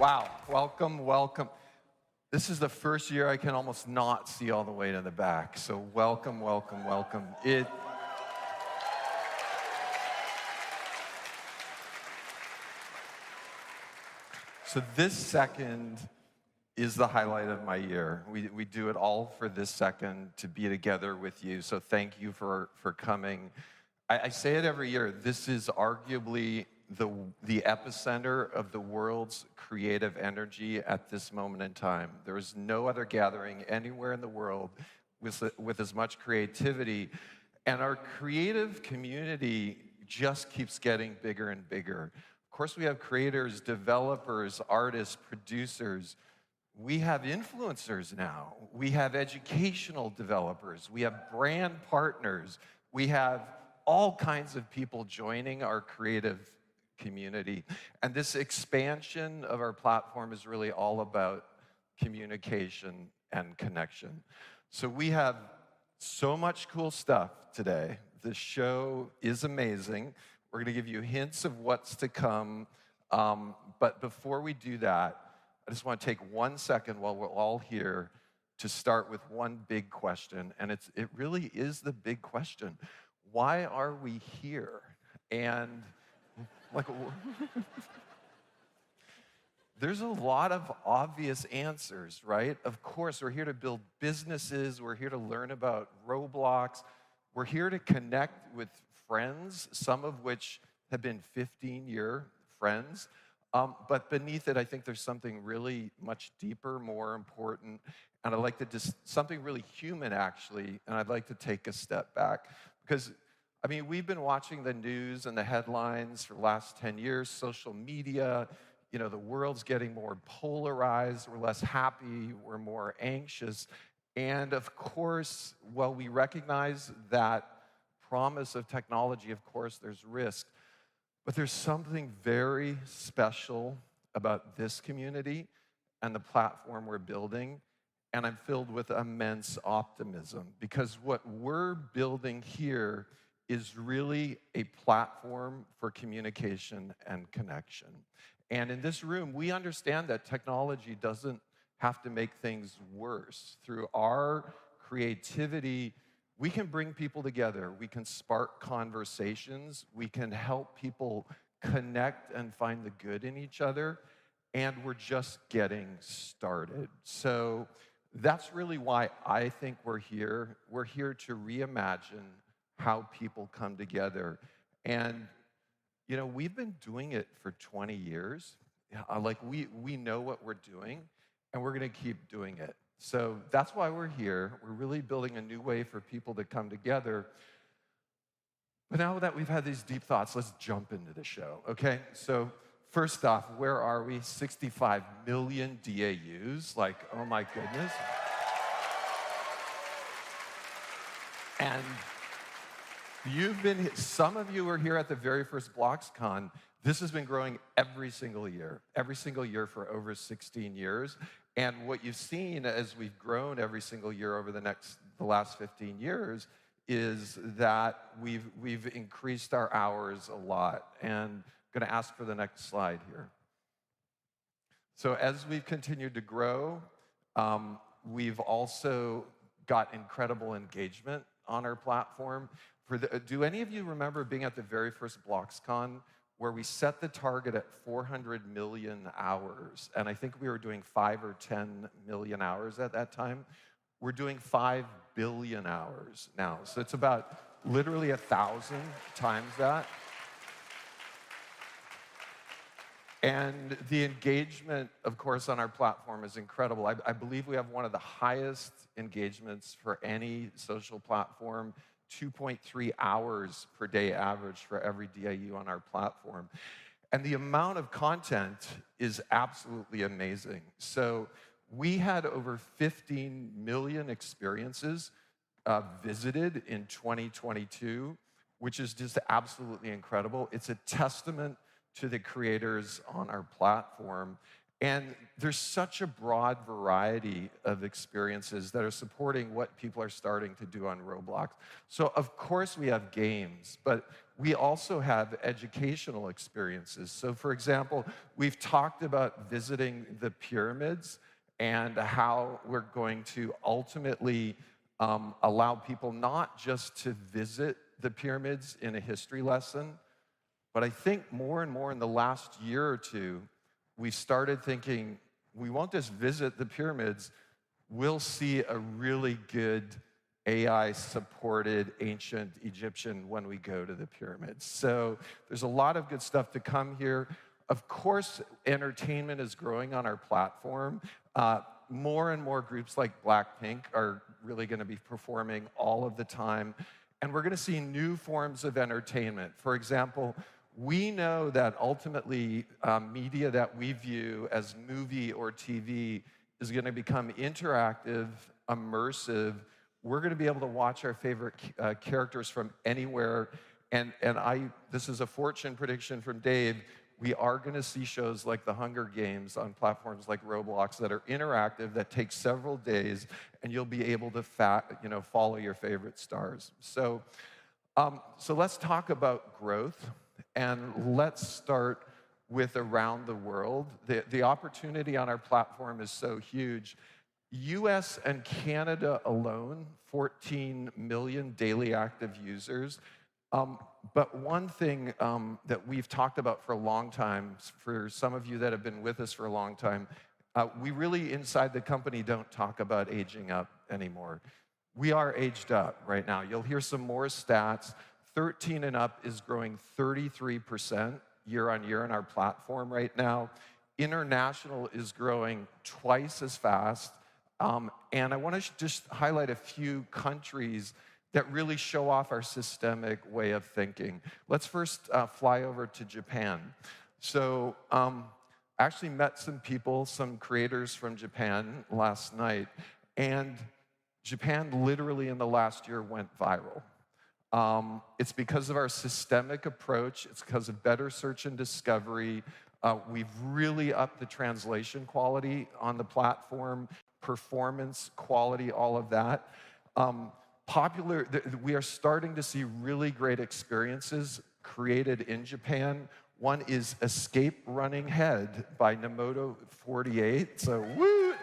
Wow! Welcome, welcome. This is the first year I can almost not see all the way to the back. So welcome, welcome, welcome. So this second is the highlight of my year. We do it all for this second, to be together with you, so thank you for coming. I say it every year, this is arguably the epicenter of the world's creative energy at this moment in time. There is no other gathering anywhere in the world with as much creativity, and our creative community just keeps getting bigger and bigger. Of course, we have creators, developers, artists, producers. We have influencers now. We have educational developers. We have brand partners. We have all kinds of people joining our creative community, and this expansion of our platform is really all about communication and connection. So we have so much cool stuff today. This show is amazing. We're gonna give you hints of what's to come, but before we do that, I just wanna take one second while we're all here to start with one big question, and it's it really is the big question: Why are we here? There's a lot of obvious answers, right? Of course, we're here to build businesses. We're here to learn about Roblox. We're here to connect with friends, some of which have been 15-year friends. But beneath it, I think there's something really much deeper, more important, and I'd like to just... something really human, actually, and I'd like to take a step back. Because, I mean, we've been watching the news and the headlines for the last 10 years, social media, you know, the world's getting more polarized. We're less happy, we're more anxious, and of course, while we recognize that promise of technology, of course, there's risk. But there's something very special about this community and the platform we're building, and I'm filled with immense optimism because what we're building here is really a platform for communication and connection. In this room, we understand that technology doesn't have to make things worse. Through our creativity, we can bring people together. We can spark conversations. We can help people connect and find the good in each other, and we're just getting started. So that's really why I think we're here. We're here to reimagine how people come together, and, you know, we've been doing it for 20 years. Like we know what we're doing, and we're gonna keep doing it. So that's why we're here. We're really building a new way for people to come together. But now that we've had these deep thoughts, let's jump into the show, okay? So first off, where are we? 65 million DAUs. Like, oh, my goodness. And you've been, some of you were here at the very first BloxCon. This has been growing every single year, every single year for over 16 years, and what you've seen as we've grown every single year over the next, the last 15 years, is that we've, we've increased our hours a lot. And I'm gonna ask for the next slide here. So as we've continued to grow, we've also got incredible engagement on our platform. For the... Do any of you remember being at the very first BloxCon, where we set the target at 400 million hours, and I think we were doing five or 10 million hours at that time? We're doing five billion hours now. So it's about literally 1,000 times that. And the engagement, of course, on our platform is incredible. I, I believe we have one of the highest engagements for any social platform, 2.3 hours per day average for every DAU on our platform. And the amount of content is absolutely amazing. So we had over 15 million experiences visited in 2022, which is just absolutely incredible. It's a testament to the creators on our platform, and there's such a broad variety of experiences that are supporting what people are starting to do on Roblox. So of course, we have games, but we also have educational experiences. So, for example, we've talked about visiting the pyramids and how we're going to ultimately allow people not just to visit the pyramids in a history lesson. But I think more and more in the last year or two, we started thinking, we won't just visit the pyramids, we'll see a really good AI-supported ancient Egyptian when we go to the pyramids. So there's a lot of good stuff to come here. Of course, entertainment is growing on our platform. More and more groups like Blackpink are really gonna be performing all of the time, and we're gonna see new forms of entertainment. For example, we know that ultimately, media that we view as movie or TV is gonna become interactive, immersive. We're gonna be able to watch our favorite characters from anywhere, and this is a fortune prediction from Dave, we are gonna see shows like The Hunger Games on platforms like Roblox, that are interactive, that take several days, and you'll be able to follow, you know, your favorite stars. So, let's talk about growth, and let's start with around the world. The opportunity on our platform is so huge. U.S. and Canada alone, 14 million daily active users. But one thing that we've talked about for a long time, for some of you that have been with us for a long time, we really, inside the company, don't talk about aging up anymore. We are aged up right now. You'll hear some more stats. 13 and up is growing 33% year-on-year on our platform right now. International is growing twice as fast, and I want to just highlight a few countries that really show off our systemic way of thinking. Let's first fly over to Japan. So, I actually met some people, some creators from Japan last night, and Japan, literally in the last year, went viral. It's because of our systemic approach, it's 'cause of better search and discovery. We've really upped the translation quality on the platform, performance, quality, all of that. We are starting to see really great experiences created in Japan. One is Escape Running Head by Nomoto48. So, whoo!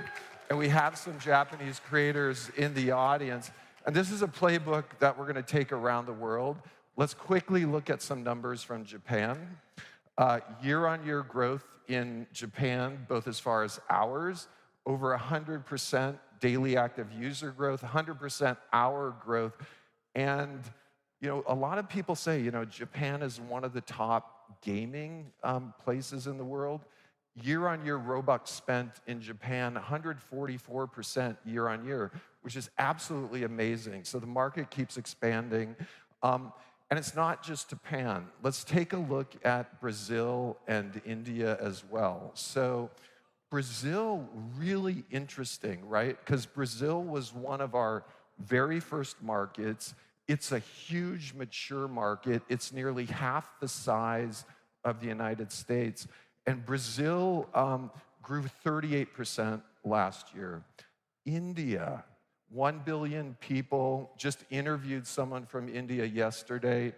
And we have some Japanese creators in the audience, and this is a playbook that we're gonna take around the world. Let's quickly look at some numbers from Japan. Year-on-year growth in Japan, both as far as hours, over 100% daily active user growth, 100% hour growth. And, you know, a lot of people say, you know, Japan is one of the top gaming places in the world. Year-on-year Robux spent in Japan, 144% year on year, which is absolutely amazing. So the market keeps expanding. And it's not just Japan. Let's take a look at Brazil and India as well. So Brazil, really interesting, right? 'Cause Brazil was one of our very first markets. It's a huge, mature market. It's nearly half the size of the United States, and Brazil grew 38% last year. India, 1 billion people. Just interviewed someone from India yesterday.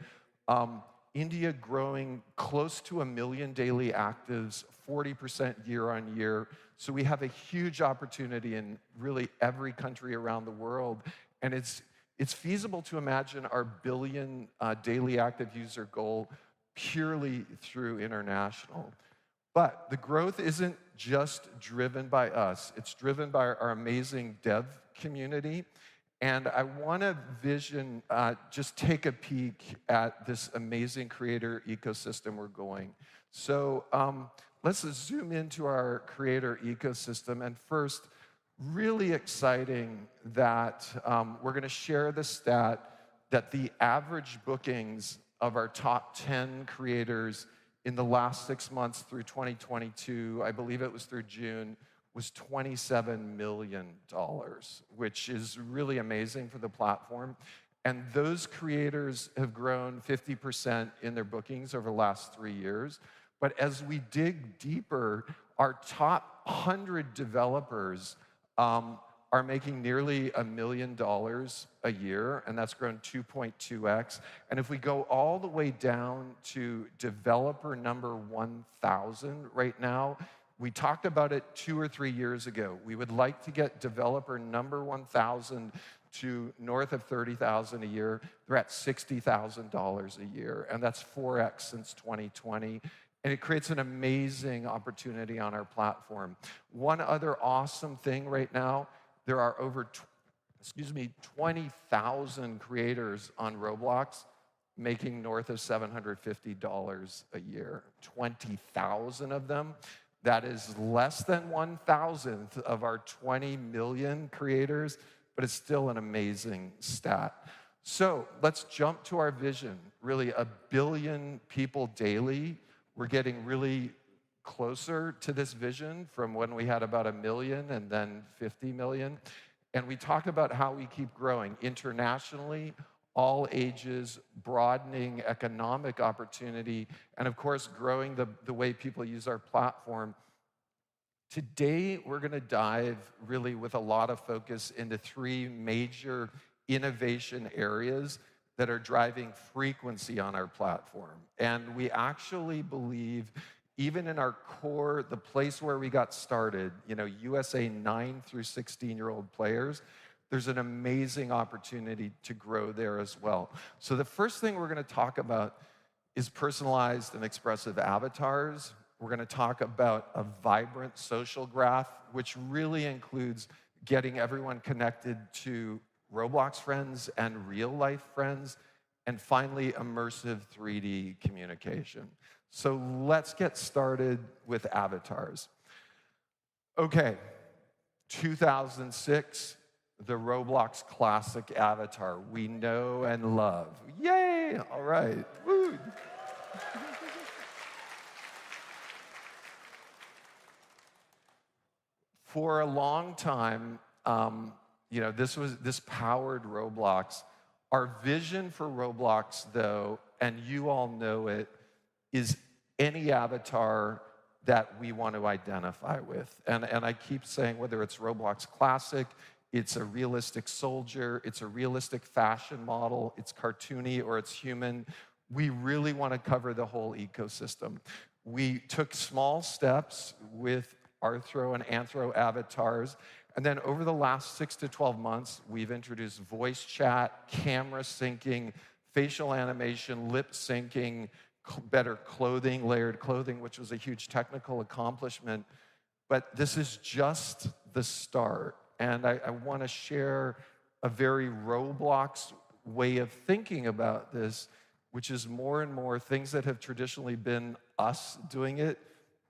India growing close to one million daily actives, 40% year-on-year. So we have a huge opportunity in really every country around the world, and it's, it's feasible to imagine our 1 billion, daily active user goal purely through international. But the growth isn't just driven by us, it's driven by our amazing dev community, and I wanna vision, just take a peek at this amazing creator ecosystem we're going. So, let's just zoom into our creator ecosystem. And first, really exciting that, we're gonna share the stat that the average bookings of our top 10 creators in the last six months through 2022, I believe it was through June, was $27 million, which is really amazing for the platform. And those creators have grown 50% in their bookings over the last three years. But as we dig deeper, our top 100 developers are making nearly $1 million a year, and that's grown 2.2x. And if we go all the way down to developer number 1,000 right now, we talked about it two or three years ago. We would like to get developer number 1,000 to north of $30,000 a year. They're at $60,000 a year, and that's 4x since 2020, and it creates an amazing opportunity on our platform. One other awesome thing right now, there are over 20,000 creators on Roblox making north of $750 a year. 20 thousand of them. That is less than 1/1,000th of our 20 million creators, but it's still an amazing stat. So let's jump to our vision. Really, one billion people daily. We're getting really closer to this vision from when we had about one million and then 50 million, and we talk about how we keep growing internationally, all ages, broadening economic opportunity, and of course, growing the way people use our platform. Today, we're gonna dive really with a lot of focus into three major innovation areas that are driving frequency on our platform. We actually believe, even in our core, the place where we got started, you know, USA, nine- through 16-year-old players, there's an amazing opportunity to grow there as well. So the first thing we're gonna talk about is personalized and expressive avatars. We're gonna talk about a vibrant social graph, which really includes getting everyone connected to Roblox friends and real-life friends, and finally, immersive 3D communication. So let's get started with avatars. Okay, 2006, the Roblox Classic avatar we know and love. Yay! All right. Whoo. For a long time, you know, this was, this powered Roblox. Our vision for Roblox, though, and you all know it... is any avatar that we want to identify with. And I keep saying whether it's Roblox Classic, it's a realistic soldier, it's a realistic fashion model, it's cartoony, or it's human, we really want to cover the whole ecosystem. We took small steps with arthro and anthro avatars, and then over the last six to 12 months, we've introduced voice chat, camera syncing, facial animation, lip syncing, better clothing, Layered Clothing, which was a huge technical accomplishment, but this is just the start. I want to share a very Roblox way of thinking about this, which is more and more things that have traditionally been us doing it.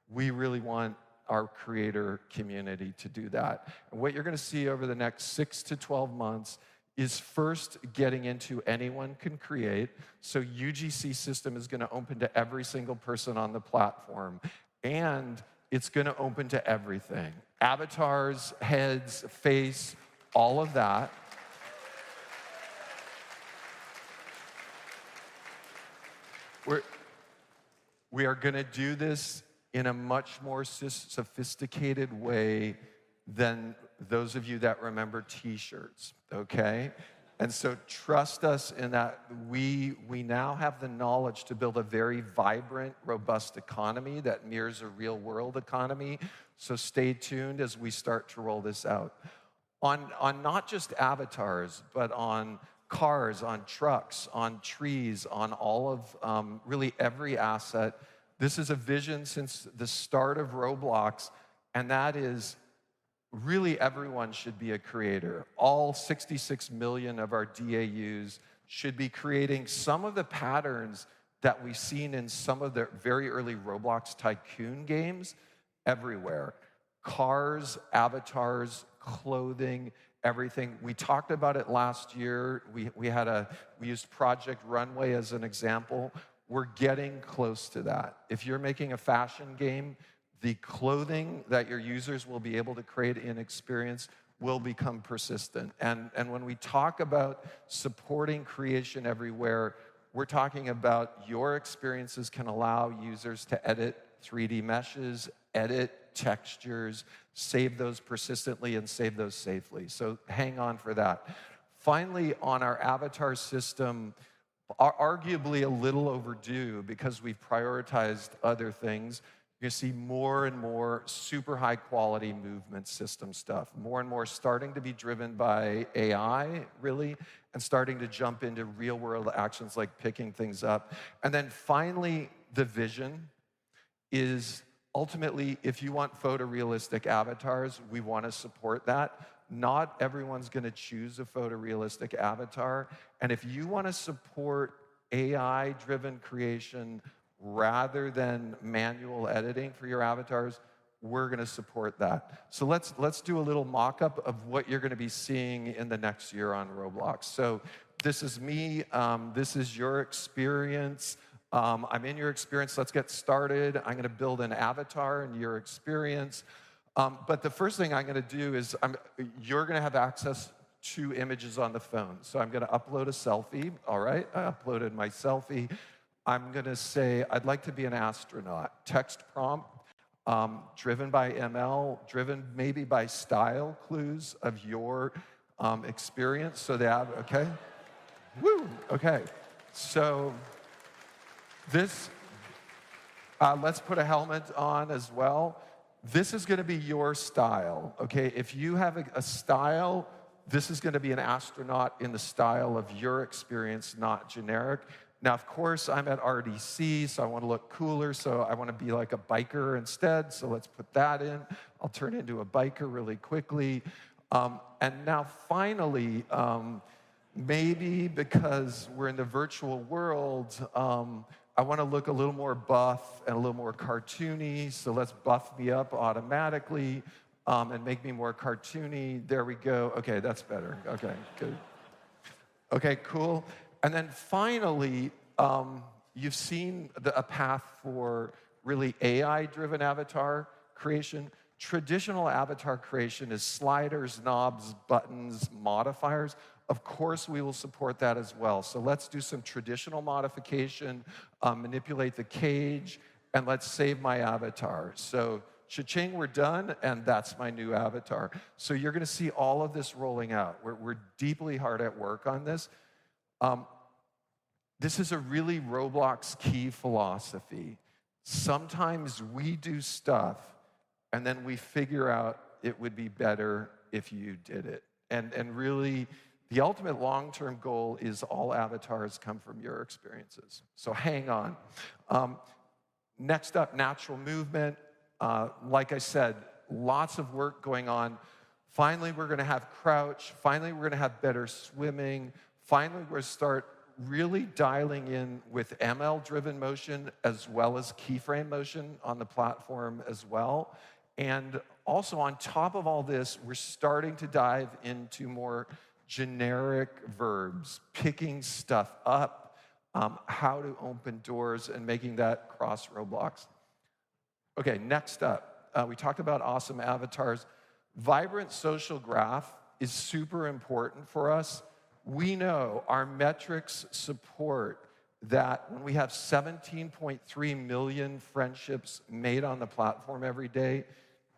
We really want our creator community to do that. What you're gonna see over the next six-12 months is first getting into anyone can create. So UGC system is gonna open to every single person on the platform, and it's gonna open to everything: avatars, heads, face, all of that. We are gonna do this in a much more sophisticated way than those of you that remember T-shirts, okay? So trust us in that we now have the knowledge to build a very vibrant, robust economy that mirrors a real-world economy. Stay tuned as we start to roll this out. On not just avatars, but on cars, on trucks, on trees, on all of, really every asset, this is a vision since the start of Roblox, and that is really everyone should be a creator. All 66 million of our DAUs should be creating some of the patterns that we've seen in some of the very early Roblox tycoon games everywhere: cars, avatars, clothing, everything. We talked about it last year. We had a, we used Project Runway as an example. We're getting close to that. If you're making a fashion game, the clothing that your users will be able to create in experience will become persistent. And when we talk about supporting creation everywhere, we're talking about your experiences can allow users to edit 3D meshes, edit textures, save those persistently, and save those safely. So hang on for that. Finally, on our avatar system, arguably a little overdue because we've prioritized other things, you're gonna see more and more super high-quality movement system stuff, more and more starting to be driven by AI, really, and starting to jump into real-world actions like picking things up. And then finally, the vision is ultimately, if you want photorealistic avatars, we want to support that. Not everyone's gonna choose a photorealistic avatar, and if you want to support AI-driven creation rather than manual editing for your avatars, we're gonna support that. So let's do a little mock-up of what you're gonna be seeing in the next year on Roblox. So this is me. This is your experience. I'm in your experience. Let's get started. I'm gonna build an avatar in your experience. But the first thing I'm gonna do is you're gonna have access to images on the phone. So I'm gonna upload a selfie. All right, I uploaded my selfie. I'm gonna say, "I'd like to be an astronaut." Text prompt, driven by ML, driven maybe by style clues of your experience, so okay. Woo! Okay. So this, let's put a helmet on as well. This is gonna be your style, okay? If you have a style, this is gonna be an astronaut in the style of your experience, not generic. Now, of course, I'm at RDC, so I want to look cooler, so I want to be, like, a biker instead. So let's put that in. I'll turn into a biker really quickly. And now, finally, maybe because we're in the virtual world, I want to look a little more buff and a little more cartoony, so let's buff me up automatically, and make me more cartoony. There we go. Okay, that's better. Okay, good. Okay, cool. And then finally, you've seen the path for really AI-driven avatar creation. Traditional avatar creation is sliders, knobs, buttons, modifiers. Of course, we will support that as well. So let's do some traditional modification, manipulate the cage, and let's save my avatar. So, cha-ching, we're done, and that's my new avatar. So you're gonna see all of this rolling out. We're deeply hard at work on this. This is a really Roblox key philosophy. Sometimes we do stuff, and then we figure out it would be better if you did it. And really, the ultimate long-term goal is all avatars come from your experiences, so hang on. Next up, natural movement. Like I said, lots of work going on. Finally, we're gonna have crouch. Finally, we're gonna have better swimming. Finally, we're start really dialing in with ML-driven motion, as well as key frame motion on the platform as well. And also, on top of all this, we're starting to dive into more generic verbs, picking stuff up, how to open doors, and making that cross-Roblox... Okay, next up, we talked about awesome avatars. Vibrant social graph is super important for us. We know our metrics support that when we have 17.3 million friendships made on the platform every day,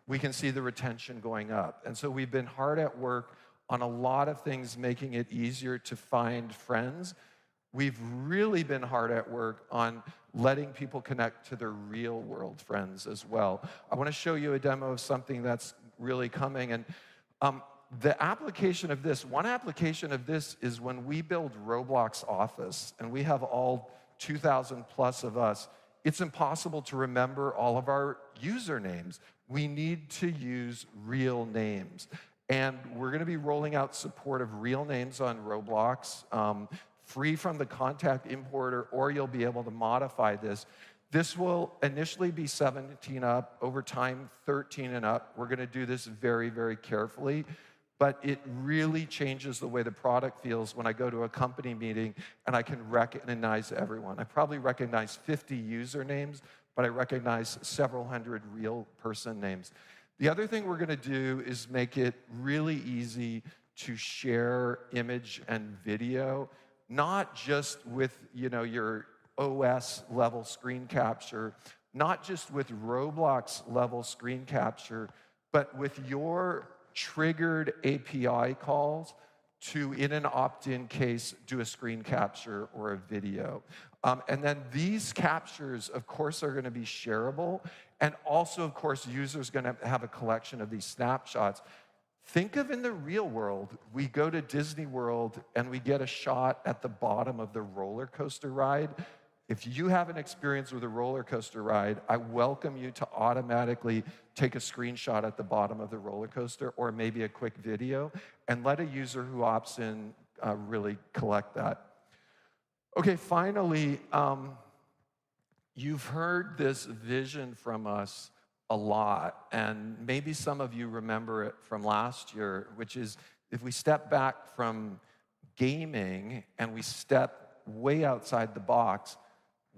we can see the retention going up. And so we've been hard at work on a lot of things, making it easier to find friends. We've really been hard at work on letting people connect to their real-world friends as well. I want to show you a demo of something that's really coming, and, the application of this, one application of this is when we build Roblox Office and we have all 2,000+ of us, it's impossible to remember all of our usernames. We need to use real names, and we're going to be rolling out support of real names on Roblox, free from the contact importer, or you'll be able to modify this. This will initially be 17+, over time, 13 and up. We're going to do this very, very carefully, but it really changes the way the product feels when I go to a company meeting, and I can recognize everyone. I probably recognize 50 usernames, but I recognize several hundred real person names. The other thing we're going to do is make it really easy to share image and video, not just with, you know, your OS-level screen capture, not just with Roblox-level screen capture, but with your triggered API calls to, in an opt-in case, do a screen capture or a video. And then these captures, of course, are going to be shareable, and also, of course, users are going to have a collection of these snapshots. Think of in the real world, we go to Disney World, and we get a shot at the bottom of the roller coaster ride. If you have an experience with a roller coaster ride, I welcome you to automatically take a screenshot at the bottom of the roller coaster or maybe a quick video and let a user who opts in, really collect that. Okay, finally, you've heard this vision from us a lot, and maybe some of you remember it from last year, which is if we step back from gaming and we step way outside the box,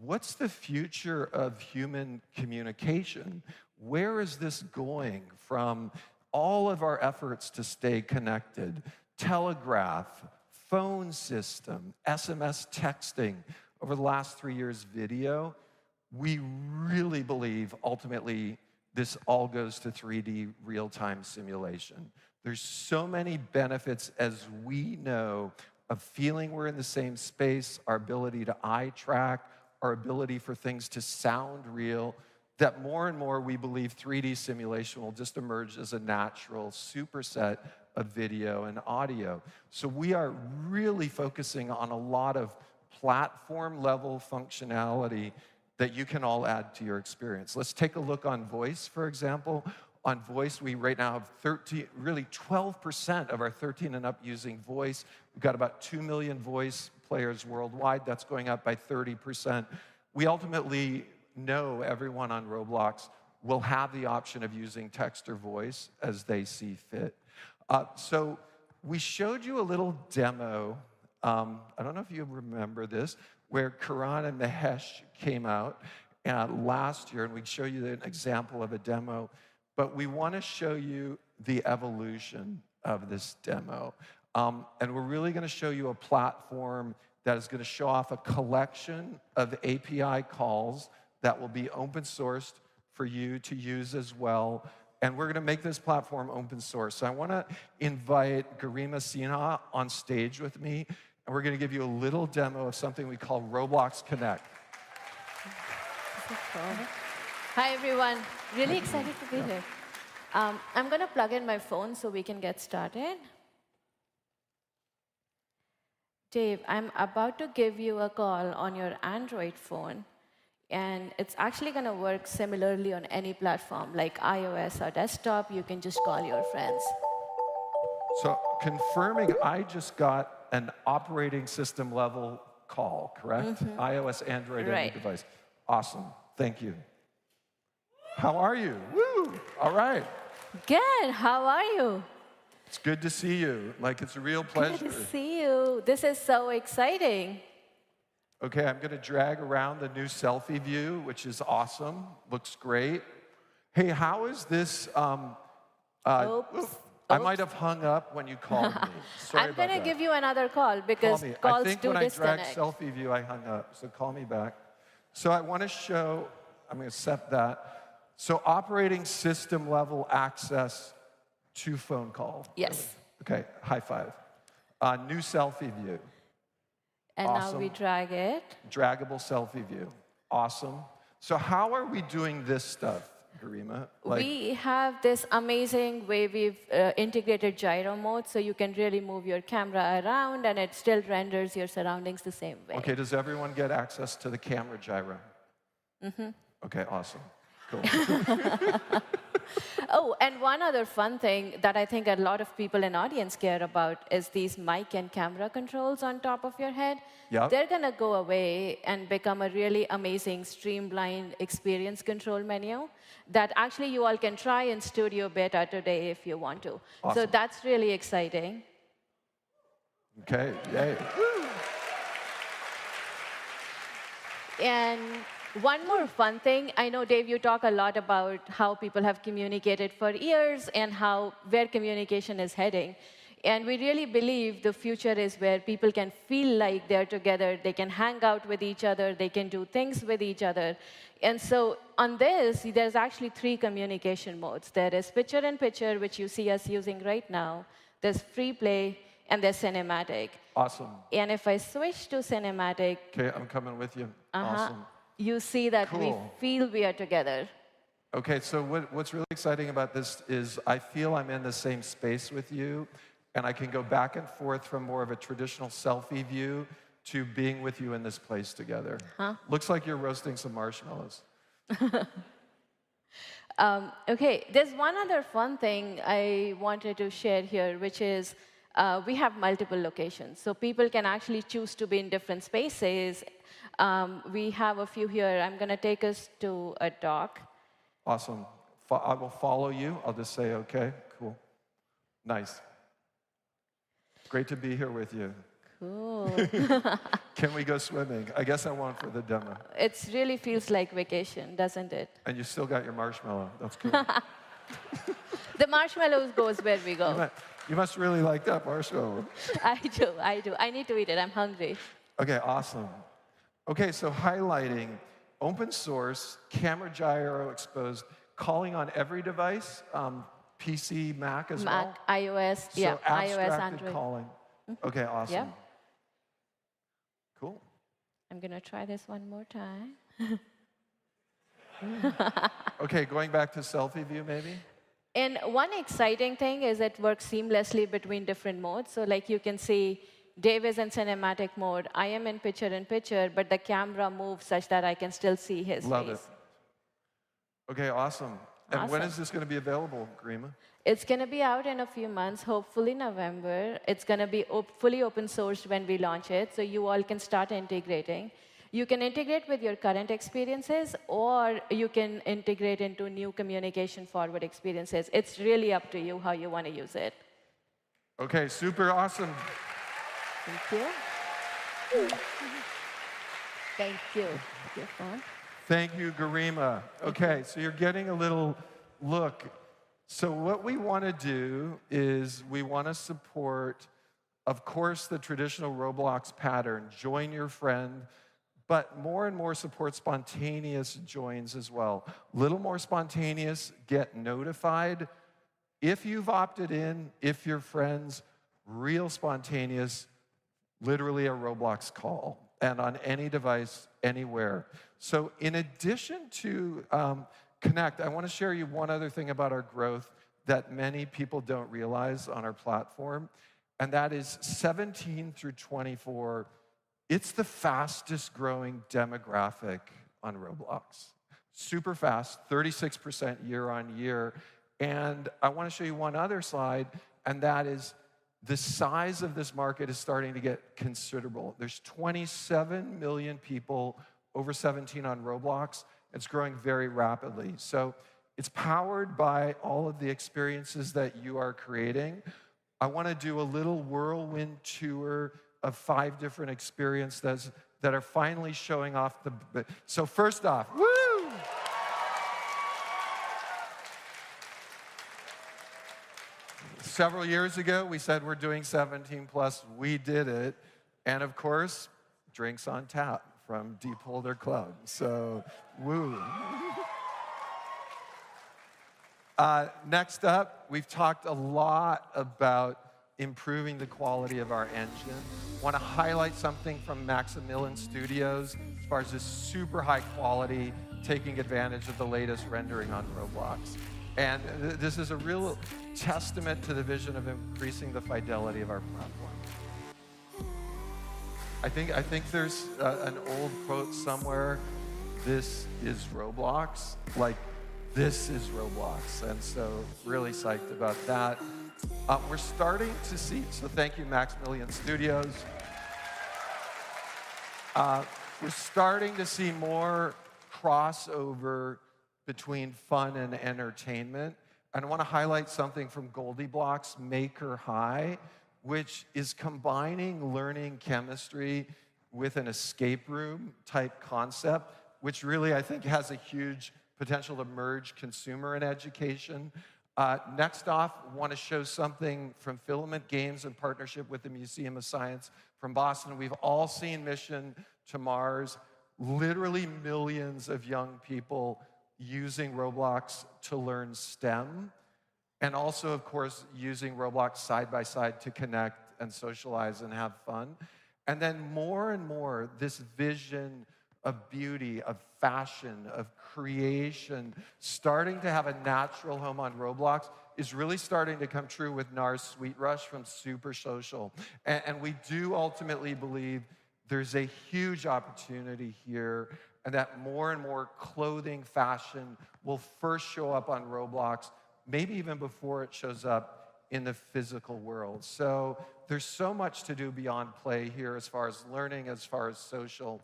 what's the future of human communication? Where is this going from all of our efforts to stay connected, telegraph, phone system, SMS texting, over the last three years, video? We really believe ultimately this all goes to 3D real-time simulation. There's so many benefits as we know of feeling we're in the same space, our ability to eye track, our ability for things to sound real, that more and more, we believe 3D simulation will just emerge as a natural superset of video and audio. So we are really focusing on a lot of platform-level functionality that you can all add to your experience. Let's take a look on voice, for example. On voice, we right now have 13 - really, 12% of our 13 and up using voice. We've got about 2 million voice players worldwide. That's going up by 30%. We ultimately know everyone on Roblox will have the option of using text or voice as they see fit. So we showed you a little demo, I don't know if you remember this, where Karan and Mahesh came out, last year, and we'd show you an example of a demo. But we want to show you the evolution of this demo. And we're really going to show you a platform that is going to show off a collection of API calls that will be open sourced for you to use as well, and we're going to make this platform open source. So I want to invite Garima Sinha on stage with me, and we're going to give you a little demo of something we call Roblox Connect. Hi, everyone. Really excited to be here. Yeah. I'm going to plug in my phone so we can get started. Dave, I'm about to give you a call on your Android phone, and it's actually going to work similarly on any platform, like iOS or desktop. You can just call your friends. Confirming, I just got an operating system-level call, correct? Mm-hmm. iOS, Android, any device. Right. Awesome. Thank you. How are you? Woo! All right. Good. How are you? It's good to see you. Like, it's a real pleasure. Good to see you. This is so exciting. Okay, I'm going to drag around the new selfie view, which is awesome. Looks great. Hey, how is this? Oops. Oops. I might have hung up when you called me. Sorry about that. I'm going to give you another call because. Call me Calls do disconnect. I think when I dragged selfie view, I hung up, so call me back. I want to show... I'm going to accept that. So operating system-level access to phone call. Yes. Okay, high five. New selfie view. Awesome. Now we drag it. Draggable selfie view. Awesome. So how are we doing this stuff, Garima? Like- We have this amazing way. We've integrated gyro mode, so you can really move your camera around, and it still renders your surroundings the same way. Okay, does everyone get access to the camera gyro? Mm-hmm. Okay, awesome. Cool. Oh, and one other fun thing that I think a lot of people in the audience care about is these mic and camera controls on top of your head. Yep. They're going to go away and become a really amazing, streamlined experience control menu that actually you all can try in studio beta today if you want to. Awesome. That's really exciting. Okay, yay. One more fun thing, I know, Dave, you talk a lot about how people have communicated for years and how, where communication is heading, and we really believe the future is where people can feel like they're together, they can hang out with each other, they can do things with each other. So on this, there's actually three communication modes. There is picture-in-picture, which you see us using right now, there's free play, and there's cinematic. Awesome. If I switch to cinematic. Okay, I'm coming with you. Uh-huh. Awesome. You see that. Cool. We feel we are together. Okay, so what's really exciting about this is I feel I'm in the same space with you, and I can go back and forth from more of a traditional selfie view to being with you in this place together. Uh-huh. Looks like you're roasting some marshmallows. Okay, there's one other fun thing I wanted to share here, which is, we have multiple locations, so people can actually choose to be in different spaces. We have a few here. I'm gonna take us to a dock. Awesome. I will follow you. I'll just say okay. Cool. Nice. Great to be here with you. Cool. Can we go swimming? I guess I won't for the demo. It really feels like vacation, doesn't it? You still got your marshmallow. That's good. The marshmallows goes where we go. You must really like that marshmallow. I do. I do. I need to eat it. I'm hungry. Okay, awesome. Okay, so highlighting open source, camera gyro exposed, calling on every device, PC, Mac as well? Mac, iOS. Yeah. So. iOS, Android. Abstracted calling. Mm-hmm. Okay, awesome. Yeah. Cool. I'm gonna try this one more time. Okay, going back to selfie view, maybe? One exciting thing is it works seamlessly between different modes. So like you can see, Dave is in cinematic mode. I am in picture-in-picture, but the camera moves such that I can still see his face. Love it. Okay, awesome. Awesome. When is this gonna be available, Garima? It's gonna be out in a few months, hopefully November. It's gonna be fully open sourced when we launch it, so you all can start integrating. You can integrate with your current experiences, or you can integrate into new communication forward experiences. It's really up to you how you wanna use it. Okay, super awesome. Thank you. Thank you, David. Thank you, Garima. Okay, so you're getting a little look. So what we wanna do is we wanna support, of course, the traditional Roblox pattern, join your friend, but more and more support spontaneous joins as well. Little more spontaneous, get notified if you've opted in, if your friend's real spontaneous, literally a Roblox call, and on any device, anywhere. So in addition to Connect, I wanna share you one other thing about our growth that many people don't realize on our platform, and that is 17-24, it's the fastest growing demographic on Roblox. Super fast, 36% year-over-year, and I wanna show you one other slide, and that is the size of this market is starting to get considerable. There's 27 million people over 17 on Roblox, and it's growing very rapidly. So it's powered by all of the experiences that you are creating. I wanna do a little whirlwind tour of five different experiences that are finally showing off the... So first off, woo! Several years ago, we said we're doing 17+, we did it, and of course, Drinks on Tap from The Polder Club. Woo. Next up, we've talked a lot about improving the quality of our engine. Wanna highlight something from Maximillian Studios as far as this super high quality, taking advantage of the latest rendering on Roblox. And this is a real testament to the vision of increasing the fidelity of our platform. I think, I think there's an old quote somewhere, "This is Roblox?" Like, this is Roblox, and so really psyched about that. We're starting to see... So thank you, Maximillian Studios. We're starting to see more crossover between fun and entertainment, and I wanna highlight something from GoldieBlox Maker High, which is combining learning chemistry with an escape room type concept, which really, I think, has a huge potential to merge consumer and education. Next off, wanna show something from Filament Games in partnership with the Museum of Science Boston. We've all seen Mission to Mars, literally millions of young people using Roblox to learn STEM, and also, of course, using Roblox side by side to connect and socialize and have fun. And then more and more, this vision of beauty, of fashion, of creation, starting to have a natural home on Roblox, is really starting to come true with NARS Sweet Rush from Supersocial. We do ultimately believe there's a huge opportunity here, and that more and more clothing fashion will first show up on Roblox, maybe even before it shows up in the physical world. So there's so much to do beyond play here as far as learning, as far as social.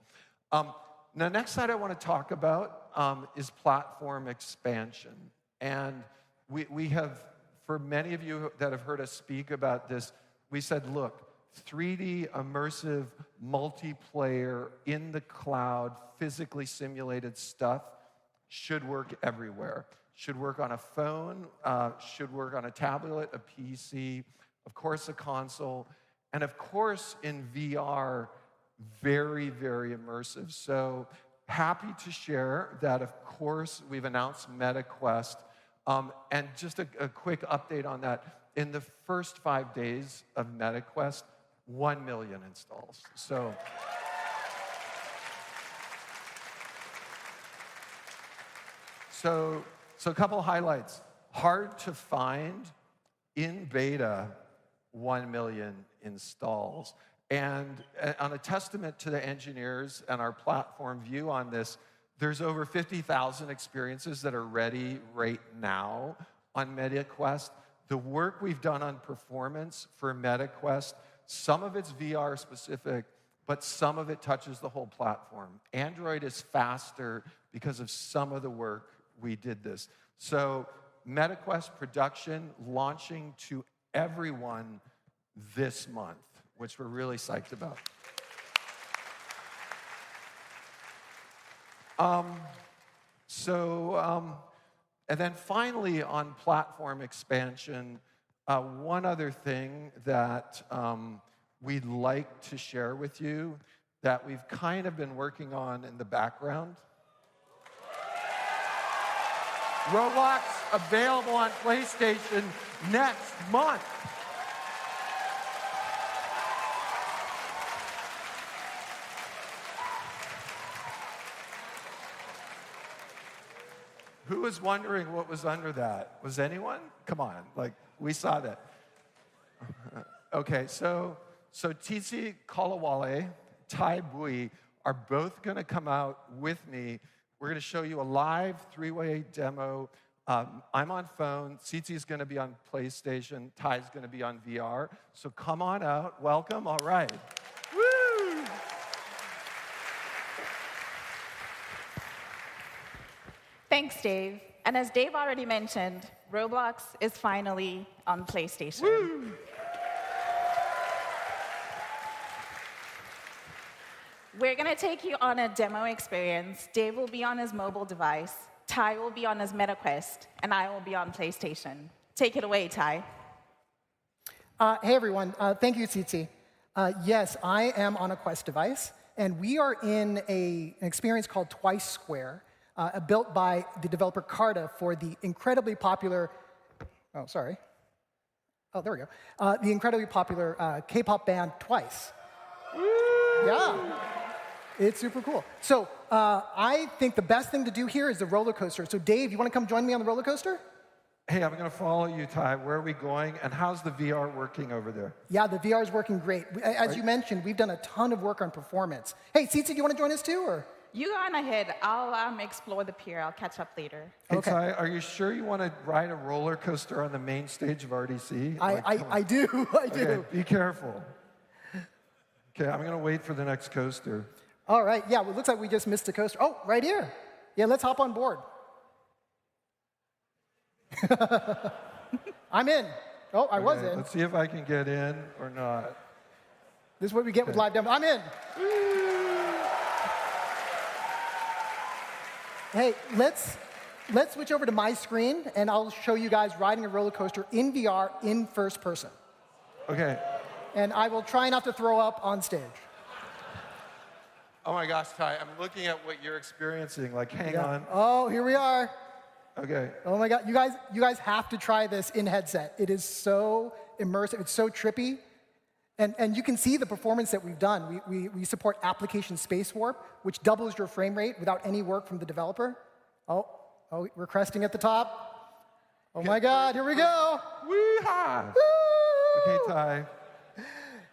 The next slide I want to talk about is platform expansion. And we have, for many of you that have heard us speak about this, we said, "Look, 3D, immersive, multiplayer, in-the-cloud, physically simulated stuff should work everywhere. Should work on a phone, should work on a tablet, a PC, of course, a console, and of course, in VR, very, very immersive." So happy to share that, of course, we've announced Meta Quest. And just a quick update on that, in the first five days of Meta Quest, one million installs. So a couple highlights. Hard to find, in beta, 1 million installs. And on a testament to the engineers and our platform view on this, there's over 50,000 experiences that are ready right now on Meta Quest. The work we've done on performance for Meta Quest, some of it's VR-specific, but some of it touches the whole platform. Android is faster because of some of the work we did this. So Meta Quest production launching to everyone this month, which we're really psyched about. And then finally, on platform expansion, one other thing that we'd like to share with you that we've kind of been working on in the background, Roblox available on PlayStation next month! Who was wondering what was under that? Was anyone? Come on, like, we saw that. Okay, so Tsitsi Kolawole, Thai Bui are both gonna come out with me. We're gonna show you a live three-way demo. I'm on phone, Tsitsi's gonna be on PlayStation, Thai's gonna be on VR. So come on out. Welcome. All right. Woo! Thanks, Dave. As Dave already mentioned, Roblox is finally on PlayStation. Woo! We're gonna take you on a demo experience. Dave will be on his mobile device, Ty will be on his Meta Quest, and I will be on PlayStation. Take it away, Thai. Hey, everyone. Thank you, Tsitsi. Yes, I am on a Quest device, and we are in an experience called TWICE Square, built by the developer Karta for the incredibly popular... Oh, sorry. Oh, there we go. The incredibly popular K-pop band, TWICE. Woo! Yeah. It's super cool. So, I think the best thing to do here is the rollercoaster. So Dave, you want to come join me on the rollercoaster? Hey, I'm gonna follow you, Thai. Where are we going, and how's the VR working over there? Yeah, the VR is working great. Great. We, as you mentioned, we've done a ton of work on performance. Hey, Tsitsi, do you want to join us, too, or? You go on ahead. I'll explore the pier. I'll catch up later. Okay. Hey, Thai, are you sure you want to ride a rollercoaster on the main stage of RDC? Like, come on. I do. I do. Okay. Be careful. Okay, I'm gonna wait for the next coaster. All right. Yeah, it looks like we just missed a coaster. Oh, right here! Yeah, let's hop on board. I'm in. Oh, I was in. Okay, let's see if I can get in or not. This is what we get with live demo. I'm in. Woo! Hey, let's switch over to my screen, and I'll show you guys riding a rollercoaster in VR, in first person. Okay. I will try not to throw up on stage. Oh, my gosh, Thai, I'm looking at what you're experiencing. Like, hang on. Yeah. Oh, here we are. Okay. Oh, my God. You guys, you guys have to try this in headset. It is so immersive. It's so trippy, and you can see the performance that we've done. We support Application SpaceWarp, which doubles your frame rate without any work from the developer. Oh, oh, we're cresting at the top. Yeah. Oh, my God, here we go! Yee-haw! Woo! Okay, Thai,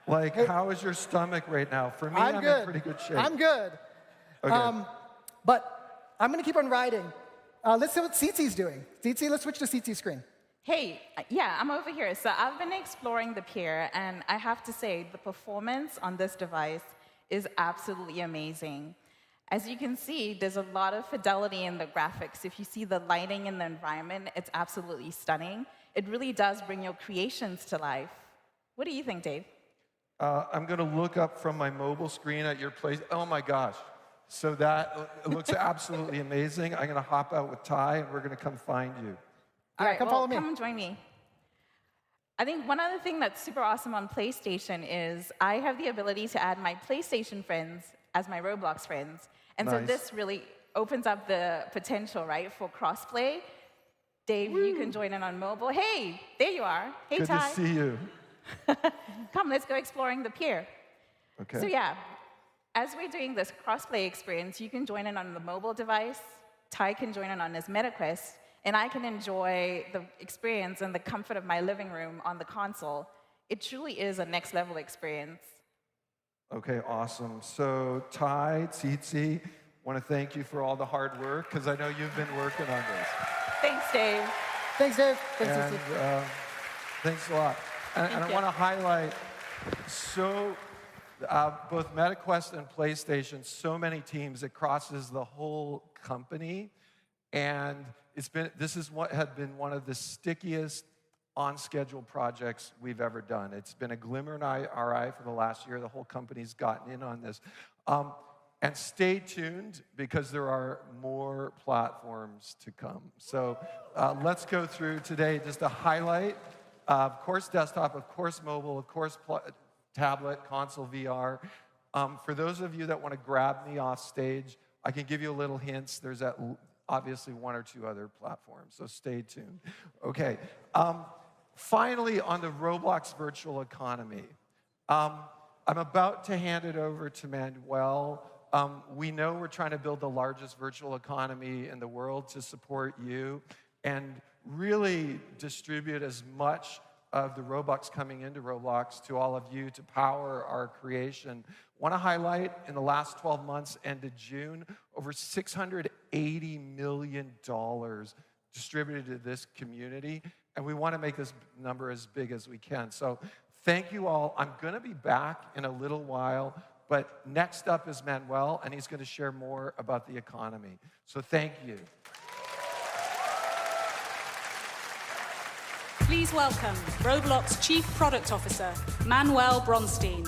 like, how is your stomach right now? I'm good. For me, I'm in pretty good shape. I'm good. Okay. I'm gonna keep on riding. Let's see what Tsitsi's doing. Tsitsi, let's switch to Tsitsi's screen. Hey. Yeah, I'm over here. So I've been exploring the pier, and I have to say, the performance on this device is absolutely amazing. As you can see, there's a lot of fidelity in the graphics. If you see the lighting in the environment, it's absolutely stunning. It really does bring your creations to life. What do you think, Dave? I'm gonna look up from my mobile screen at your Play- Oh, my gosh! So it looks absolutely amazing. I'm gonna hop out with Thai, and we're gonna come find you. All right. Come follow me. Come join me. I think one other thing that's super awesome on PlayStation is, I have the ability to add my PlayStation friends as my Roblox friends. Nice. This really opens up the potential, right, for cross-play. Woo. Dave, you can join in on mobile. Hey, there you are. Hey, Thai. Good to see you. Come, let's go exploring the pier. Okay. So yeah, as we're doing this cross-play experience, you can join in on the mobile device, Thai can join in on his Meta Quest, and I can enjoy the experience in the comfort of my living room on the console. It truly is a next-level experience. Okay, awesome. So Thai, Tsitsi, want to thank you for all the hard work, 'cause I know you've been working on this. Thanks, Dave. Thanks, Dave. Thank you, Tsitsi. Thanks a lot. Thank you. I wanna highlight both Meta Quest and PlayStation. So many teams, it crosses the whole company, and it's been—this is what had been one of the stickiest on-schedule projects we've ever done. It's been a glimmer in our eye for the last year. The whole company's gotten in on this. And stay tuned because there are more platforms to come. Let's go through today just to highlight. Of course, desktop, of course mobile, of course tablet, console VR. For those of you that wanna grab me off stage, I can give you little hints. There's obviously one or two other platforms, so stay tuned. Okay, finally, on the Roblox virtual economy. I'm about to hand it over to Manuel. We know we're trying to build the largest virtual economy in the world to support you and really distribute as much of the Robux coming into Roblox to all of you to power our creation. Wanna highlight, in the last twelve months ended June, over $680 million distributed to this community, and we wanna make this number as big as we can. So thank you all. I'm gonna be back in a little while, but next up is Manuel, and he's gonna share more about the economy. So thank you. Please welcome Roblox's Chief Product Officer, Manuel Bronstein.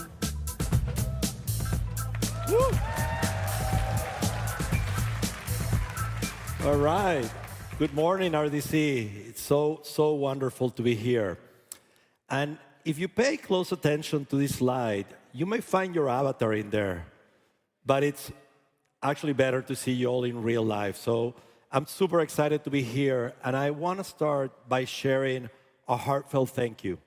All right. Good morning, RDC. It's so, so wonderful to be here, and if you pay close attention to this slide, you may find your avatar in there, but it's actually better to see you all in real life. So I'm super excited to be here, and I wanna start by sharing a heartfelt thank you.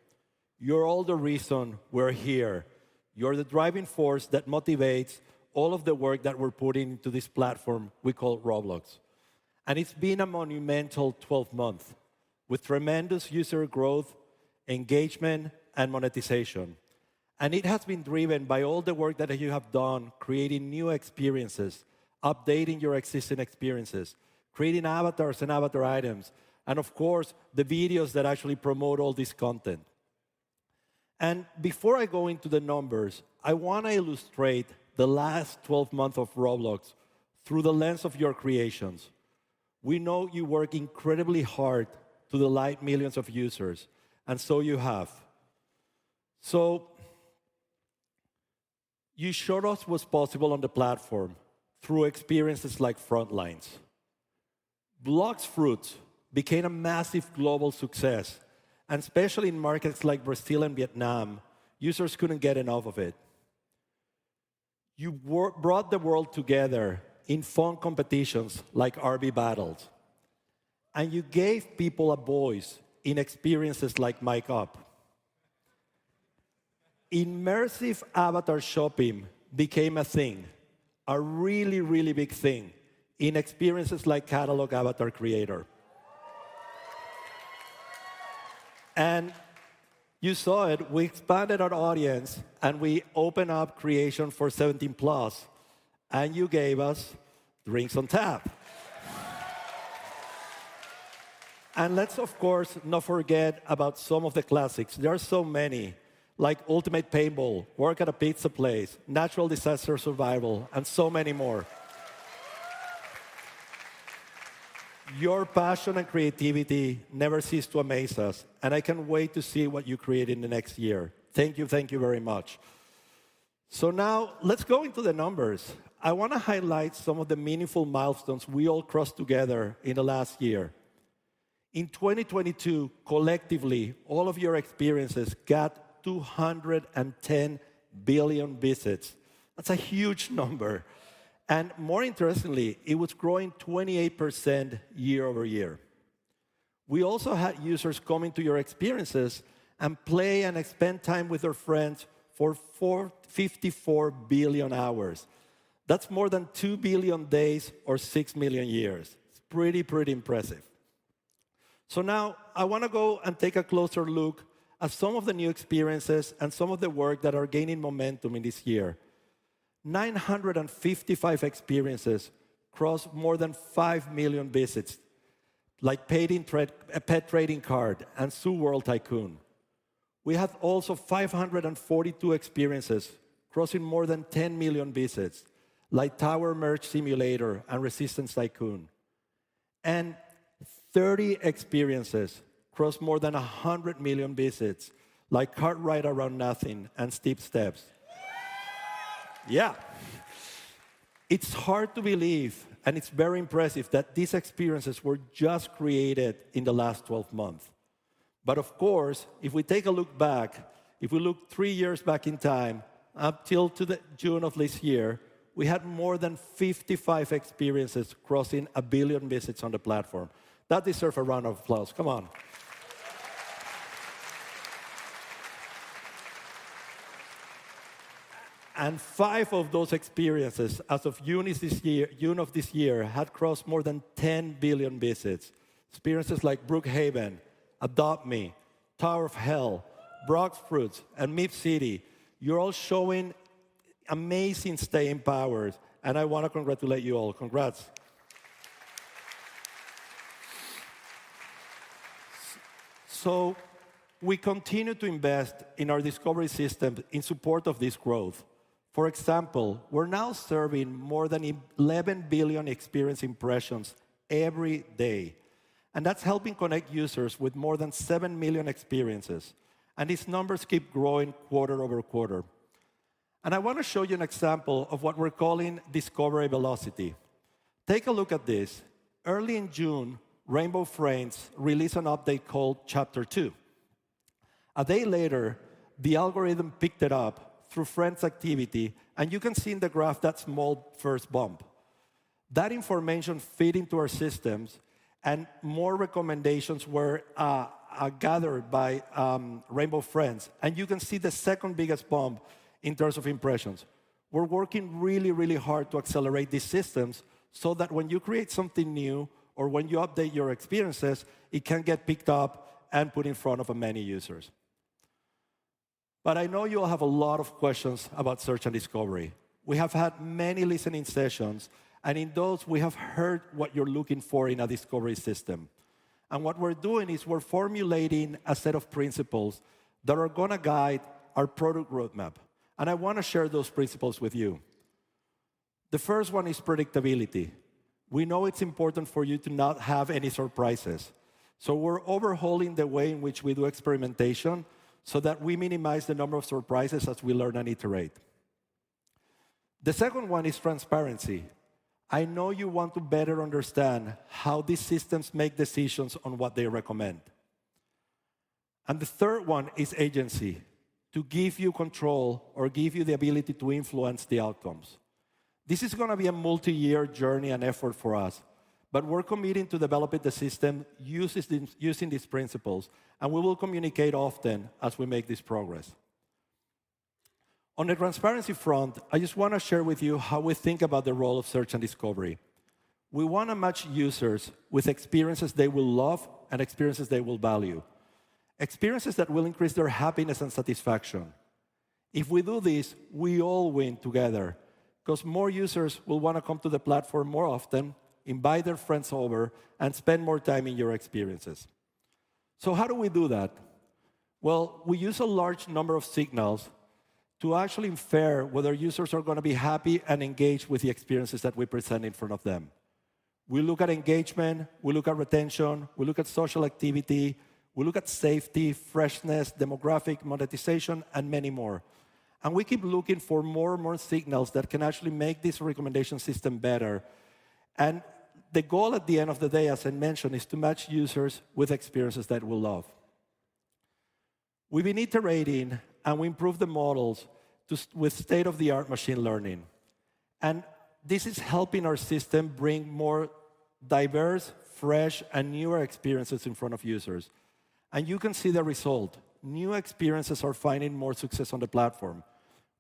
You're all the reason we're here. You're the driving force that motivates all of the work that we're putting into this platform we call Roblox, and it's been a monumental 12 months, with tremendous user growth, engagement, and monetization. And it has been driven by all the work that you have done, creating new experiences, updating your existing experiences, creating avatars and avatar items, and of course, the videos that actually promote all this content. Before I go into the numbers, I wanna illustrate the last 12 months of Roblox through the lens of your creations. We know you work incredibly hard to delight millions of users, and so you have. You showed us what's possible on the platform through experiences like Frontlines. Blox Fruits became a massive global success, and especially in markets like Brazil and Vietnam, users couldn't get enough of it. You brought the world together in fun competitions like RB Battles, and you gave people a voice in experiences like Mic Up. Immersive avatar shopping became a thing, a really, really big thing in experiences like Catalog Avatar Creator. You saw it, we expanded our audience, and we opened up creation for 17+, and you gave us Drinks on Tap. Let's, of course, not forget about some of the classics. There are so many, like Ultimate Paintball, Work at a Pizza Place, Natural Disaster Survival, and so many more. Your passion and creativity never cease to amaze us, and I can't wait to see what you create in the next year. Thank you. Thank you very much. So now let's go into the numbers. I wanna highlight some of the meaningful milestones we all crossed together in the last year. In 2022, collectively, all of your experiences got 210 billion visits. That's a huge number, and more interestingly, it was growing 28% year-over-year. We also had users coming to your experiences and play and spend time with their friends for 454 billion hours. That's more than two billion days or six million years. It's pretty, pretty impressive. So now I wanna go and take a closer look at some of the new experiences and some of the work that are gaining momentum in this year. 955 experiences crossed more than five million visits, like Pet Trading Card and Zoo World Tycoon. We have also 542 experiences crossing more than 10 million visits, like Tower Merge Simulator and Resistance Tycoon, and 30 experiences crossed more than 100 million visits, like Cart Ride: Around Nothing and Steep Steps. Yeah! It's hard to believe, and it's very impressive that these experiences were just created in the last 12 months. But of course, if we take a look back, if we look three years back in time, up till the June of this year, we had more than 55 experiences crossing a billion visits on the platform. That deserves a round of applause. Come on. Five of those experiences, as of June this year, June of this year, had crossed more than 10 billion visits. Experiences like Brookhaven, Adopt Me, Tower of Hell, Blox Fruits, and MeepCity, you're all showing amazing staying powers, and I wanna congratulate you all. Congrats. We continue to invest in our discovery system in support of this growth. For example, we're now serving more than 11 billion experience impressions every day, and that's helping connect users with more than seven million experiences, and these numbers keep growing quarter-over-quarter. I want to show you an example of what we're calling discovery velocity. Take a look at this. Early in June, Rainbow Friends released an update called Chapter Two. A day later, the algorithm picked it up through friends' activity, and you can see in the graph that small first bump. That information fed into our systems, and more recommendations were gathered by Rainbow Friends, and you can see the second biggest bump in terms of impressions. We're working really, really hard to accelerate these systems so that when you create something new or when you update your experiences, it can get picked up and put in front of many users. But I know you all have a lot of questions about search and discovery. We have had many listening sessions, and in those, we have heard what you're looking for in a discovery system. And what we're doing is we're formulating a set of principles that are going to guide our product roadmap, and I want to share those principles with you. The first one is predictability. We know it's important for you to not have any surprises, so we're overhauling the way in which we do experimentation so that we minimize the number of surprises as we learn and iterate. The second one is transparency. I know you want to better understand how these systems make decisions on what they recommend. And the third one is agency, to give you control or give you the ability to influence the outcomes. This is going to be a multi-year journey and effort for us, but we're committing to developing the system using these principles, and we will communicate often as we make this progress. On the transparency front, I just want to share with you how we think about the role of search and discovery. We want to match users with experiences they will love and experiences they will value, experiences that will increase their happiness and satisfaction. If we do this, we all win together because more users will want to come to the platform more often, invite their friends over, and spend more time in your experiences. So how do we do that? Well, we use a large number of signals to actually infer whether users are going to be happy and engaged with the experiences that we present in front of them. We look at engagement, we look at retention, we look at social activity, we look at safety, freshness, demographic, monetization, and many more. We keep looking for more and more signals that can actually make this recommendation system better. The goal at the end of the day, as I mentioned, is to match users with experiences they will love. We've been iterating, and we improved the models to, with state-of-the-art machine learning, and this is helping our system bring more diverse, fresh, and newer experiences in front of users. You can see the result. New experiences are finding more success on the platform,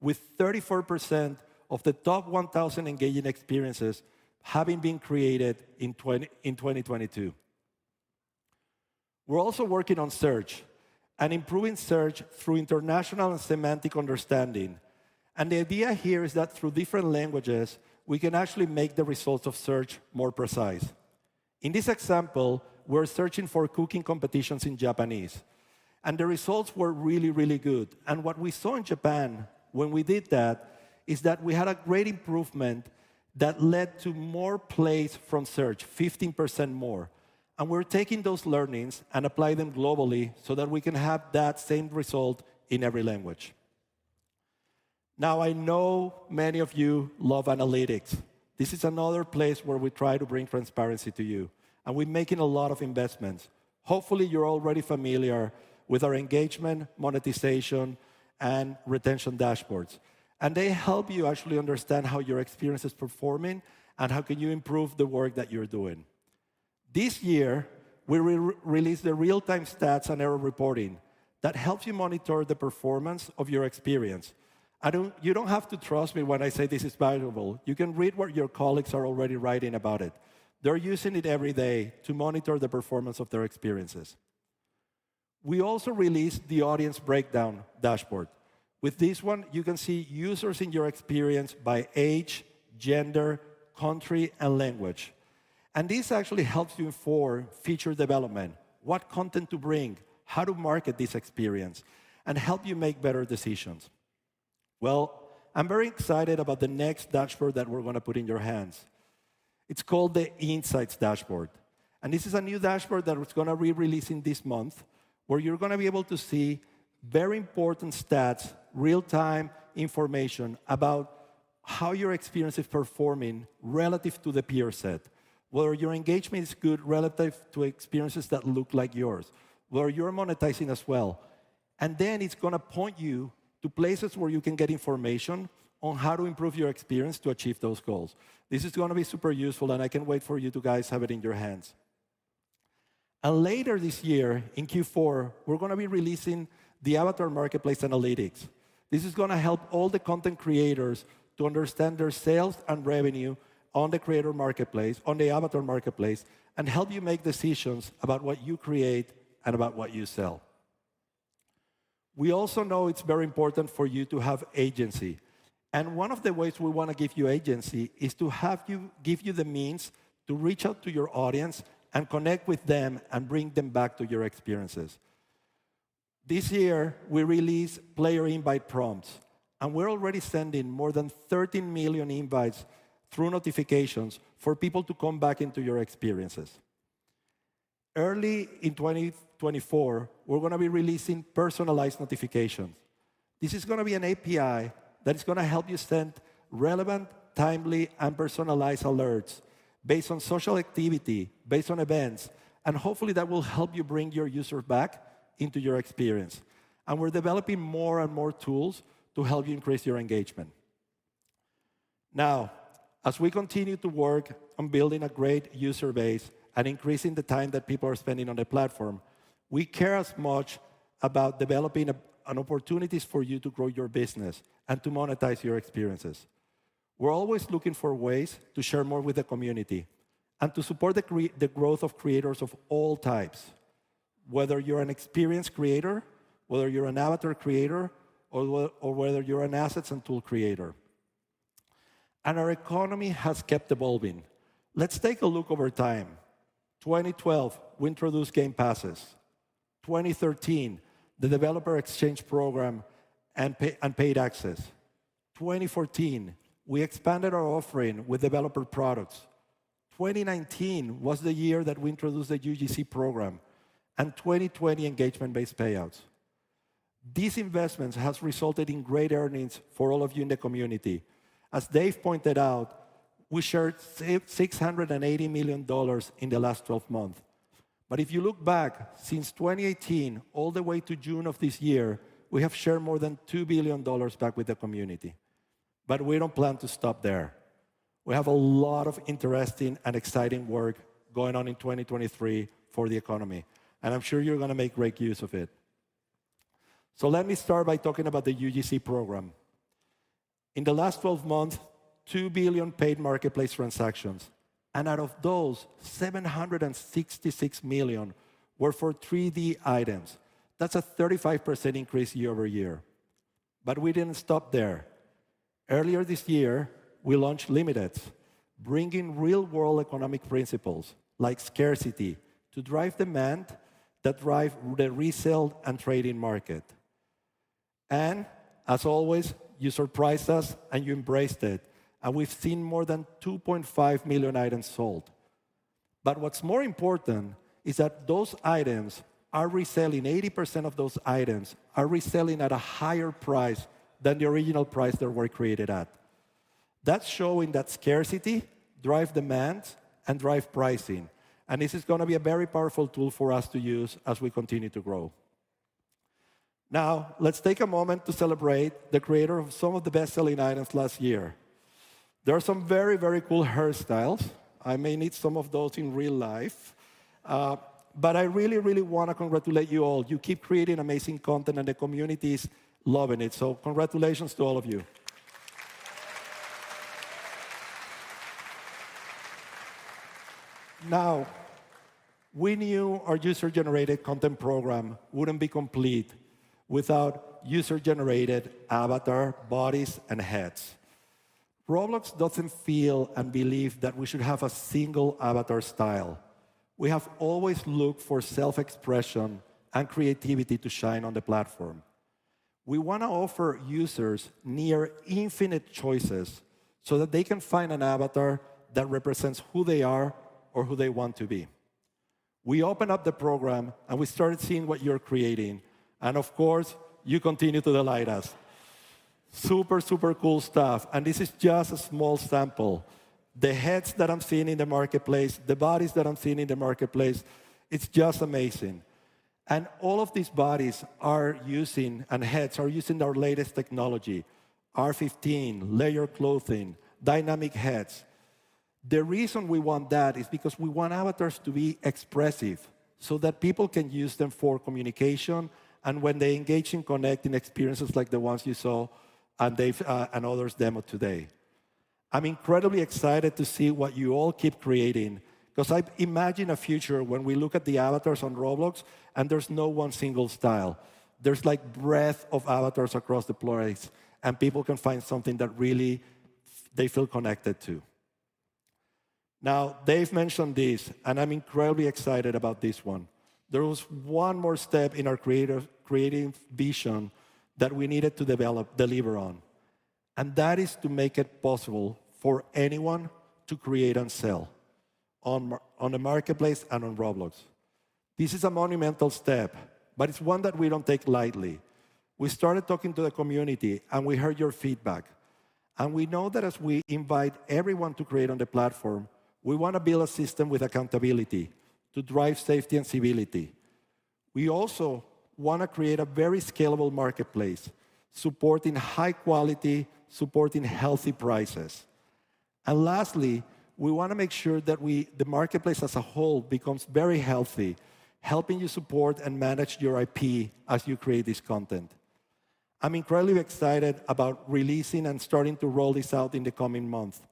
with 34% of the top 1,000 engaging experiences having been created in 2022. We're also working on search and improving search through international and semantic understanding. The idea here is that through different languages, we can actually make the results of search more precise. In this example, we're searching for cooking competitions in Japanese, and the results were really, really good. What we saw in Japan when we did that is that we had a great improvement that led to more plays from search, 15% more. We're taking those learnings and apply them globally so that we can have that same result in every language. Now, I know many of you love analytics. This is another place where we try to bring transparency to you, and we're making a lot of investments. Hopefully, you're already familiar with our engagement, monetization, and retention dashboards, and they help you actually understand how your experience is performing and how can you improve the work that you're doing. This year, we re-released the real-time stats and error reporting that helps you monitor the performance of your experience. I don't, you don't have to trust me when I say this is valuable. You can read what your colleagues are already writing about it. They're using it every day to monitor the performance of their experiences. We also released the audience breakdown dashboard. With this one, you can see users in your experience by age, gender, country, and language, and this actually helps you for feature development, what content to bring, how to market this experience, and help you make better decisions. Well, I'm very excited about the next dashboard that we're going to put in your hands. It's called the Insights Dashboard, and this is a new dashboard that is going to be releasing this month, where you're going to be able to see very important stats, real-time information about how your experience is performing relative to the peer set, whether your engagement is good relative to experiences that look like yours, whether you're monetizing as well. Then it's going to point you to places where you can get information on how to improve your experience to achieve those goals. This is going to be super useful, and I can't wait for you to guys have it in your hands. Later this year, in Q4, we're going to be releasing the Avatar Marketplace Analytics. This is going to help all the content creators to understand their sales and revenue on the Creator Marketplace, on the Avatar Marketplace, and help you make decisions about what you create and about what you sell.... We also know it's very important for you to have agency, and one of the ways we wanna give you agency is to have you - give you the means to reach out to your audience and connect with them and bring them back to your experiences. This year, we released player invite prompts, and we're already sending more than 13 million invites through notifications for people to come back into your experiences. Early in 2024, we're gonna be releasing personalized notifications. This is gonna be an API that is gonna help you send relevant, timely, and personalized alerts based on social activity, based on events, and hopefully, that will help you bring your users back into your experience. And we're developing more and more tools to help you increase your engagement. Now, as we continue to work on building a great user base and increasing the time that people are spending on the platform, we care as much about developing a, an opportunities for you to grow your business and to monetize your experiences. We're always looking for ways to share more with the community and to support the growth of creators of all types, whether you're an experienced creator, whether you're an avatar creator, or whether you're an assets and tool creator. Our economy has kept evolving. Let's take a look over time. 2012, we introduced Game Passes. 2013, the Developer Exchange Program and paid access. 2014, we expanded our offering with Developer Products. 2019 was the year that we introduced the UGC Program, and 2020, Engagement-Based Payouts. These investments has resulted in great earnings for all of you in the community. As Dave pointed out, we shared $680 million in the last 12 months. But if you look back, since 2018, all the way to June of this year, we have shared more than $2 billion back with the community, but we don't plan to stop there. We have a lot of interesting and exciting work going on in 2023 for the economy, and I'm sure you're gonna make great use of it. So let me start by talking about the UGC Program. In the last 12 months, two billion paid Marketplace transactions, and out of those, 766 million were for 3D items. That's a 35% increase year-over-year. But we didn't stop there. Earlier this year, we launched Limiteds, bringing real-world economic principles, like scarcity, to drive demand that drive the resale and trading market. And as always, you surprised us, and you embraced it, and we've seen more than 2.5 million items sold. But what's more important is that those items are reselling. 80% of those items are reselling at a higher price than the original price they were created at. That's showing that scarcity drive demand and drive pricing, and this is gonna be a very powerful tool for us to use as we continue to grow. Now, let's take a moment to celebrate the creator of some of the best-selling items last year. There are some very, very cool hairstyles. I may need some of those in real life, but I really, really wanna congratulate you all. You keep creating amazing content, and the community is loving it, so congratulations to all of you. Now, we knew our user-generated content program wouldn't be complete without user-generated avatar bodies and heads. Roblox doesn't feel and believe that we should have a single avatar style. We have always looked for self-expression and creativity to shine on the platform. We wanna offer users near infinite choices so that they can find an avatar that represents who they are or who they want to be. We opened up the program, and we started seeing what you're creating, and of course, you continue to delight us. Super, super cool stuff, and this is just a small sample. The heads that I'm seeing in the Marketplace, the bodies that I'm seeing in the Marketplace, it's just amazing. And all of these bodies are using, and heads, are using our latest technology: R15, Layered Clothing, Dynamic Heads. The reason we want that is because we want avatars to be expressive, so that people can use them for communication and when they engage in connecting experiences like the ones you saw, and Dave's, and others demoed today. I'm incredibly excited to see what you all keep creating because I imagine a future when we look at the avatars on Roblox, and there's no one single style. There's, like, breadth of avatars across the place, and people can find something that really they feel connected to. Now, Dave mentioned this, and I'm incredibly excited about this one. There was one more step in our creating vision that we needed to develop, deliver on, and that is to make it possible for anyone to create and sell on the Marketplace and on Roblox. This is a monumental step, but it's one that we don't take lightly. We started talking to the community, and we heard your feedback, and we know that as we invite everyone to create on the platform, we wanna build a system with accountability to drive safety and civility. We also wanna create a very scalable Marketplace, supporting high quality, supporting healthy prices. And lastly, we wanna make sure that we, the Marketplace as a whole, becomes very healthy, helping you support and manage your IP as you create this content.... I'm incredibly excited about releasing and starting to roll this out in the coming months.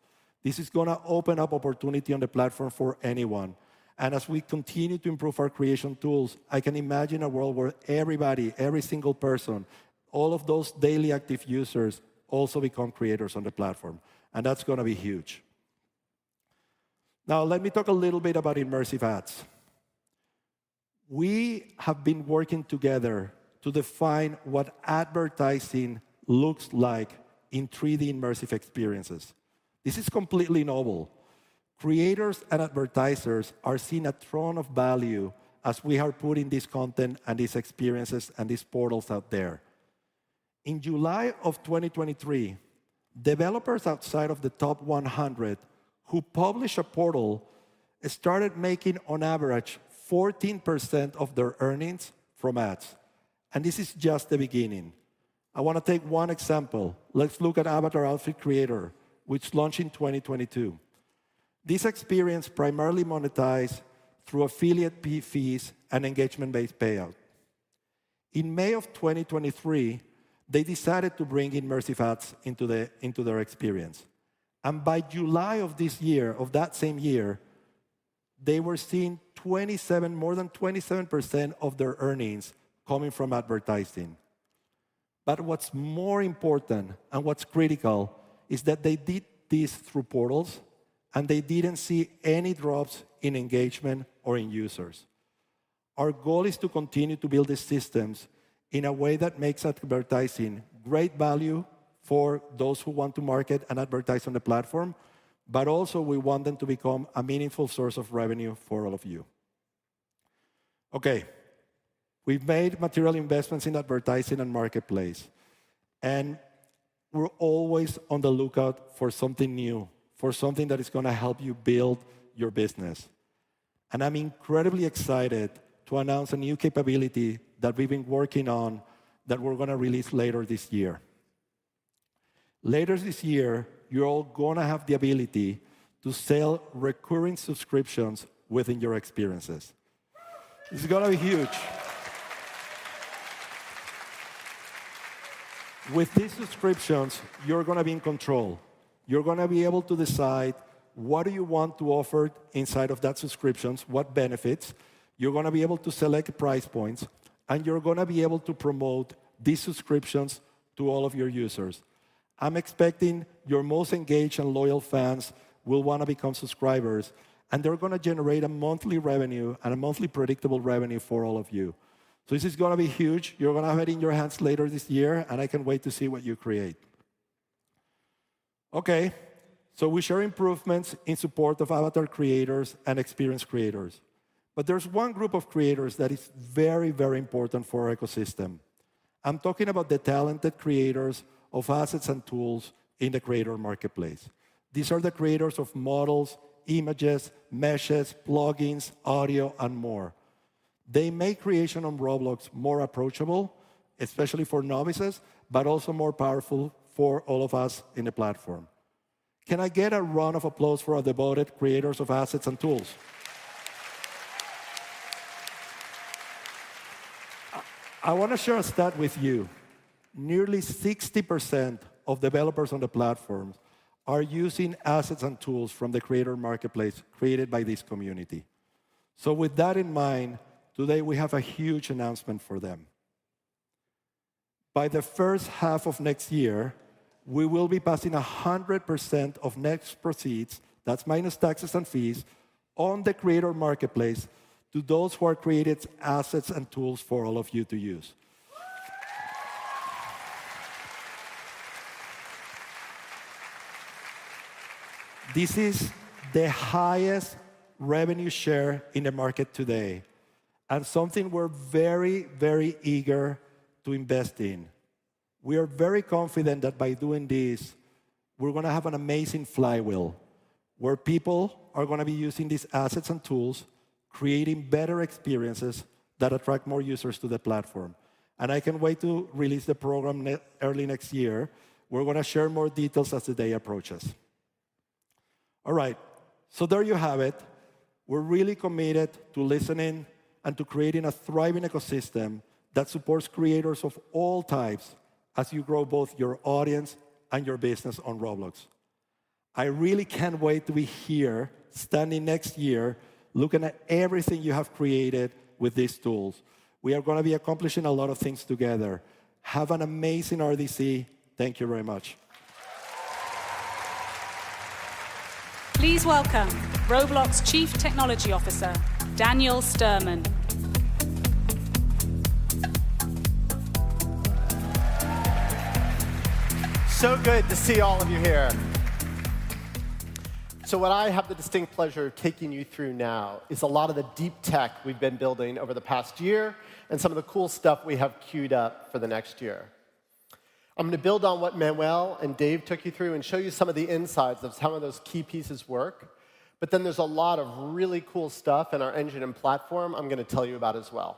This is gonna open up opportunity on the platform for anyone. And as we continue to improve our creation tools, I can imagine a world where everybody, every single person, all of those daily active users, also become creators on the platform, and that's gonna be huge. Now, let me talk a little bit Immersive Ads. we have been working together to define what advertising looks like in 3D immersive experiences. This is completely novel. Creators and advertisers are seeing a ton of value as we are putting this content, and these experiences, and these portals out there. In July 2023, developers outside of the top 100 who publish a portal started making on average 14% of their earnings from ads, and this is just the beginning. I wanna take one example. Let's look at Avatar Outfit Creator, which launched in 2022. This experience primarily monetized through affiliate fee, fees, and Engagement-Based Payout. In May 2023, they decided to Immersive Ads into their experience. And by July of this year, of that same year, they were seeing more than 27% of their earnings coming from advertising. But what's more important, and what's critical, is that they did this through portals, and they didn't see any drops in engagement or in users. Our goal is to continue to build these systems in a way that makes advertising great value for those who want to market and advertise on the platform, but also, we want them to become a meaningful source of revenue for all of you. Okay, we've made material investments in advertising and marketplace, and we're always on the lookout for something new, for something that is gonna help you build your business. I'm incredibly excited to announce a new capability that we've been working on, that we're gonna release later this year. Later this year, you're all gonna have the ability to sell recurring subscriptions within your experiences. This is gonna be huge. With these subscriptions, you're gonna be in control. You're gonna be able to decide what do you want to offer inside of that subscriptions, what benefits. You're gonna be able to select price points, and you're gonna be able to promote these subscriptions to all of your users. I'm expecting your most engaged and loyal fans will wanna become subscribers, and they're gonna generate a monthly revenue and a monthly predictable revenue for all of you. So this is gonna be huge. You're gonna have it in your hands later this year, and I can't wait to see what you create. Okay, so we share improvements in support of avatar creators and experience creators, but there's one group of creators that is very, very important for our ecosystem. I'm talking about the talented creators of assets and tools in the Creator Marketplace. These are the creators of models, images, meshes, plugins, audio, and more. They make creation on Roblox more approachable, especially for novices, but also more powerful for all of us in the platform. Can I get a round of applause for our devoted creators of assets and tools? I, I wanna share a stat with you. Nearly 60% of developers on the platform are using assets and tools from the Creator Marketplace, created by this community. With that in mind, today, we have a huge announcement for them. By the first half of next year, we will be passing 100% of net proceeds, that's minus taxes and fees, on the Creator Marketplace, to those who have created assets and tools for all of you to use. This is the highest revenue share in the market today, and something we're very, very eager to invest in. We are very confident that by doing this, we're gonna have an amazing flywheel, where people are gonna be using these assets and tools, creating better experiences that attract more users to the platform. I can't wait to release the program early next year. We're gonna share more details as the day approaches. All right, so there you have it. We're really committed to listening and to creating a thriving ecosystem that supports creators of all types, as you grow both your audience and your business on Roblox. I really can't wait to be here, standing next year, looking at everything you have created with these tools. We are gonna be accomplishing a lot of things together. Have an amazing RDC. Thank you very much. Please welcome Roblox's Chief Technology Officer, Daniel Sturman. So good to see all of you here. So what I have the distinct pleasure of taking you through now, is a lot of the deep tech we've been building over the past year, and some of the cool stuff we have queued up for the next year. I'm gonna build on what Manuel and Dave took you through, and show you some of the insights of how those key pieces work, but then there's a lot of really cool stuff in our engine and platform I'm gonna tell you about as well.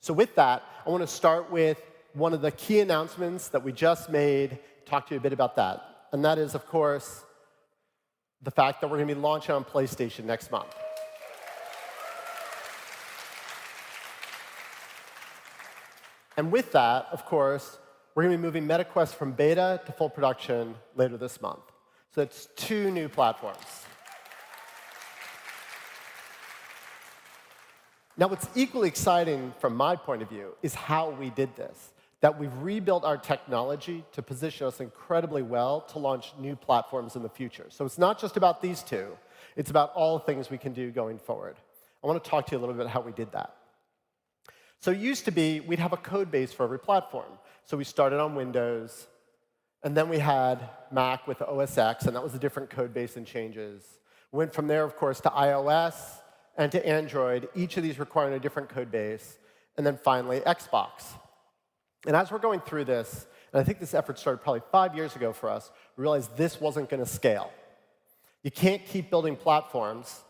So with that, I wanna start with one of the key announcements that we just made, talk to you a bit about that. And that is, of course, the fact that we're gonna be launching on PlayStation next month. And with that, of course, we're gonna be moving Meta Quest from beta to full production later this month. So that's two new platforms. Now, what's equally exciting from my point of view, is how we did this. That we've rebuilt our technology to position us incredibly well to launch new platforms in the future. So it's not just about these two, it's about all the things we can do going forward. I wanna talk to you a little bit how we did that. So it used to be, we'd have a code base for every platform. So we started on Windows, and then we had Mac with the OS X, and that was a different code base and changes. Went from there, of course, to iOS and to Android, each of these requiring a different code base, and then finally, Xbox. As we're going through this, and I think this effort started probably five years ago for us, we realized this wasn't gonna scale. You can't keep building platforms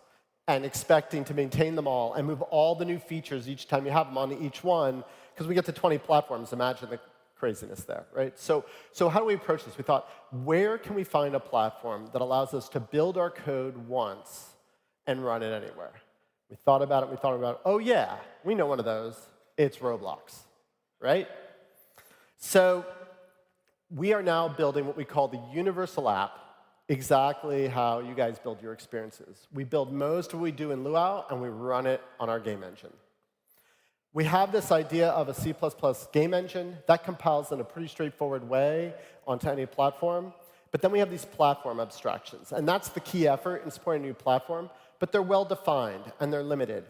and expecting to maintain them all, and move all the new features each time you have them on to each one, 'cause we get to 20 platforms. Imagine the craziness there, right? So, how do we approach this? We thought, "Where can we find a platform that allows us to build our code once and run it anywhere?" We thought about it, "Oh, yeah, we know one of those. It's Roblox," right? So we are now building what we call the universal app, exactly how you guys build your experiences. We build most of what we do in Lua, and we run it on our game engine. We have this idea of a C++ game engine that compiles in a pretty straightforward way onto any platform. But then we have these platform abstractions, and that's the key effort in supporting a new platform, but they're well-defined and they're limited.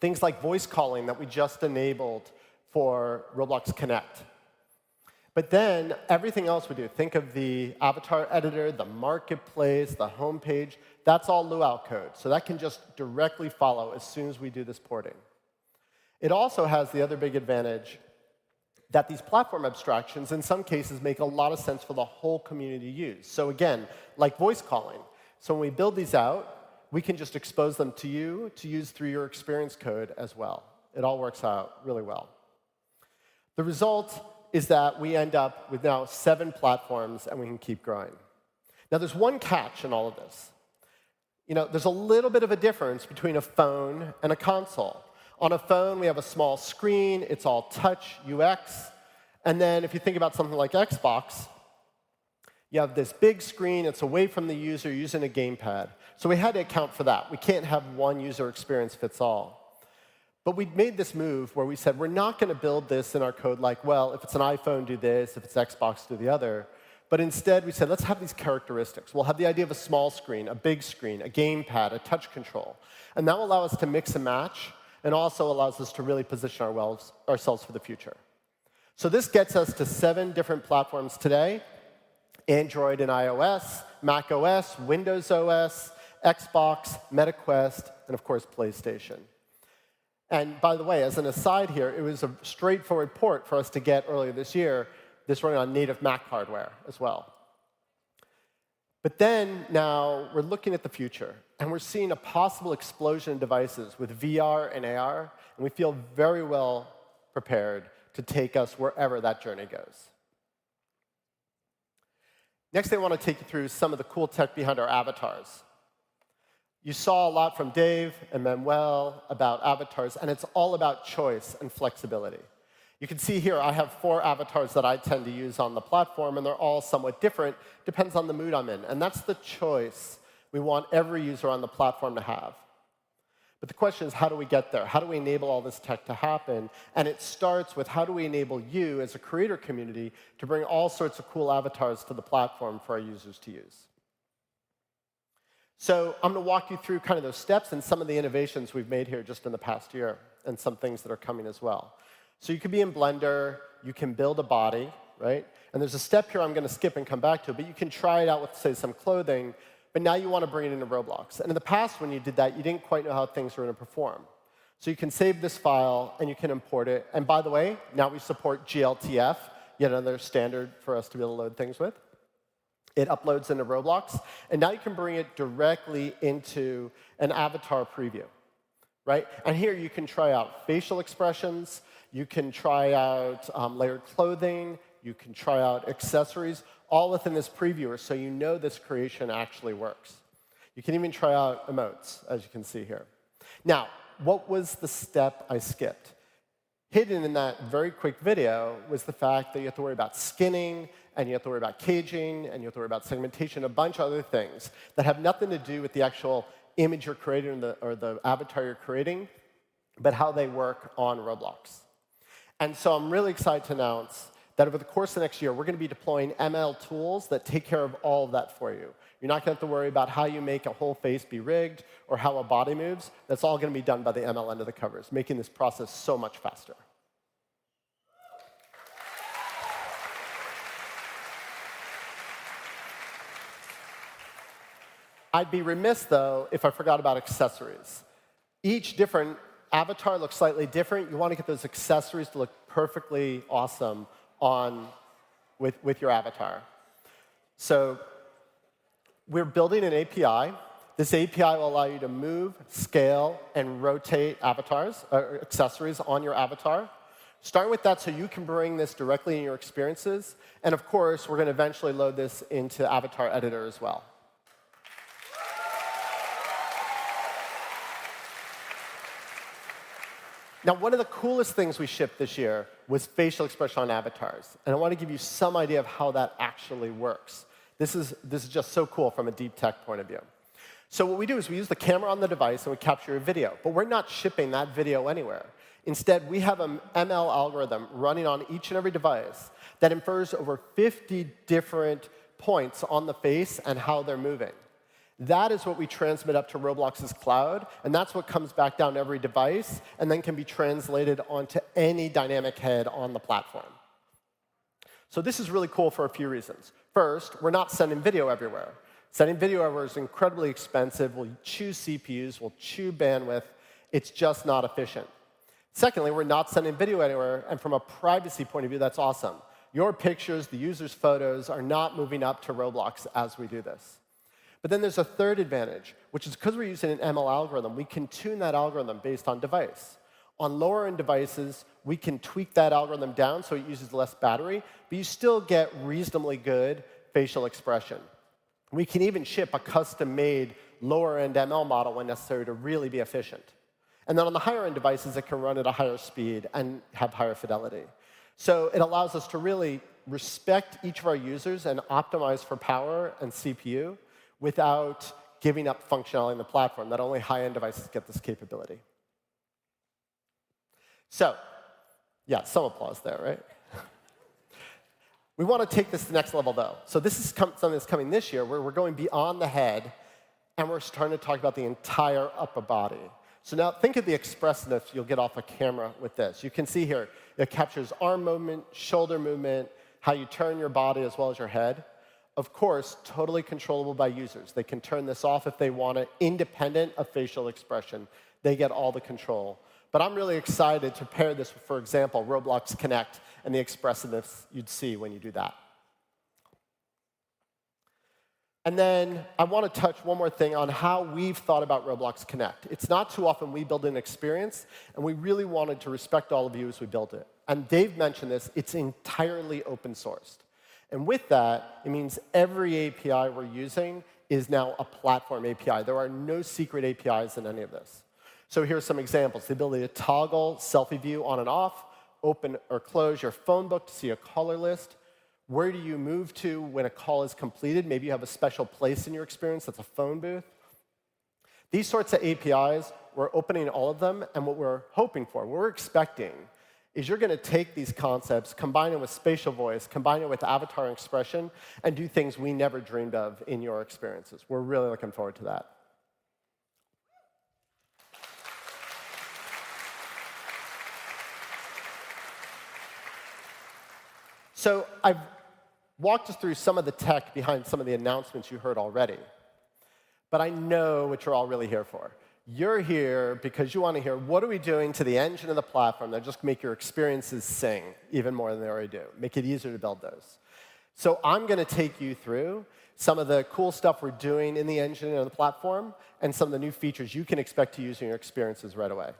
Things like voice calling that we just enabled for Roblox Connect. But then everything else we do, think of the avatar editor, the marketplace, the homepage, that's all Lua code, so that can just directly follow as soon as we do this porting. It also has the other big advantage that these platform abstractions, in some cases, make a lot of sense for the whole community to use. So again, like voice calling. So when we build these out, we can just expose them to you to use through your experience code as well. It all works out really well. The result is that we end up with now seven platforms, and we can keep growing. Now, there's one catch in all of this. You know, there's a little bit of a difference between a phone and a console. On a phone, we have a small screen. It's all touch, UX. And then if you think about something like Xbox, you have this big screen, it's away from the user, using a gamepad. So we had to account for that. We can't have one user experience fits all. But we've made this move where we said, "We're not gonna build this in our code like, well, if it's an iPhone, do this; if it's Xbox, do the other." But instead, we said, "Let's have these characteristics. We'll have the idea of a small screen, a big screen, a gamepad, a touch control, and that will allow us to mix and match, and also allows us to really position ourselves for the future. So this gets us to seven different platforms today: Android and iOS, macOS, Windows OS, Xbox, Meta Quest, and of course, PlayStation. And by the way, as an aside here, it was a straightforward port for us to get this running on native Mac hardware as well. But now we're looking at the future, and we're seeing a possible explosion in devices with VR and AR, and we feel very well prepared to take us wherever that journey goes. Next thing, I wanna take you through some of the cool tech behind our avatars. You saw a lot from Dave and Manuel about avatars, and it's all about choice and flexibility. You can see here I have four avatars that I tend to use on the platform, and they're all somewhat different, depends on the mood I'm in, and that's the choice we want every user on the platform to have. But the question is: how do we get there? How do we enable all this tech to happen? And it starts with, how do we enable you, as a creator community, to bring all sorts of cool avatars to the platform for our users to use? So I'm gonna walk you through kind of those steps and some of the innovations we've made here just in the past year, and some things that are coming as well. So you could be in Blender, you can build a body, right? There's a step here I'm gonna skip and come back to, but you can try it out with, say, some clothing, but now you wanna bring it into Roblox. In the past, when you did that, you didn't quite know how things were gonna perform. So you can save this file, and you can import it. By the way, now we support glTF, yet another standard for us to be able to load things with. It uploads into Roblox, and now you can bring it directly into an avatar preview, right? Here, you can try out facial expressions, you can try out layered clothing, you can try out accessories, all within this previewer, so you know this creation actually works. You can even try out emotes, as you can see here. Now, what was the step I skipped? Hidden in that very quick video was the fact that you have to worry about skinning, and you have to worry about caging, and you have to worry about segmentation, a bunch of other things that have nothing to do with the actual image you're creating or the, or the avatar you're creating, but how they work on Roblox. And so I'm really excited to announce that over the course of the next year, we're gonna be deploying ML tools that take care of all of that for you. You're not gonna have to worry about how you make a whole face be rigged or how a body moves. That's all gonna be done by the ML under the covers, making this process so much faster. I'd be remiss, though, if I forgot about accessories. Each different avatar looks slightly different. You wanna get those accessories to look perfectly awesome on... with your avatar. So we're building an API. This API will allow you to move, scale, and rotate avatars or accessories on your avatar. Start with that, so you can bring this directly in your experiences, and of course, we're gonna eventually load this into Avatar Editor as well. Now, one of the coolest things we shipped this year was facial expression on avatars, and I want to give you some idea of how that actually works. This is just so cool from a deep tech point of view. So what we do is we use the camera on the device, and we capture a video, but we're not shipping that video anywhere. Instead, we have an ML algorithm running on each and every device that infers over 50 different points on the face and how they're moving. That is what we transmit up to Roblox's cloud, and that's what comes back down to every device, and then can be translated onto any dynamic head on the platform. So this is really cool for a few reasons. First, we're not sending video everywhere. Sending video everywhere is incredibly expensive. We'll chew CPUs, we'll chew bandwidth. It's just not efficient. Secondly, we're not sending video anywhere, and from a privacy point of view, that's awesome. Your pictures, the user's photos, are not moving up to Roblox as we do this. But then there's a third advantage, which is 'cause we're using an ML algorithm, we can tune that algorithm based on device. On lower-end devices, we can tweak that algorithm down, so it uses less battery, but you still get reasonably good facial expression. We can even ship a custom-made lower-end ML model when necessary to really be efficient. And then on the higher-end devices, it can run at a higher speed and have higher fidelity. So it allows us to really respect each of our users and optimize for power and CPU without giving up functionality on the platform, that only high-end devices get this capability. So, yeah, some applause there, right? We wanna take this to the next level, though. So this is something that's coming this year, where we're going beyond the head, and we're starting to talk about the entire upper body. So now think of the expressiveness you'll get off a camera with this. You can see here, it captures arm movement, shoulder movement, how you turn your body, as well as your head. Of course, totally controllable by users. They can turn this off if they want it, independent of facial expression. They get all the control. But I'm really excited to pair this with, for example, Roblox Connect, and the expressiveness you'd see when you do that. Then I wanna touch one more thing on how we've thought about Roblox Connect. It's not too often we build an experience, and we really wanted to respect all of you as we built it. Dave mentioned this, it's entirely open-sourced. With that, it means every API we're using is now a platform API. There are no secret APIs in any of this. So here are some examples: the ability to toggle selfie view on and off, open or close your phone book to see a caller list. Where do you move to when a call is completed? Maybe you have a special place in your experience that's a phone booth. These sorts of APIs, we're opening all of them, and what we're hoping for, what we're expecting, is you're gonna take these concepts, combine them with spatial voice, combine them with avatar expression, and do things we never dreamed of in your experiences. We're really looking forward to that. So I've walked us through some of the tech behind some of the announcements you heard already, but I know what you're all really here for. You're here because you wanna hear, what are we doing to the engine and the platform that just make your experiences sing even more than they already do, make it easier to build those? So I'm gonna take you through some of the cool stuff we're doing in the engine and the platform, and some of the new features you can expect to use in your experiences right away.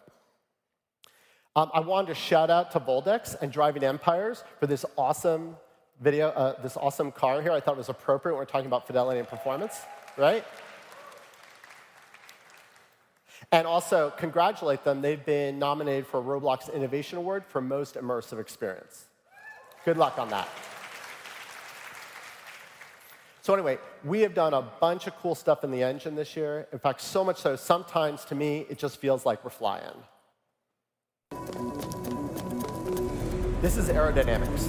I wanted to shout out to Voldex and Driving Empire for this awesome video, this awesome car here. I thought it was appropriate. We're talking about fidelity and performance, right? And also congratulate them. They've been nominated for a Roblox Innovation Award for Most Immersive Experience. Good luck on that. So anyway, we have done a bunch of cool stuff in the engine this year. In fact, so much so, sometimes to me, it just feels like we're flying. This is aerodynamics.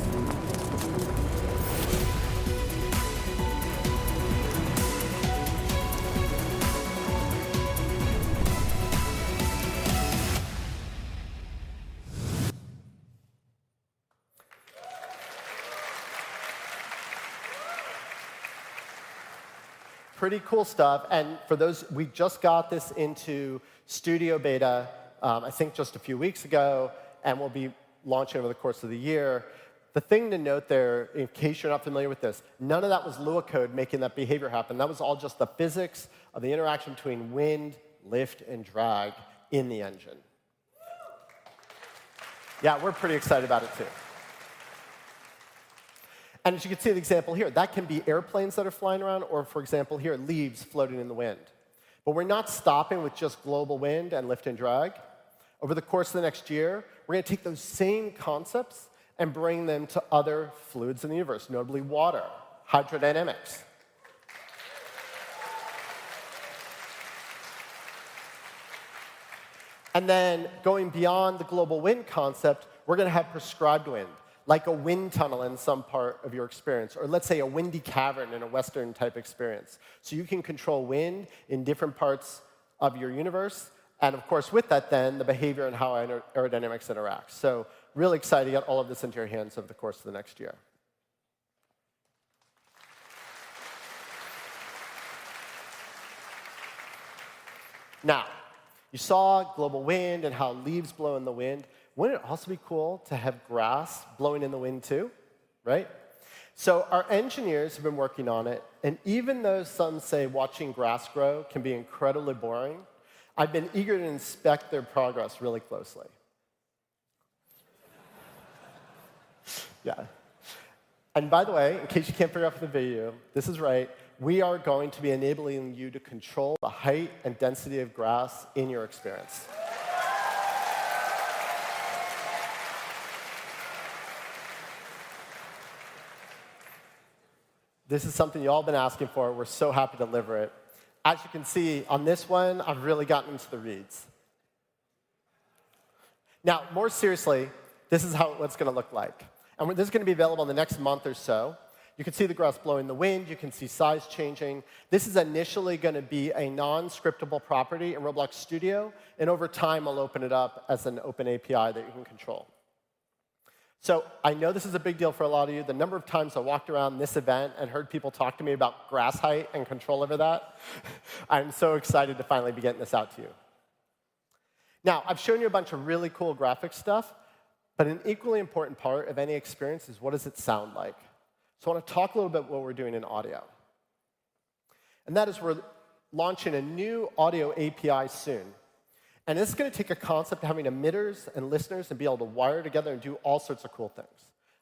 Pretty cool stuff, and for those... We just got this into studio beta, I think just a few weeks ago, and we'll be launching over the course of the year. The thing to note there, in case you're not familiar with this, none of that was Lua code making that behavior happen. That was all just the physics of the interaction between wind, lift, and drag in the engine. Yeah, we're pretty excited about it, too. And as you can see the example here, that can be airplanes that are flying around or, for example, here, leaves floating in the wind. But we're not stopping with just global wind and lift and drag. Over the course of the next year, we're gonna take those same concepts and bring them to other fluids in the universe, notably water, hydrodynamics. And then, going beyond the global wind concept, we're gonna have prescribed wind, like a wind tunnel in some part of your experience or, let's say, a windy cavern in a Western-type experience. So you can control wind in different parts of your universe, and of course, with that then, the behavior and how aerodynamics interacts. So really excited to get all of this into your hands over the course of the next year. Now, you saw global wind and how leaves blow in the wind. Wouldn't it also be cool to have grass blowing in the wind, too? Right? So our engineers have been working on it, and even though some say watching grass grow can be incredibly boring, I've been eager to inspect their progress really closely... Yeah. And by the way, in case you can't figure out from the video, this is right, we are going to be enabling you to control the height and density of grass in your experience. This is something you all have been asking for. We're so happy to deliver it. As you can see, on this one, I've really gotten into the reeds. Now, more seriously, this is how what it's gonna look like. And this is gonna be available in the next month or so. You can see the grass blow in the wind; you can see size changing. This is initially gonna be a non-scriptable property in Roblox Studio, and over time, we'll open it up as an open API that you can control. So I know this is a big deal for a lot of you. The number of times I walked around this event and heard people talk to me about grass height and control over that, I'm so excited to finally be getting this out to you. Now, I've shown you a bunch of really cool graphic stuff, but an equally important part of any experience is, what does it sound like? So I wanna talk a little bit what we're doing in audio, and that is we're launching a new audio API soon, and it's gonna take a concept of having emitters and listeners to be able to wire together and do all sorts of cool things.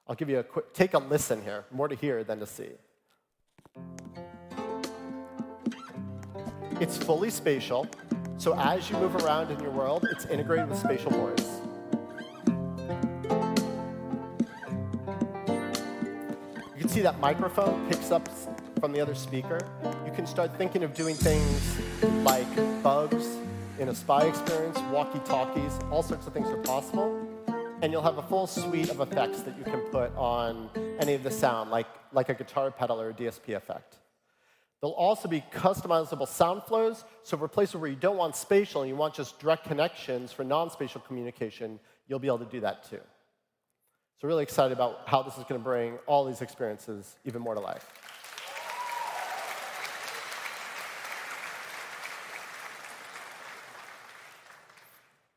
I'll give you a quick... Take a listen here, more to hear than to see. It's fully spatial, so as you move around in your world, it's integrated with spatial noise. You can see that microphone picks up from the other speaker. You can start thinking of doing things like bugs in a spy experience, walkie-talkies, all sorts of things are possible, and you'll have a full suite of effects that you can put on any of the sound, like, like a guitar pedal or a DSP effect. There'll also be customizable sound flows, so for a place where you don't want spatial, and you want just direct connections for non-spatial communication, you'll be able to do that too. So really excited about how this is gonna bring all these experiences even more to life.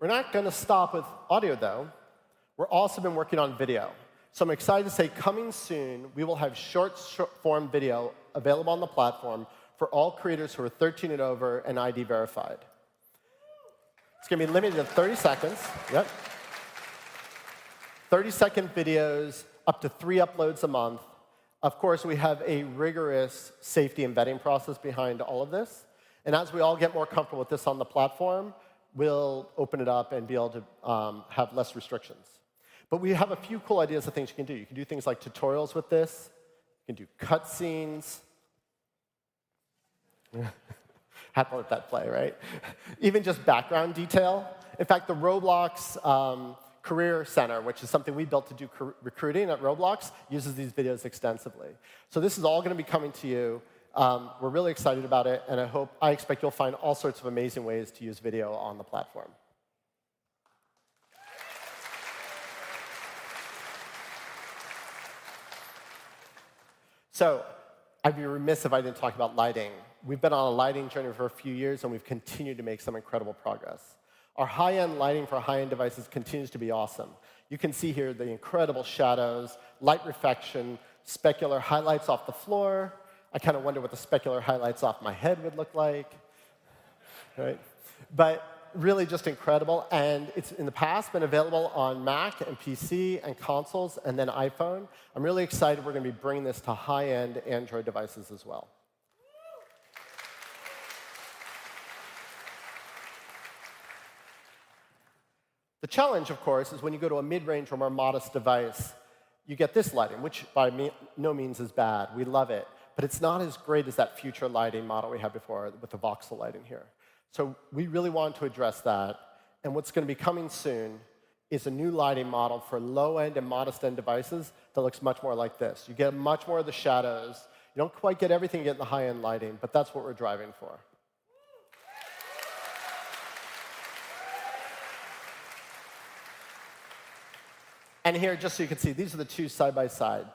We're not gonna stop with audio, though. We're also been working on video. So I'm excited to say, coming soon, we will have short-form video available on the platform for all creators who are 13 and over and ID verified. It's gonna be limited to 30 seconds. Yep. 30-second videos, up to three uploads a month. Of course, we have a rigorous safety and vetting process behind all of this, and as we all get more comfortable with this on the platform, we'll open it up and be able to have less restrictions. But we have a few cool ideas of things you can do. You can do things like tutorials with this. You can do cut scenes. Had to let that play, right? Even just background detail. In fact, the Roblox Career Center, which is something we built to do career recruiting at Roblox, uses these videos extensively. So this is all gonna be coming to you. We're really excited about it, and I hope, I expect you'll find all sorts of amazing ways to use video on the platform. So I'd be remiss if I didn't talk about lighting. We've been on a lighting journey for a few years, and we've continued to make some incredible progress. Our high-end lighting for high-end devices continues to be awesome. You can see here the incredible shadows, light reflection, specular highlights off the floor. I kinda wonder what the specular highlights off my head would look like. Right? But really just incredible, and it's, in the past, been available on Mac and PC and consoles and then iPhone. I'm really excited we're gonna be bringing this to high-end Android devices as well. The challenge, of course, is when you go to a mid-range or more modest device, you get this lighting, which by no means is bad. We love it, but it's not as great as that Future Lighting model we had before with the Voxel lighting here. So we really want to address that, and what's gonna be coming soon is a new lighting model for low-end and modest-end devices that looks much more like this. You get much more of the shadows. You don't quite get everything you get in the high-end lighting, but that's what we're driving for. And here, just so you can see, these are the two side by side.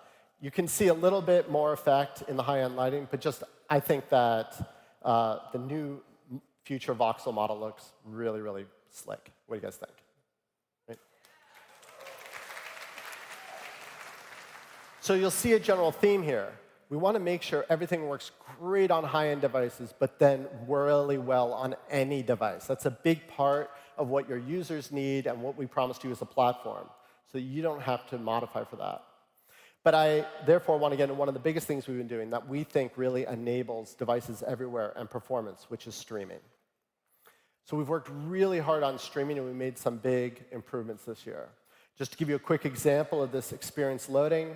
You can see a little bit more effect in the high-end lighting, but just, I think that, the new future voxel model looks really, really slick. What do you guys think? Great. So you'll see a general theme here. We wanna make sure everything works great on high-end devices, but then really well on any device. That's a big part of what your users need and what we promised you as a platform, so you don't have to modify for that. But I, therefore, wanna get into one of the biggest things we've been doing, that we think really enables devices everywhere and performance, which is streaming. So we've worked really hard on streaming, and we made some big improvements this year. Just to give you a quick example of this experience loading,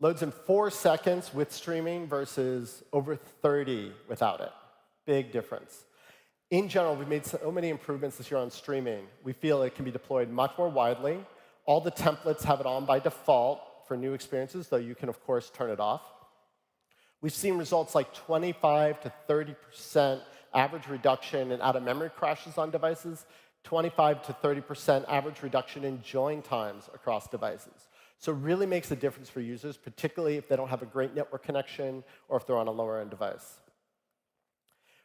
loads in four seconds with streaming versus over 30 without it. Big difference. In general, we've made so many improvements this year on streaming. We feel it can be deployed much more widely. All the templates have it on by default for new experiences, though you can, of course, turn it off. We've seen results like 25%-30% average reduction in out-of-memory crashes on devices, 25%-30% average reduction in join times across devices. So it really makes a difference for users, particularly if they don't have a great network connection or if they're on a lower-end device.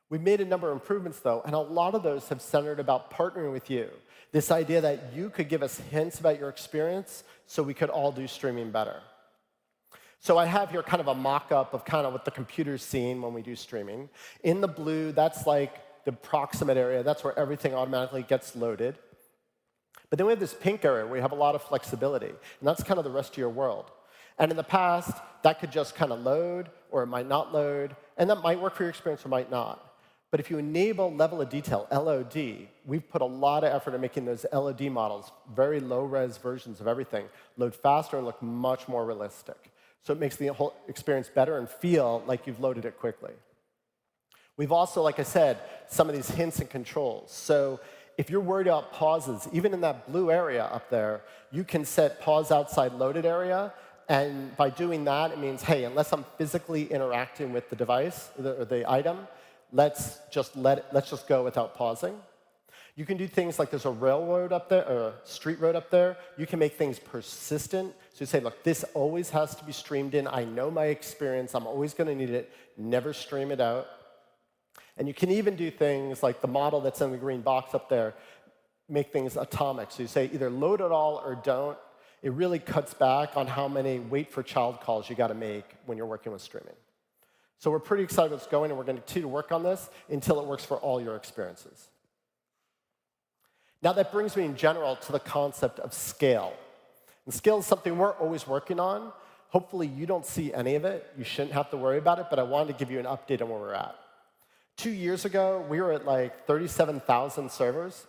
We've made a number of improvements, though, and a lot of those have centered about partnering with you, this idea that you could give us hints about your experience, so we could all do streaming better.... So I have here kind of a mock-up of kind of what the computer's seeing when we do streaming. In the blue, that's like the proximate area. That's where everything automatically gets loaded. But then we have this pink area where we have a lot of flexibility, and that's kind of the rest of your world. And in the past, that could just kind of load or it might not load, and that might work for your experience or might not. But if you enable Level of Detail, LOD, we've put a lot of effort in making those LOD models, very low-res versions of everything, load faster and look much more realistic. So it makes the whole experience better and feel like you've loaded it quickly. We've also, like I said, some of these hints and controls. So if you're worried about pauses, even in that blue area up there, you can set pause outside loaded area, and by doing that, it means, "Hey, unless I'm physically interacting with the device or the item, let's just go without pausing." You can do things like there's a railroad up there, or a street road up there. You can make things persistent. So you say, "Look, this always has to be streamed in. I know my experience. I'm always gonna need it. Never stream it out." And you can even do things like the model that's in the green box up there, make things atomic. So you say, "Either load it all or don't." It really cuts back on how many wait for child calls you gotta make when you're working with streaming. So we're pretty excited what's going, and we're going to continue to work on this until it works for all your experiences. Now, that brings me, in general, to the concept of scale. And scale is something we're always working on. Hopefully, you don't see any of it. You shouldn't have to worry about it, but I wanted to give you an update on where we're at. Two years ago, we were at, like, 37,000 servers.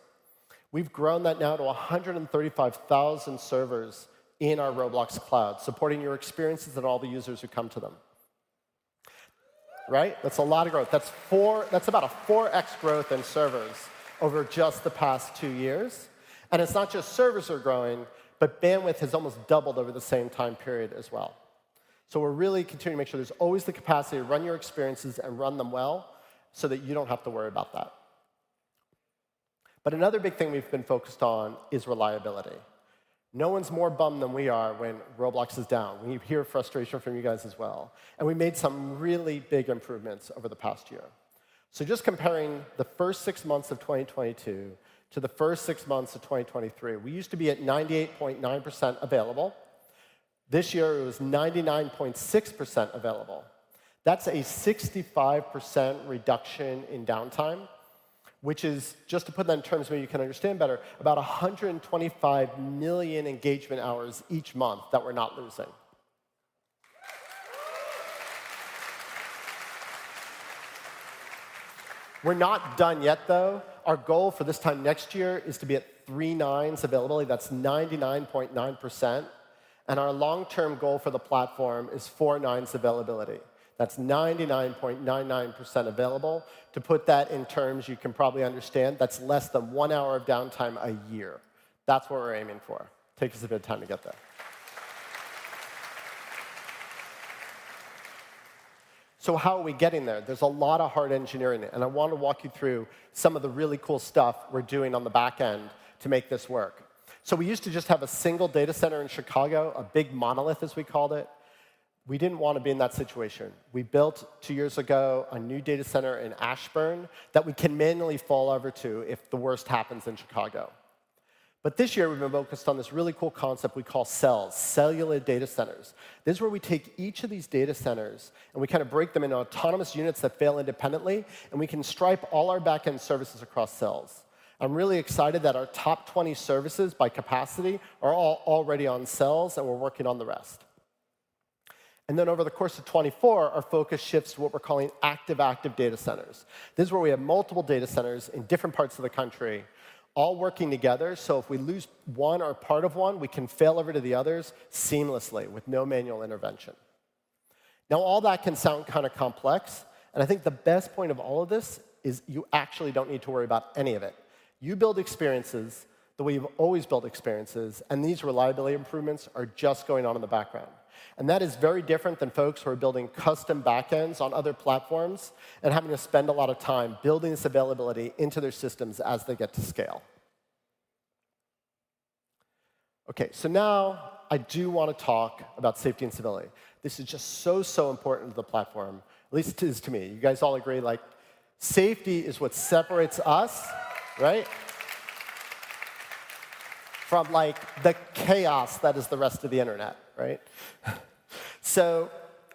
We've grown that now to 135,000 servers in our Roblox Cloud, supporting your experiences and all the users who come to them. Right? That's a lot of growth. That's about a 4x growth in servers over just the past two years. And it's not just servers are growing, but bandwidth has almost doubled over the same time period as well. So we're really continuing to make sure there's always the capacity to run your experiences and run them well, so that you don't have to worry about that. But another big thing we've been focused on is reliability. No one's more bummed than we are when Roblox is down. We hear frustration from you guys as well, and we made some really big improvements over the past year. So just comparing the first six months of 2022 to the first six months of 2023, we used to be at 98.9% available. This year, it was 99.6% available. That's a 65% reduction in downtime, which is, just to put that in terms where you can understand better, about 125 million engagement hours each month that we're not losing. We're not done yet, though. Our goal for this time next year is to be at three nines availability. That's 99.9%, and our long-term goal for the platform is four nines availability. That's 99.99% available. To put that in terms you can probably understand, that's less than one hour of downtime a year. That's what we're aiming for. Takes us a bit of time to get there. So how are we getting there? There's a lot of hard engineering, and I wanna walk you through some of the really cool stuff we're doing on the back end to make this work. So we used to just have a single data center in Chicago, a big monolith, as we called it. We didn't want to be in that situation. We built, two years ago, a new data center in Ashburn that we can manually fail over to if the worst happens in Chicago. But this year, we've been focused on this really cool concept we call cells, cellular data centers. This is where we take each of these data centers, and we kind of break them into autonomous units that fail independently, and we can stripe all our back-end services across cells. I'm really excited that our top 20 services by capacity are all already on cells, and we're working on the rest. Then over the course of 2024, our focus shifts to what we're calling active-active data centers. This is where we have multiple data centers in different parts of the country, all working together, so if we lose one or part of one, we can fail over to the others seamlessly with no manual intervention. Now, all that can sound kinda complex, and I think the best point of all of this is you actually don't need to worry about any of it. You build experiences the way you've always built experiences, and these reliability improvements are just going on in the background. That is very different than folks who are building custom back ends on other platforms and having to spend a lot of time building this availability into their systems as they get to scale. Okay, now I do wanna talk about safety and civility. This is just so, so important to the platform, at least it is to me. You guys all agree, like, safety is what separates us, right? From, like, the chaos that is the rest of the internet, right?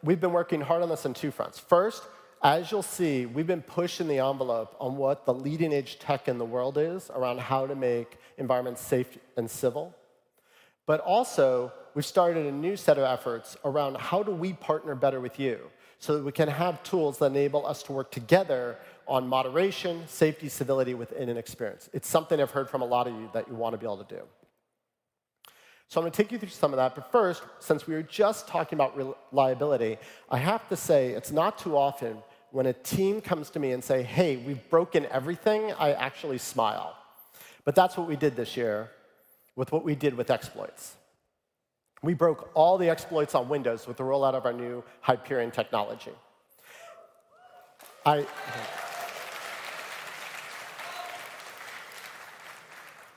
We've been working hard on this on two fronts. First, as you'll see, we've been pushing the envelope on what the leading-edge tech in the world is around how to make environments safe and civil. But also, we've started a new set of efforts around how do we partner better with you so that we can have tools that enable us to work together on moderation, safety, civility within an experience. It's something I've heard from a lot of you that you want to be able to do. So I'm gonna take you through some of that, but first, since we were just talking about reliability, I have to say, it's not too often when a team comes to me and say, "Hey, we've broken everything," I actually smile. But that's what we did this year with what we did with exploits. We broke all the exploits on Windows with the rollout of our new Hyperion technology. I...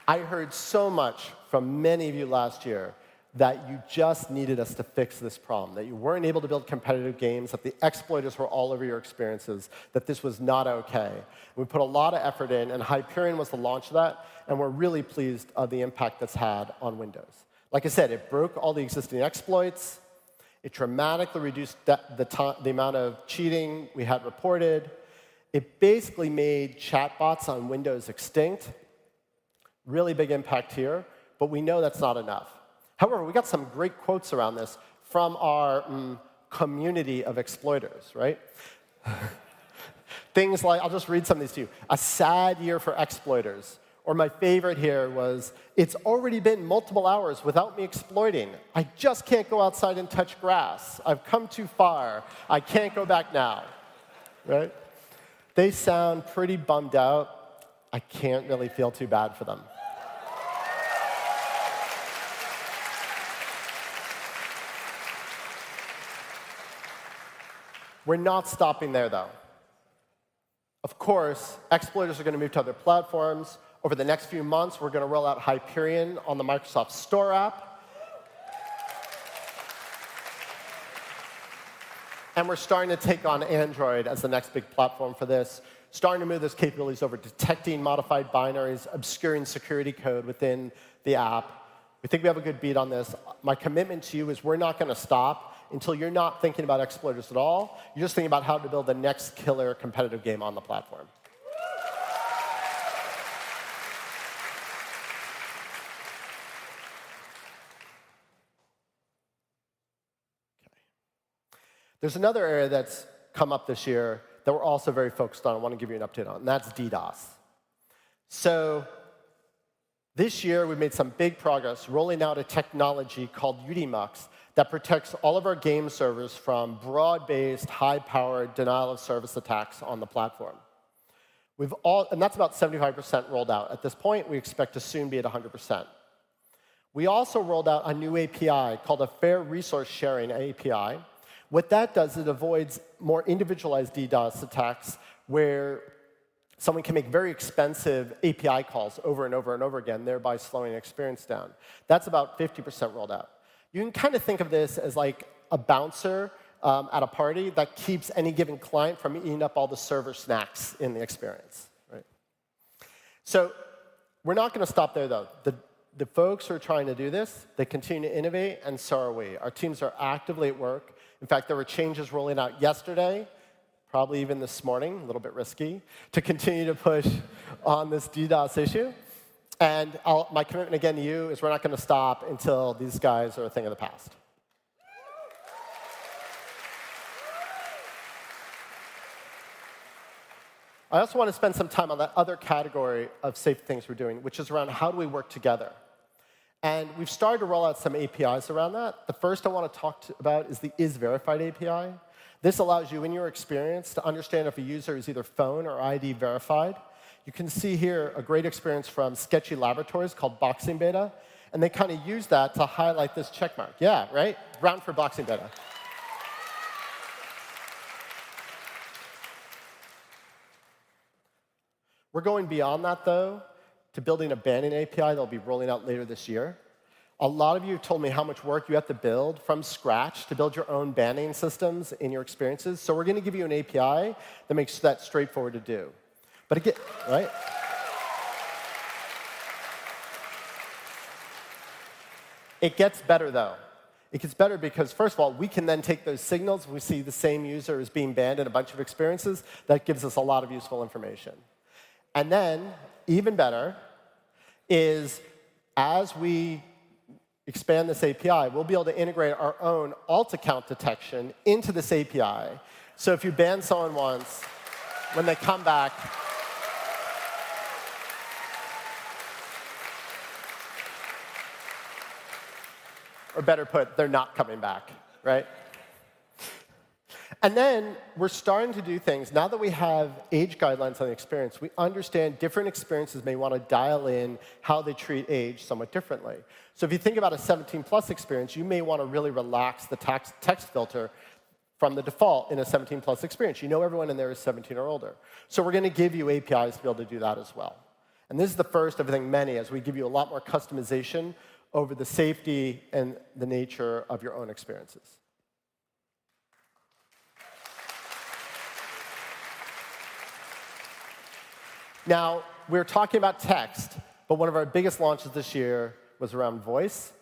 I heard so much from many of you last year that you just needed us to fix this problem, that you weren't able to build competitive games, that the exploiters were all over your experiences, that this was not okay. We put a lot of effort in, and Hyperion was the launch of that, and we're really pleased of the impact that's had on Windows. Like I said, it broke all the existing exploits.... It dramatically reduced the amount of cheating we had reported. It basically made chatbots on Windows extinct. Really big impact here, but we know that's not enough. However, we got some great quotes around this from our community of exploiters, right? Things like... I'll just read some of these to you. "A sad year for exploiters." Or my favorite here was, "It's already been multiple hours without me exploiting. I just can't go outside and touch grass. I've come too far. I can't go back now." Right? They sound pretty bummed out. I can't really feel too bad for them. We're not stopping there, though. Of course, exploiters are gonna move to other platforms. Over the next few months, we're gonna roll out Hyperion on the Microsoft Store app. We're starting to take on Android as the next big platform for this, starting to move those capabilities over, detecting modified binaries, obscuring security code within the app. We think we have a good beat on this. My commitment to you is we're not gonna stop until you're not thinking about exploiters at all, you're just thinking about how to build the next killer competitive game on the platform. Okay. There's another area that's come up this year that we're also very focused on and want to give you an update on, and that's DDoS. So this year, we've made some big progress rolling out a technology called UDMAX that protects all of our game servers from broad-based, high-powered denial-of-service attacks on the platform. And that's about 75% rolled out. At this point, we expect to soon be at a 100%. We also rolled out a new API called a Fair Resource Sharing API. What that does, it avoids more individualized DDoS attacks, where someone can make very expensive API calls over and over and over again, thereby slowing the experience down. That's about 50% rolled out. You can kind of think of this as like a bouncer at a party that keeps any given client from eating up all the server snacks in the experience, right? So we're not gonna stop there, though. The folks who are trying to do this, they continue to innovate, and so are we. Our teams are actively at work. In fact, there were changes rolling out yesterday, probably even this morning, a little bit risky, to continue to push on this DDoS issue. And I'll, my commitment again to you is we're not gonna stop until these guys are a thing of the past. I also want to spend some time on that other category of safe things we're doing, which is around how do we work together. And we've started to roll out some APIs around that. The first I want to talk about is the Is Verified API. This allows you, in your experience, to understand if a user is either phone or ID verified. You can see here a great experience from Sketchy Laboratories called Boxing Beta, and they kinda used that to highlight this check mark. Yeah, right? Round for Boxing Beta. We're going beyond that, though, to building a Banning API that'll be rolling out later this year. A lot of you told me how much work you have to build from scratch to build your own banning systems in your experiences, so we're gonna give you an API that makes that straightforward to do. Right. It gets better, though. It gets better because, first of all, we can then take those signals, and we see the same user is being banned in a bunch of experiences. That gives us a lot of useful information. And then, even better, is, as we expand this API, we'll be able to integrate our own alt account detection into this API. So if you ban someone once, when they come back... Or better put, they're not coming back, right? And then we're starting to do things, now that we have age guidelines on the experience, we understand different experiences may want to dial in how they treat age somewhat differently. So if you think about a 17-plus experience, you may want to really relax the chat text filter from the default in a 17-plus experience. You know everyone in there is 17 or older. So we're gonna give you APIs to be able to do that as well. And this is the first of, I think, many, as we give you a lot more customization over the safety and the nature of your own experiences. Now, we're talking about text, but one of our biggest launches this year was around voice.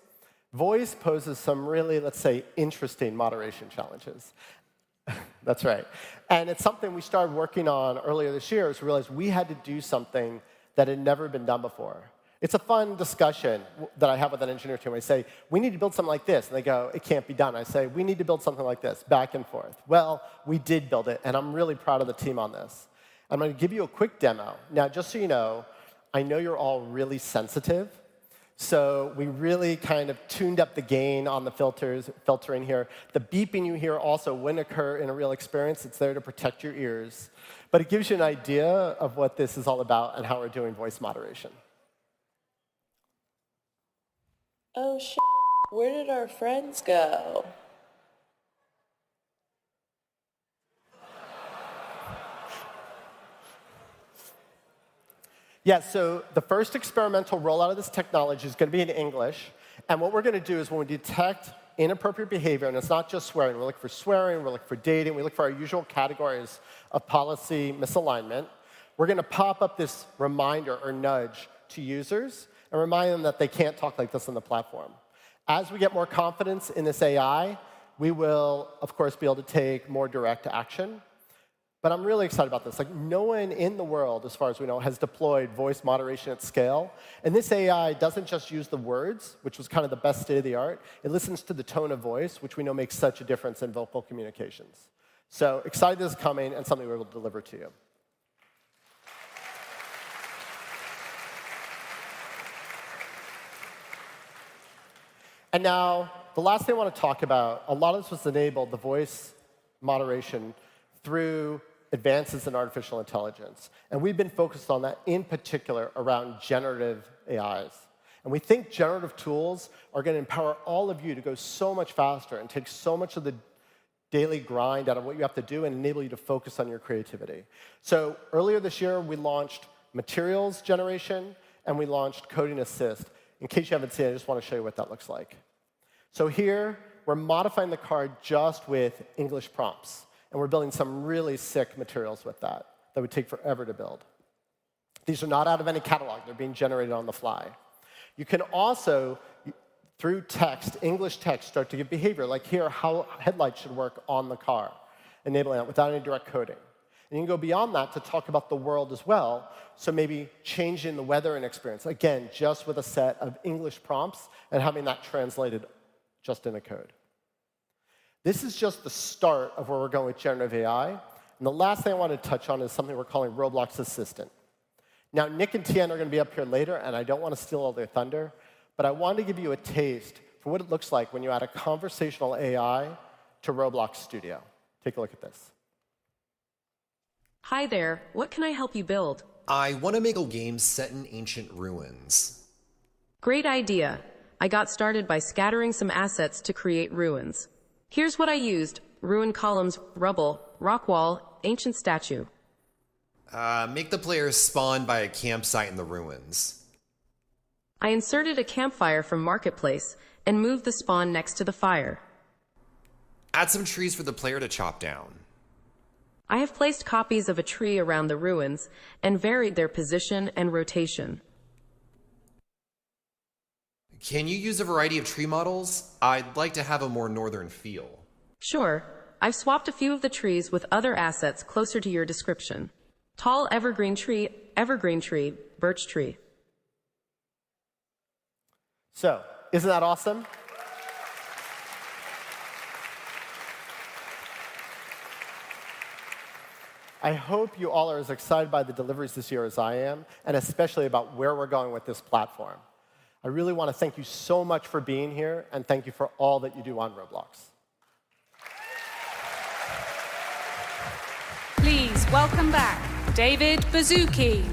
Voice poses some really, let's say, interesting moderation challenges. That's right. And it's something we started working on earlier this year, as we realized we had to do something that had never been done before. It's a fun discussion with that I have with an engineer team, where I say, "We need to build something like this," and they go, "It can't be done." I say, "We need to build something like this," back and forth. Well, we did build it, and I'm really proud of the team on this. I'm gonna give you a quick demo. Now, just so you know, I know you're all really sensitive, so we really kind of tuned up the gain on the filters, filtering here. The beeping you hear also wouldn't occur in a real experience. It's there to protect your ears, but it gives you an idea of what this is all about and how we're doing voice moderation. Oh, where did our friends go? Yeah, so the first experimental rollout of this technology is gonna be in English. And what we're gonna do is, when we detect inappropriate behavior, and it's not just swearing, we look for swearing, we look for dating, we look for our usual categories of policy misalignment, we're gonna pop up this reminder or nudge to users and remind them that they can't talk like this on the platform. As we get more confidence in this AI, we will, of course, be able to take more direct action... But I'm really excited about this. Like, no one in the world, as far as we know, has deployed voice moderation at scale, and this AI doesn't just use the words, which was kind of the best state-of-the-art. It listens to the tone of voice, which we know makes such a difference in vocal communications. So excited this is coming, and something we're able to deliver to you. Now, the last thing I wanna talk about, a lot of this was enabled, the voice moderation, through advances in artificial intelligence, and we've been focused on that, in particular, around generative AI. We think generative tools are gonna empower all of you to go so much faster and take so much of the daily grind out of what you have to do and enable you to focus on your creativity. Earlier this year, we launched materials generation, and we launched Code Assist. In case you haven't seen it, I just wanna show you what that looks like. So here, we're modifying the car just with English prompts, and we're building some really sick materials with that, that would take forever to build. These are not out of any catalog. They're being generated on the fly. You can also, through text, English text, start to give behavior, like here, how headlights should work on the car, enabling that without any direct coding. And you can go beyond that to talk about the world as well, so maybe changing the weather and experience. Again, just with a set of English prompts and having that translated just in the code. This is just the start of where we're going with Generative AI, and the last thing I want to touch on is something we're calling Roblox Assistant. Now, Nick and Tian are gonna be up here later, and I don't want to steal all their thunder, but I want to give you a taste for what it looks like when you add a conversational AI to Roblox Studio. Take a look at this. Hi there. What can I help you build? I want to make a game set in ancient ruins. Great idea! I got started by scattering some assets to create ruins. Here's what I used: ruined columns, rubble, rock wall, ancient statue. Make the player spawn by a campsite in the ruins. I inserted a campfire from Marketplace and moved the spawn next to the fire. Add some trees for the player to chop down. I have placed copies of a tree around the ruins and varied their position and rotation. Can you use a variety of tree models? I'd like to have a more northern feel. Sure, I've swapped a few of the trees with other assets closer to your description. Tall evergreen tree, evergreen tree, birch tree. Isn't that awesome? I hope you all are as excited by the deliveries this year as I am, and especially about where we're going with this platform. I really wanna thank you so much for being here, and thank you for all that you do on Roblox. Please welcome back David Baszucki.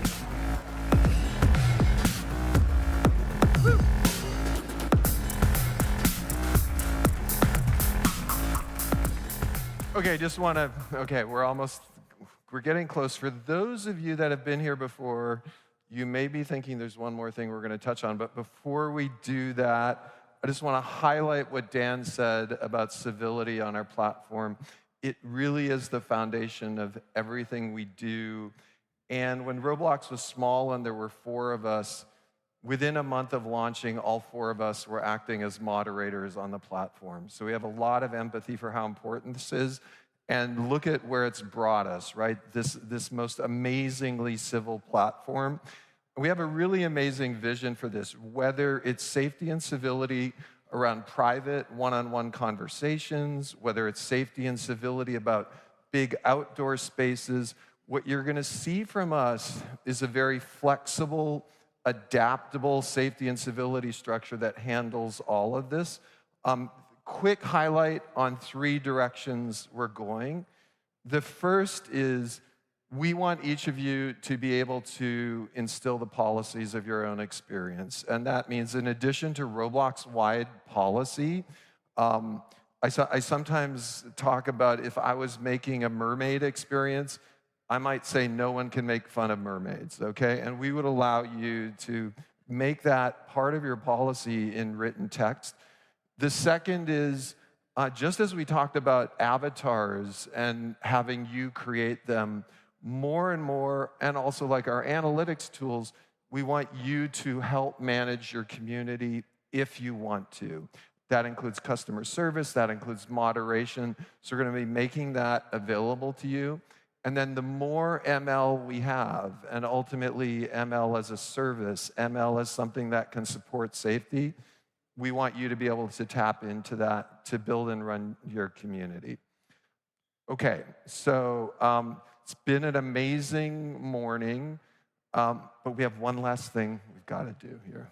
Okay, we're almost. We're getting close. For those of you that have been here before, you may be thinking there's one more thing we're gonna touch on, but before we do that, I just wanna highlight what Dan said about civility on our platform. It really is the foundation of everything we do, and when Roblox was small, and there were four of us, within a month of launching, all four of us were acting as moderators on the platform. So we have a lot of empathy for how important this is, and look at where it's brought us, right? This, this most amazingly civil platform. We have a really amazing vision for this, whether it's safety and civility around private, one-on-one conversations, whether it's safety and civility about big outdoor spaces. What you're gonna see from us is a very flexible, adaptable safety and civility structure that handles all of this. Quick highlight on three directions we're going. The first is we want each of you to be able to instill the policies of your own experience, and that means in addition to Roblox-wide policy, I sometimes talk about if I was making a mermaid experience, I might say, "No one can make fun of mermaids," okay? And we would allow you to make that part of your policy in written text. The second is, just as we talked about avatars and having you create them more and more, and also, like, our analytics tools, we want you to help manage your community if you want to. That includes customer service. That includes moderation. So we're gonna be making that available to you, and then the more ML we have, and ultimately ML as a service, ML as something that can support safety, we want you to be able to tap into that to build and run your community. Okay, so, it's been an amazing morning, but we have one last thing we've gotta do here.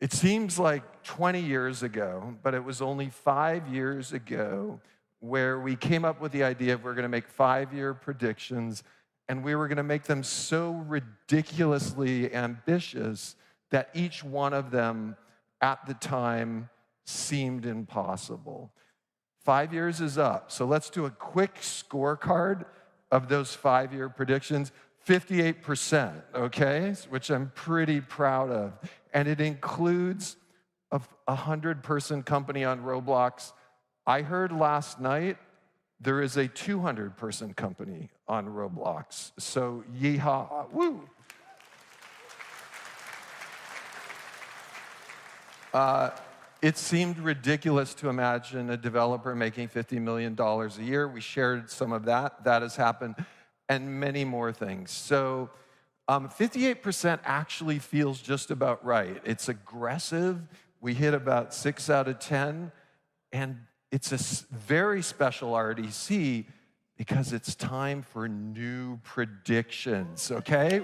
It seems like 20 years ago, but it was only five years ago, where we came up with the idea of we're gonna make 5-year predictions, and we were gonna make them so ridiculously ambitious that each one of them, at the time, seemed impossible. five years is up, so let's do a quick scorecard of those five-year predictions. 58%, okay? Which I'm pretty proud of, and it includes a 100-person company on Roblox. I heard last night there is a 200-person company on Roblox, so yee-haw. Woo! ... ah, it seemed ridiculous to imagine a developer making $50 million a year. We shared some of that. That has happened and many more things. So, 58% actually feels just about right. It's aggressive. We hit about six out of 10, and it's a very special RDC because it's time for new predictions. Okay?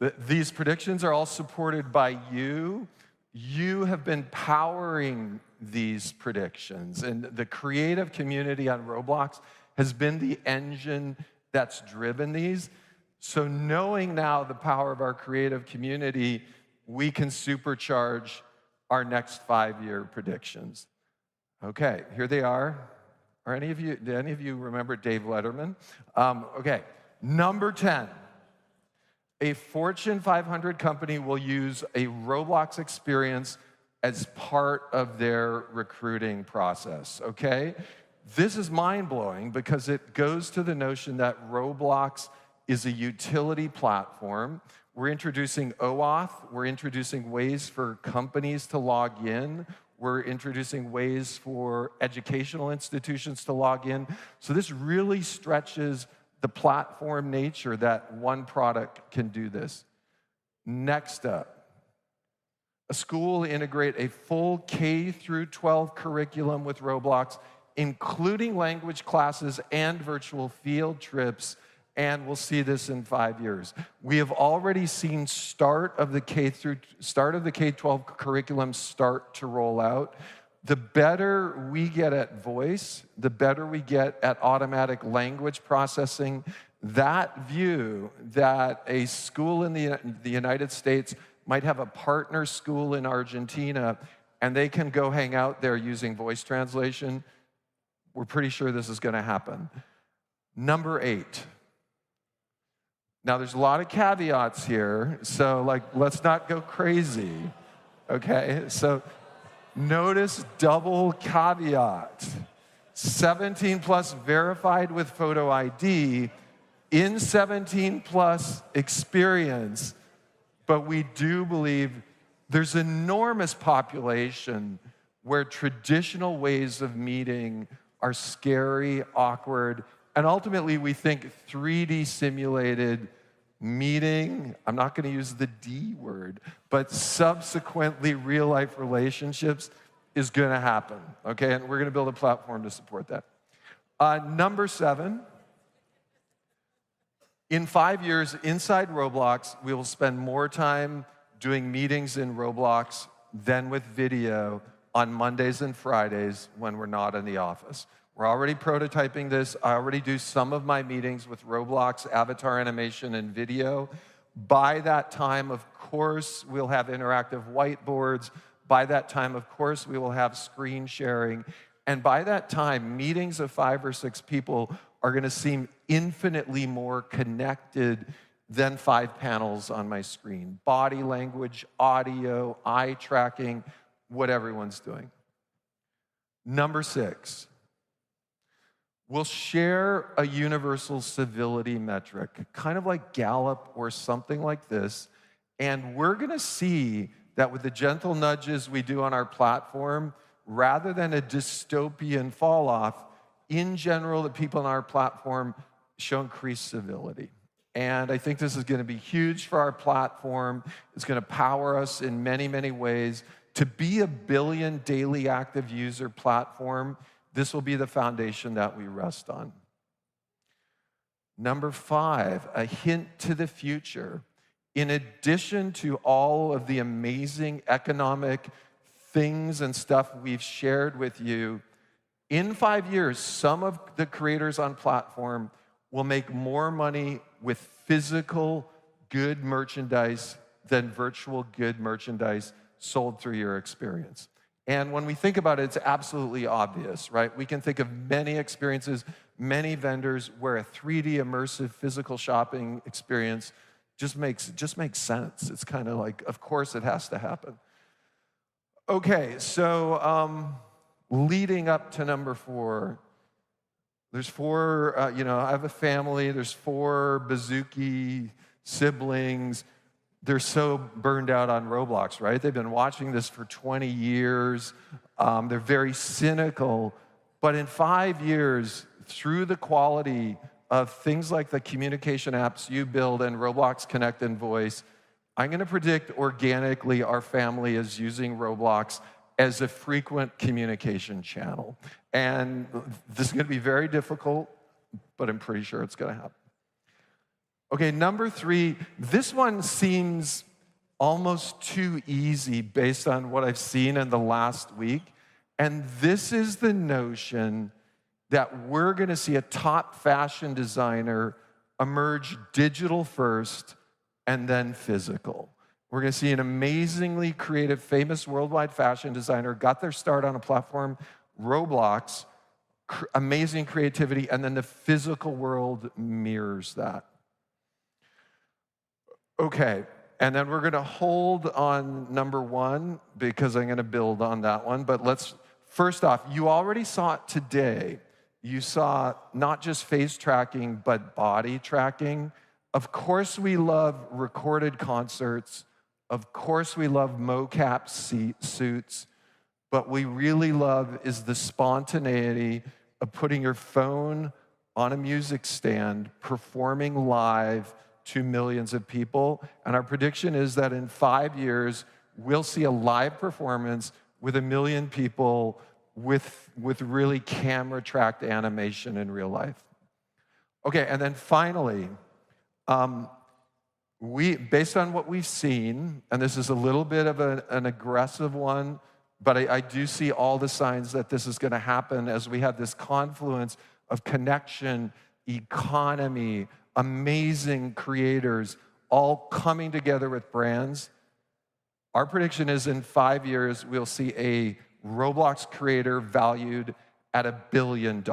Woo! These predictions are all supported by you. You have been powering these predictions, and the creative community on Roblox has been the engine that's driven these. So knowing now the power of our creative community, we can supercharge our next five-year predictions. Okay, here they are. Are any of you-- do any of you remember David Letterman? Okay, number 10, a Fortune 500 company will use a Roblox experience as part of their recruiting process, okay? This is mind-blowing because it goes to the notion that Roblox is a utility platform. We're introducing OAuth. We're introducing ways for companies to log in. We're introducing ways for educational institutions to log in. So this really stretches the platform nature that one product can do this. Next up, a school will integrate a full K through 12 curriculum with Roblox, including language classes and virtual field trips, and we'll see this in five years. We have already seen start of the K-12 curriculum start to roll out. The better we get at voice, the better we get at automatic language processing. That view that a school in the United States might have a partner school in Argentina, and they can go hang out there using voice translation, we're pretty sure this is gonna happen. Number eight. Now, there's a lot of caveats here, so, like, let's not go crazy, okay? So notice double caveat, 17+ verified with photo ID in 17+ experience. But we do believe there's enormous population where traditional ways of meeting are scary, awkward, and ultimately, we think 3D simulated meeting, I'm not gonna use the D word, but subsequently, real-life relationships is gonna happen, okay? And we're gonna build a platform to support that. Number seven, in five years, inside Roblox, we will spend more time doing meetings in Roblox than with video on Mondays and Fridays when we're not in the office. We're already prototyping this. I already do some of my meetings with Roblox avatar animation and video. By that time, of course, we'll have interactive whiteboards. By that time, of course, we will have screen sharing, and by that time, meetings of five or six people are gonna seem infinitely more connected than five panels on my screen. Body language, audio, eye tracking, what everyone's doing. Number six, we'll share a universal civility metric, kind of like Gallup or something like this, and we're gonna see that with the gentle nudges we do on our platform, rather than a dystopian fall off. In general, the people on our platform show increased civility. I think this is gonna be huge for our platform. It's gonna power us in many, many ways. To be a billion daily active user platform, this will be the foundation that we rest on. Number five, a hint to the future. In addition to all of the amazing economic things and stuff we've shared with you, in five years, some of the creators on platform will make more money with physical good merchandise than virtual good merchandise sold through your experience. And when we think about it, it's absolutely obvious, right? We can think of many experiences, many vendors, where a 3D immersive physical shopping experience just makes, just makes sense. It's kind of like, of course, it has to happen. Okay, so, leading up to number four, there's four, you know, I have a family. There's four Baszucki siblings. They're so burned out on Roblox, right? They've been watching this for 20 years. They're very cynical. But in five years, through the quality of things like the communication apps you build and Roblox Connect and Voice, I'm gonna predict organically, our family is using Roblox as a frequent communication channel, and this is gonna be very difficult, but I'm pretty sure it's gonna happen. Okay, number three, this one seems almost too easy based on what I've seen in the last week, and this is the notion that we're gonna see a top fashion designer emerge digital first and then physical. We're gonna see an amazingly creative, famous, worldwide fashion designer, got their start on a platform, Roblox, amazing creativity, and then the physical world mirrors that. Okay, and then we're gonna hold on number one, because I'm gonna build on that one. But let's first off, you already saw it today. You saw not just face tracking, but body tracking. Of course, we love recorded concerts. Of course, we love mocap suit, suits, but we really love is the spontaneity of putting your phone on a music stand, performing live to millions of people. Our prediction is that in five years, we'll see a live performance with a million people with really camera-tracked animation in real life. Okay, then finally, we based on what we've seen, and this is a little bit of an aggressive one, but I do see all the signs that this is going to happen as we have this confluence of connection, economy, amazing creators, all coming together with brands. Our prediction is in five years, we'll see a Roblox creator valued at $1 billion.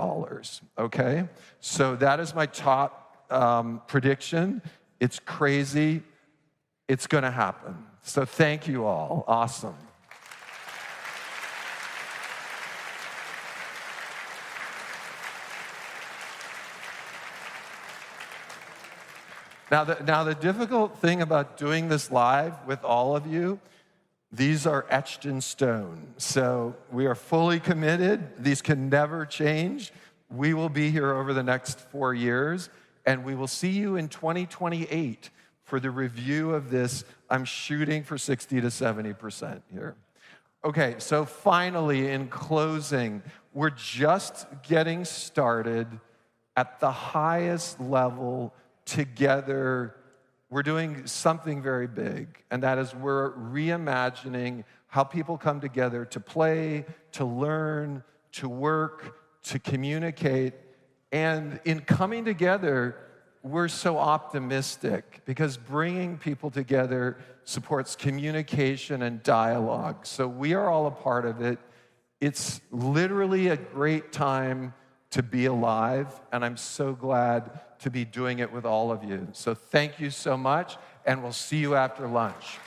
Okay? So that is my top prediction. It's crazy. It's going to happen. So thank you all. Awesome. Now the difficult thing about doing this live with all of you, these are etched in stone, so we are fully committed. These can never change. We will be here over the next four years, and we will see you in 2028 for the review of this. I'm shooting for 60%-70% here. Okay, so finally, in closing, we're just getting started at the highest level together. We're doing something very big, and that is we're reimagining how people come together to play, to learn, to work, to communicate. And in coming together, we're so optimistic because bringing people together supports communication and dialogue. So we are all a part of it. It's literally a great time to be alive, and I'm so glad to be doing it with all of you. So thank you so much, and we'll see you after lunch.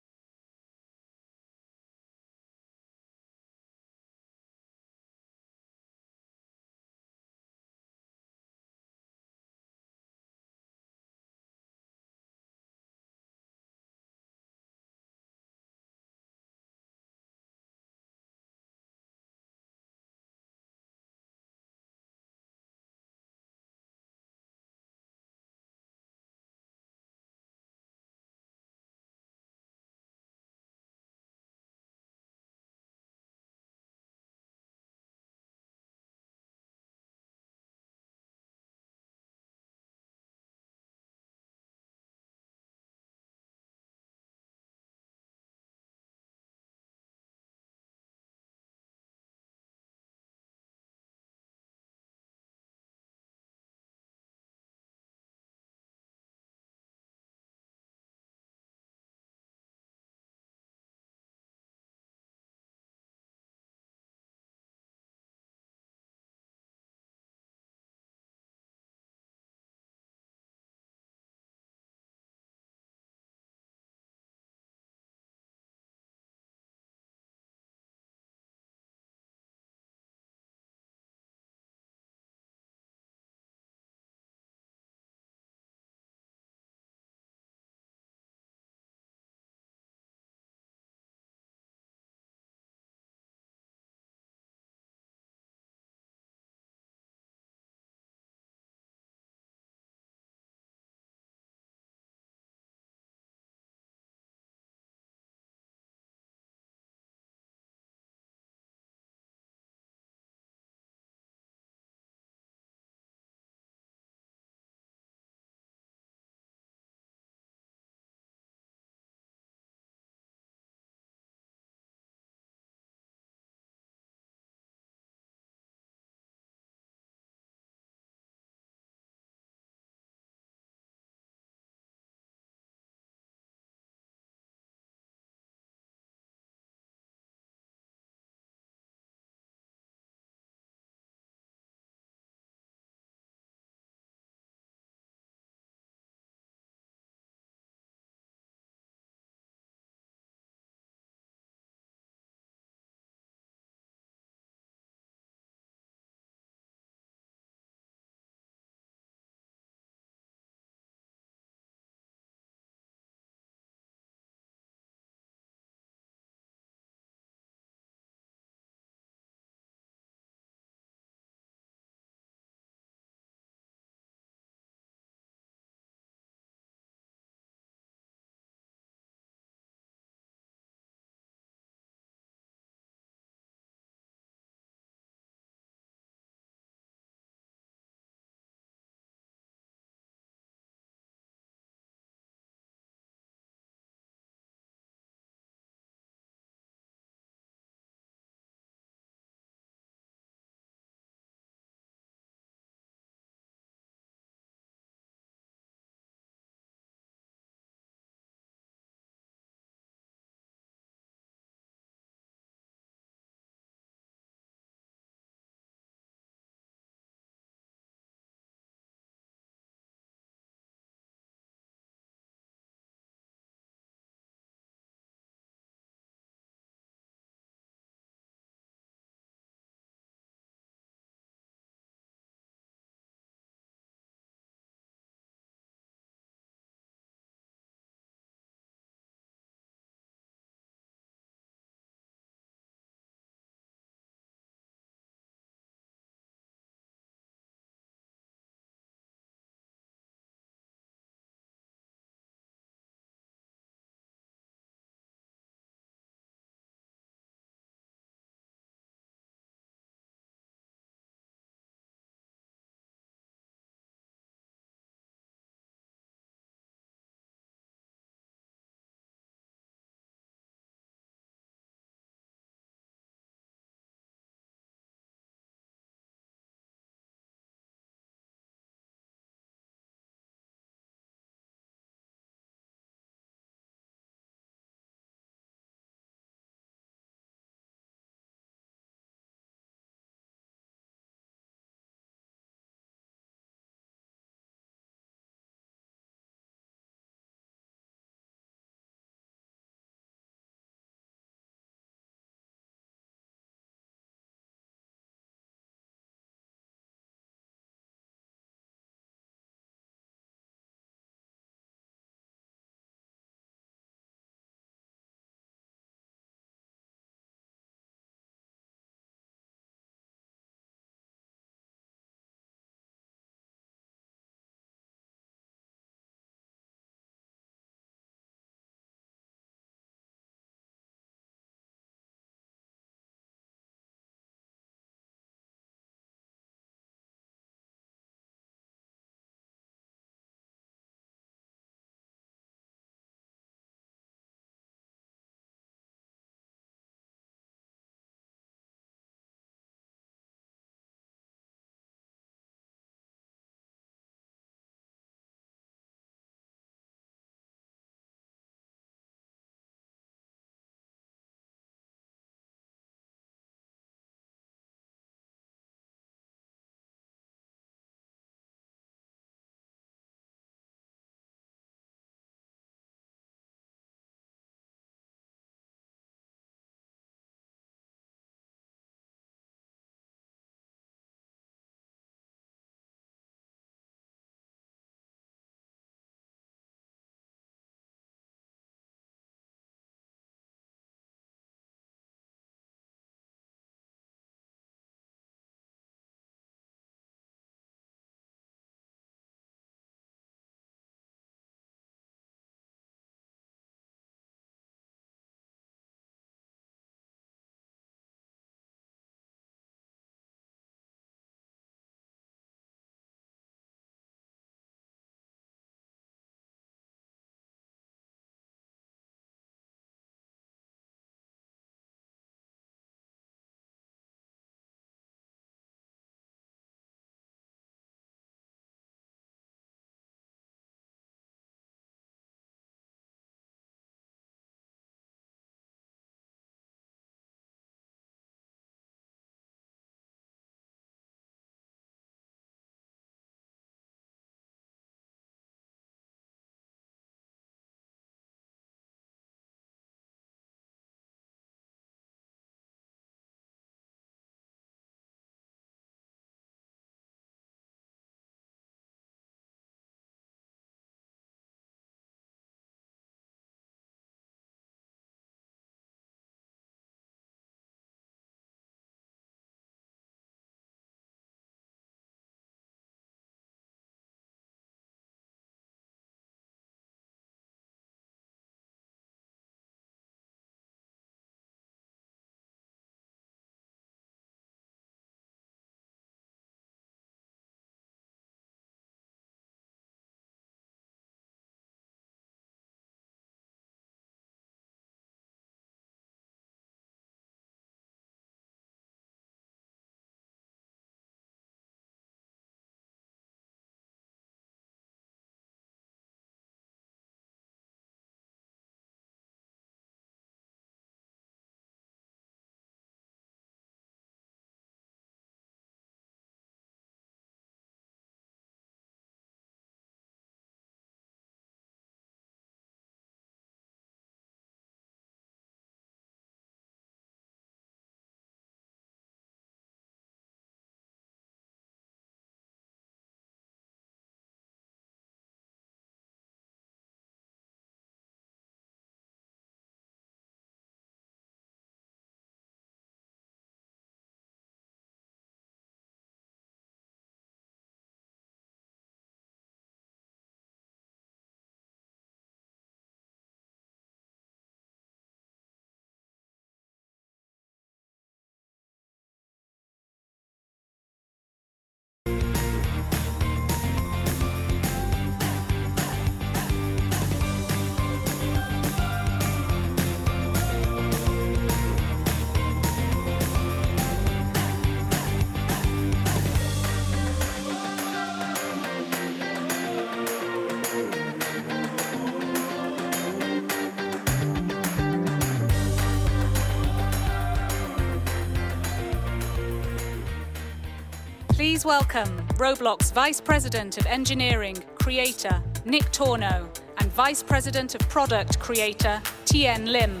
Please welcome Roblox Vice President of Engineering, Creator Nick Tornow, and Vice President of Product, Creator Tian Lim.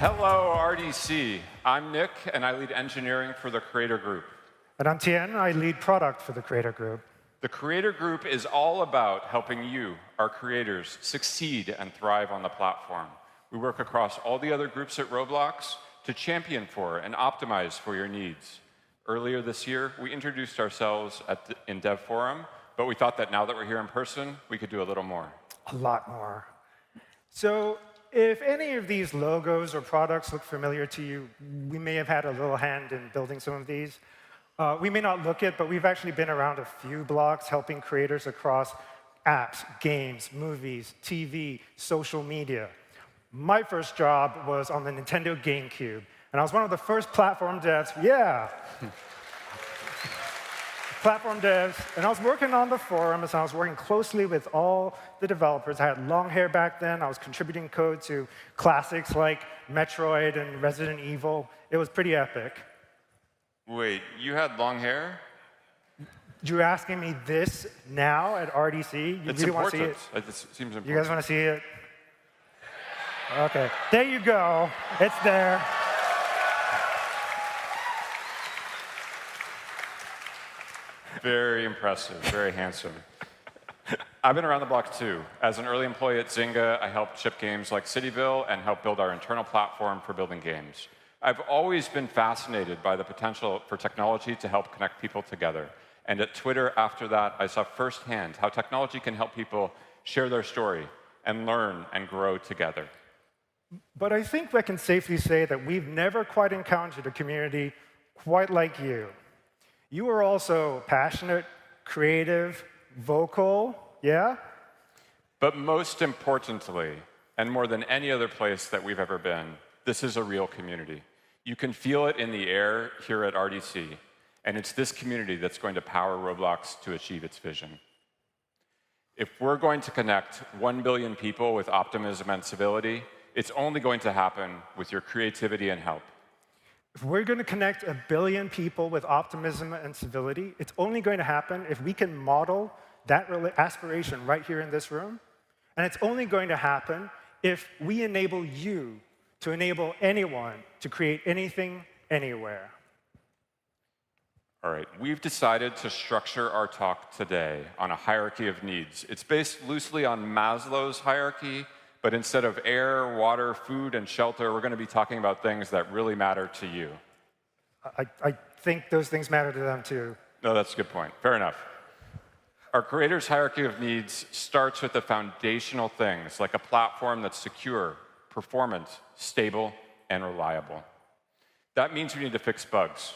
Hello, RDC. I'm Nick, and I lead engineering for the Creator Group. I'm Tian, I lead product for the Creator Group. The Creator Group is all about helping you, our creators, succeed and thrive on the platform. We work across all the other groups at Roblox to champion for and optimize for your needs. Earlier this year, we introduced ourselves in DevForum, but we thought that now that we're here in person, we could do a little more. A lot more. So if any of these logos or products look familiar to you, we may have had a little hand in building some of these. We may not look it, but we've actually been around a few blocks helping creators across apps, games, movies, TV, social media. My first job was on the Nintendo GameCube, and I was one of the first platform devs- Yeah! Platform devs, and I was working on the forum, and so I was working closely with all the developers. I had long hair back then. I was contributing code to classics like Metroid and Resident Evil. It was pretty epic. Wait, you had long hair? You're asking me this now at RDC? You wanna see it? It's important. It seems important. You guys wanna see it? Okay, there you go. It's there. Very impressive. Very handsome. I've been around the block, too. As an early employee at Zynga, I helped ship games like CityVille and helped build our internal platform for building games. I've always been fascinated by the potential for technology to help connect people together, and at Twitter after that, I saw firsthand how technology can help people share their story and learn and grow together. But I think we can safely say that we've never quite encountered a community quite like you. You are all so passionate, creative, vocal. Yeah? But most importantly, and more than any other place that we've ever been, this is a real community. You can feel it in the air here at RDC, and it's this community that's going to power Roblox to achieve its vision. If we're going to connect one billion people with optimism and civility, it's only going to happen with your creativity and help. If we're gonna connect 1 billion people with optimism and civility, it's only going to happen if we can model that aspiration right here in this room, and it's only going to happen if we enable you to enable anyone to create anything, anywhere. All right. We've decided to structure our talk today on a hierarchy of needs. It's based loosely on Maslow's hierarchy, but instead of air, water, food, and shelter, we're gonna be talking about things that really matter to you. I think those things matter to them, too. No, that's a good point. Fair enough. Our creators' hierarchy of needs starts with the foundational things, like a platform that's secure, performant, stable, and reliable. That means we need to fix bugs,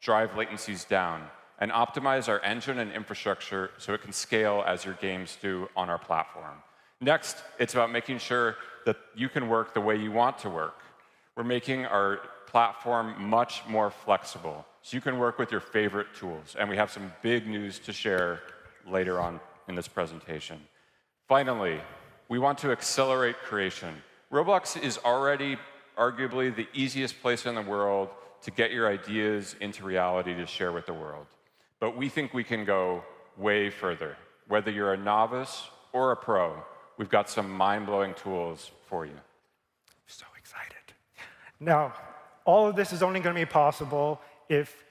drive latencies down, and optimize our engine and infrastructure so it can scale as your games do on our platform. Next, it's about making sure that you can work the way you want to work. We're making our platform much more flexible, so you can work with your favorite tools, and we have some big news to share later on in this presentation. Finally, we want to accelerate creation. Roblox is already arguably the easiest place in the world to get your ideas into reality to share with the world, but we think we can go way further. Whether you're a novice or a pro, we've got some mind-blowing tools for you. So excited! Now, all of this is only gonna be possible if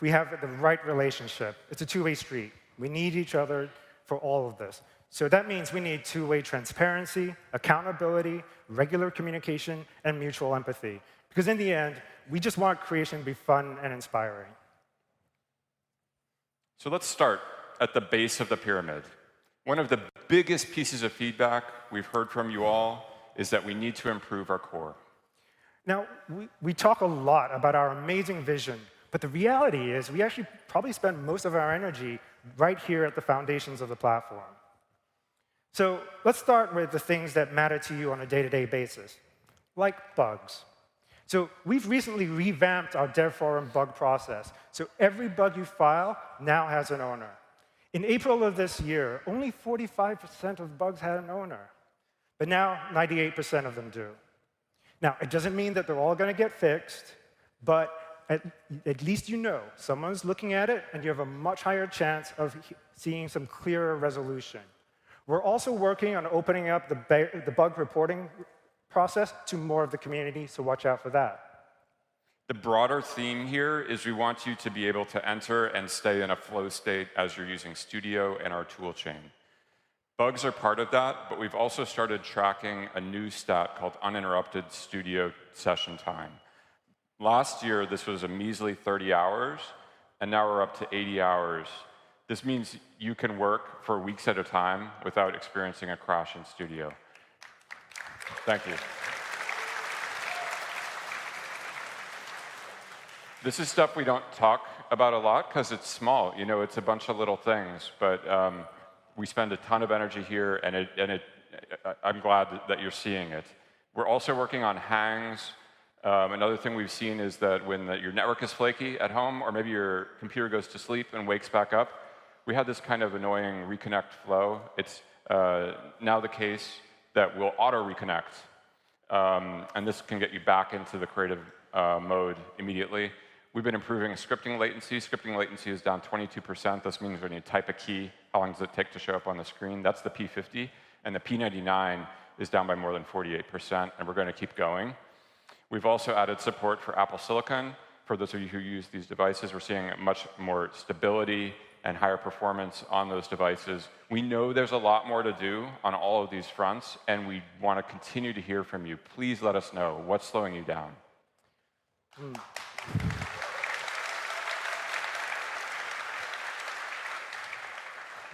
we have the right relationship. It's a two-way street. We need each other for all of this, so that means we need two-way transparency, accountability, regular communication, and mutual empathy. Because in the end, we just want creation to be fun and inspiring. Let's start at the base of the pyramid. One of the biggest pieces of feedback we've heard from you all is that we need to improve our core. Now, we talk a lot about our amazing vision, but the reality is, we actually probably spend most of our energy right here at the foundations of the platform. So let's start with the things that matter to you on a day-to-day basis, like bugs. So we've recently revamped our dev forum bug process, so every bug you file now has an owner. In April of this year, only 45% of bugs had an owner, but now 98% of them do. Now, it doesn't mean that they're all gonna get fixed, but at least you know someone's looking at it, and you have a much higher chance of seeing some clearer resolution. We're also working on opening up the the bug-reporting process to more of the community, so watch out for that. The broader theme here is we want you to be able to enter and stay in a flow state as you're using Studio and our tool chain. Bugs are part of that, but we've also started tracking a new stat called uninterrupted Studio session time. Last year, this was a measly 30 hours, and now we're up to 80 hours. This means you can work for weeks at a time without experiencing a crash in Studio. Thank you. This is stuff we don't talk about a lot 'cause it's small, you know, it's a bunch of little things, but we spend a ton of energy here, and it, I'm glad that you're seeing it. We're also working on hangs. Another thing we've seen is that when your network is flaky at home, or maybe your computer goes to sleep and wakes back up, we have this kind of annoying reconnect flow. It's now the case that we'll auto-reconnect, and this can get you back into the creative mode immediately. We've been improving scripting latency. Scripting latency is down 22%. This means when you type a key, how long does it take to show up on the screen? That's the P50, and the P99 is down by more than 48%, and we're gonna keep going. We've also added support for Apple silicon. For those of you who use these devices, we're seeing much more stability and higher performance on those devices. We know there's a lot more to do on all of these fronts, and we want to continue to hear from you. Please let us know what's slowing you down.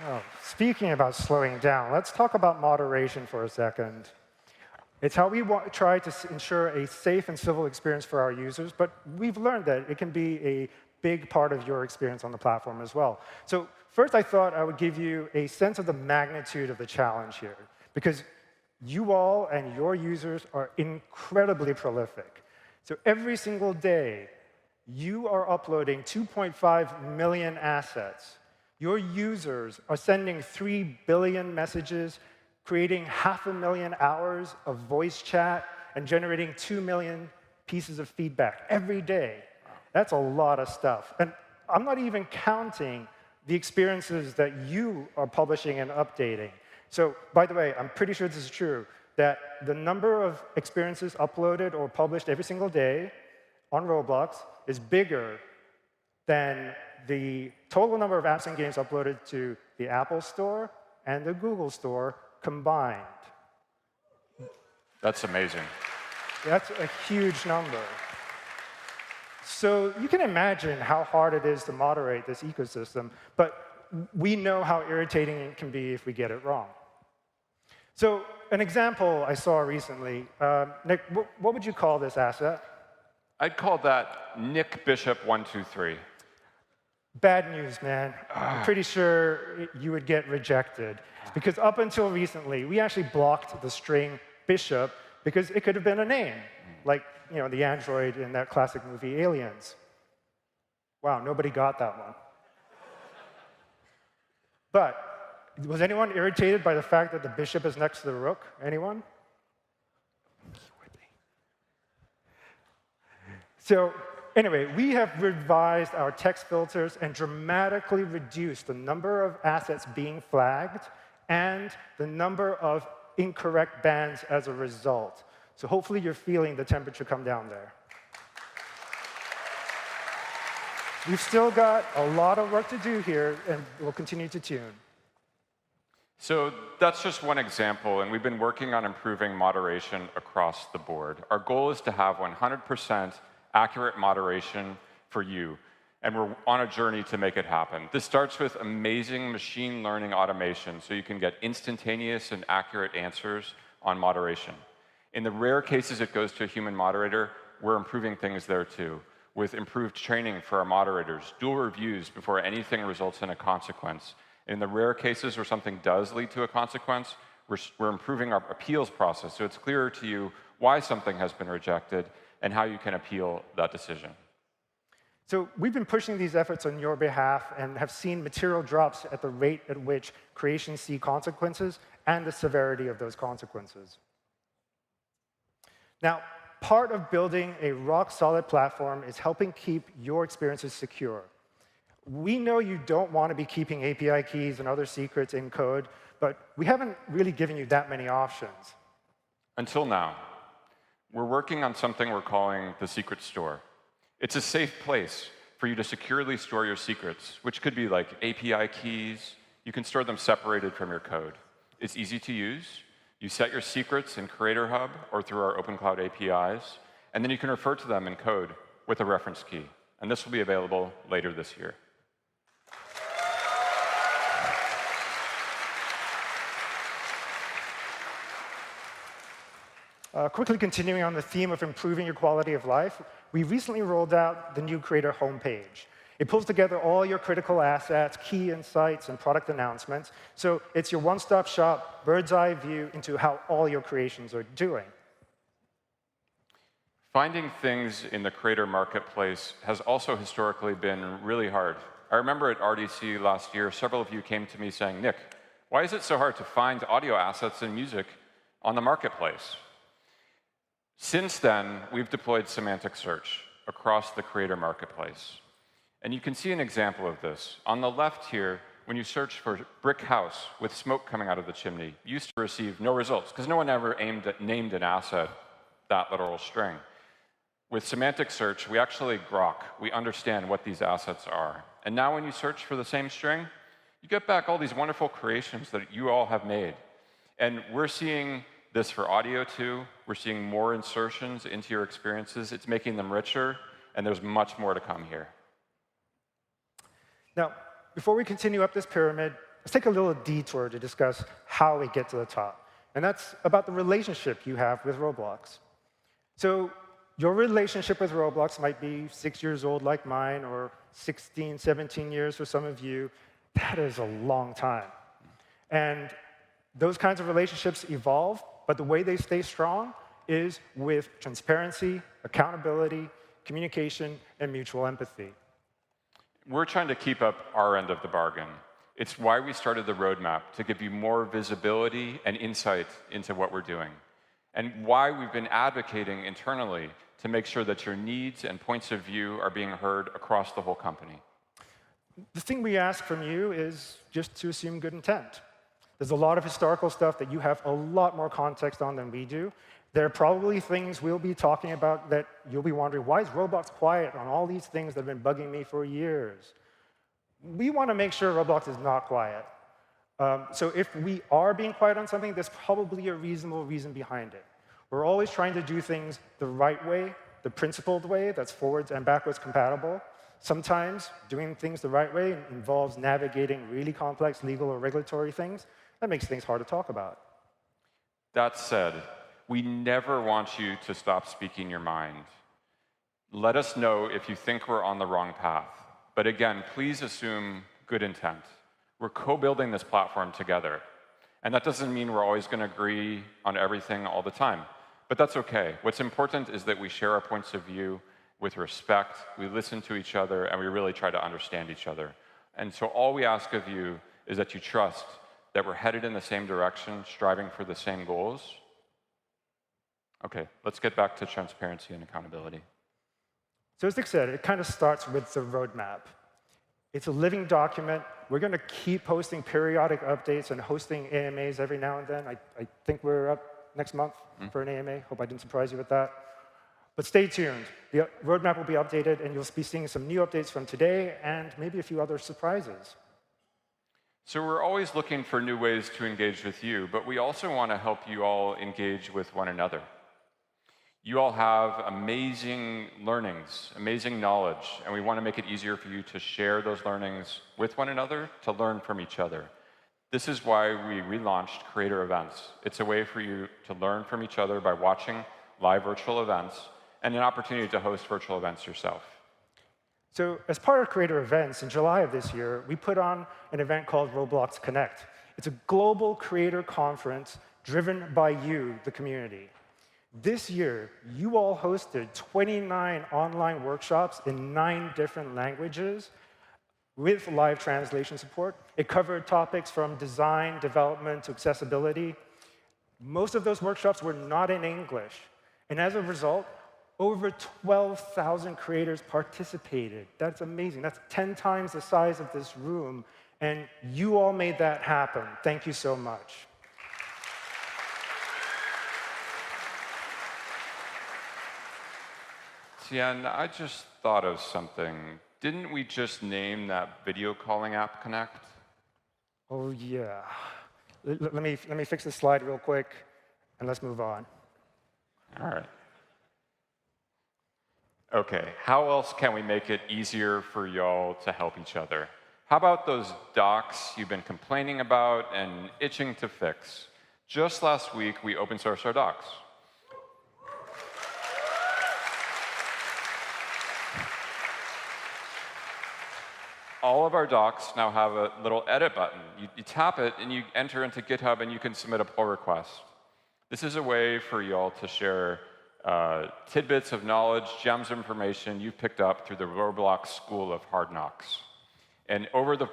Well, speaking about slowing down, let's talk about moderation for a second. It's how we try to ensure a safe and civil experience for our users, but we've learned that it can be a big part of your experience on the platform as well. So first, I thought I would give you a sense of the magnitude of the challenge here, because you all and your users are incredibly prolific. So every single day, you are uploading 2.5 million assets. Your users are sending three billion messages, creating 500,000 hours of voice chat, and generating two million pieces of feedback every day. Wow. That's a lot of stuff, and I'm not even counting the experiences that you are publishing and updating. So by the way, I'm pretty sure this is true, that the number of experiences uploaded or published every single day on Roblox is bigger than the total number of apps and games uploaded to the Apple Store and the Google Store combined. That's amazing. That's a huge number.... So you can imagine how hard it is to moderate this ecosystem, but we know how irritating it can be if we get it wrong. So an example I saw recently, Nick, what, what would you call this asset? I'd call that Nick Bishop 123. Bad news, man. Ah. Pretty sure you would get rejected. Ah. Because up until recently, we actually blocked the string, "Bishop," because it could have been a name- Mm Like, you know, the android in that classic movie, Aliens. Wow, nobody got that one. But was anyone irritated by the fact that the bishop is next to the rook? Anyone? Just wondering. So anyway, we have revised our text filters and dramatically reduced the number of assets being flagged and the number of incorrect bans as a result. So hopefully you're feeling the temperature come down there. We've still got a lot of work to do here, and we'll continue to tune. So that's just one example, and we've been working on improving moderation across the board. Our goal is to have 100% accurate moderation for you, and we're on a journey to make it happen. This starts with amazing machine learning automation, so you can get instantaneous and accurate answers on moderation. In the rare cases it goes to a human moderator, we're improving things there, too, with improved training for our moderators, dual reviews before anything results in a consequence. In the rare cases where something does lead to a consequence, we're improving our appeals process, so it's clearer to you why something has been rejected and how you can appeal that decision. So we've been pushing these efforts on your behalf and have seen material drops at the rate at which creations see consequences and the severity of those consequences. Now, part of building a rock-solid platform is helping keep your experiences secure. We know you don't want to be keeping API keys and other secrets in code, but we haven't really given you that many options. Until now. We're working on something we're calling the Secret Store. It's a safe place for you to securely store your secrets, which could be, like, API keys. You can store them separated from your code. It's easy to use. You set your secrets in Creator Hub or through our Open Cloud APIs, and then you can refer to them in code with a reference key, and this will be available later this year. Quickly continuing on the theme of improving your quality of life, we recently rolled out the new Creator homepage. It pulls together all your critical assets, key insights, and product announcements, so it's your one-stop shop, bird's-eye view into how all your creations are doing. Finding things in the Creator Marketplace has also historically been really hard. I remember at RDC last year, several of you came to me saying, "Nick, why is it so hard to find audio assets and music on the Marketplace?" Since then, we've deployed semantic search across the Creator Marketplace, and you can see an example of this. On the left here, when you search for brick house with smoke coming out of the chimney, you used to receive no results 'cause no one ever named an asset that literal string. With semantic search, we actually grok. We understand what these assets are, and now when you search for the same string, you get back all these wonderful creations that you all have made. And we're seeing this for audio, too. We're seeing more insertions into your experiences. It's making them richer, and there's much more to come here. Now, before we continue up this pyramid, let's take a little detour to discuss how we get to the top, and that's about the relationship you have with Roblox. So your relationship with Roblox might be six years old, like mine, or 16, 17 years for some of you. That is a long time, and those kinds of relationships evolve, but the way they stay strong is with transparency, accountability, communication, and mutual empathy. We're trying to keep up our end of the bargain. It's why we started the roadmap, to give you more visibility and insight into what we're doing, and why we've been advocating internally to make sure that your needs and points of view are being heard across the whole company. The thing we ask from you is just to assume good intent. There's a lot of historical stuff that you have a lot more context on than we do. There are probably things we'll be talking about that you'll be wondering: Why is Roblox quiet on all these things that have been bugging me for years? We want to make sure Roblox is not quiet. So if we are being quiet on something, there's probably a reasonable reason behind it. We're always trying to do things the right way, the principled way, that's forwards- and backwards-compatible. Sometimes doing things the right way involves navigating really complex legal or regulatory things. That makes things hard to talk about. That said, we never want you to stop speaking your mind. Let us know if you think we're on the wrong path, but again, please assume good intent. We're co-building this platform together, and that doesn't mean we're always gonna agree on everything all the time, but that's okay. What's important is that we share our points of view with respect, we listen to each other, and we really try to understand each other. And so all we ask of you is that you trust that we're headed in the same direction, striving for the same goals. Okay, let's get back to transparency and accountability. So as Nick said, it kind of starts with the roadmap. It's a living document. We're gonna keep posting periodic updates and hosting AMAs every now and then. I, I think we're up next month. Mm. For an AMA. Hope I didn't surprise you with that. But stay tuned. The roadmap will be updated, and you'll be seeing some new updates from today and maybe a few other surprises. So we're always looking for new ways to engage with you, but we also wanna help you all engage with one another. You all have amazing learnings, amazing knowledge, and we wanna make it easier for you to share those learnings with one another, to learn from each other. This is why we relaunched Creator Events. It's a way for you to learn from each other by watching live virtual events, and an opportunity to host virtual events yourself. As part of Creator Events, in July of this year, we put on an event called Roblox Connect. It's a global creator conference driven by you, the community. This year, you all hosted 29 online workshops in nine different languages with live translation support. It covered topics from design, development, to accessibility. Most of those workshops were not in English, and as a result, over 12,000 creators participated. That's amazing. That's 10 times the size of this room, and you all made that happen. Thank you so much. Sian, I just thought of something. Didn't we just name that video calling app Connect? Oh, yeah. Let me fix this slide real quick, and let's move on. All right. Okay, how else can we make it easier for y'all to help each other? How about those docs you've been complaining about and itching to fix? Just last week, we open-sourced our docs. All of our docs now have a little edit button. You tap it, and you enter into GitHub, and you can submit a pull request. This is a way for y'all to share tidbits of knowledge, gems of information you've picked up through the Roblox school of hard knocks. And over the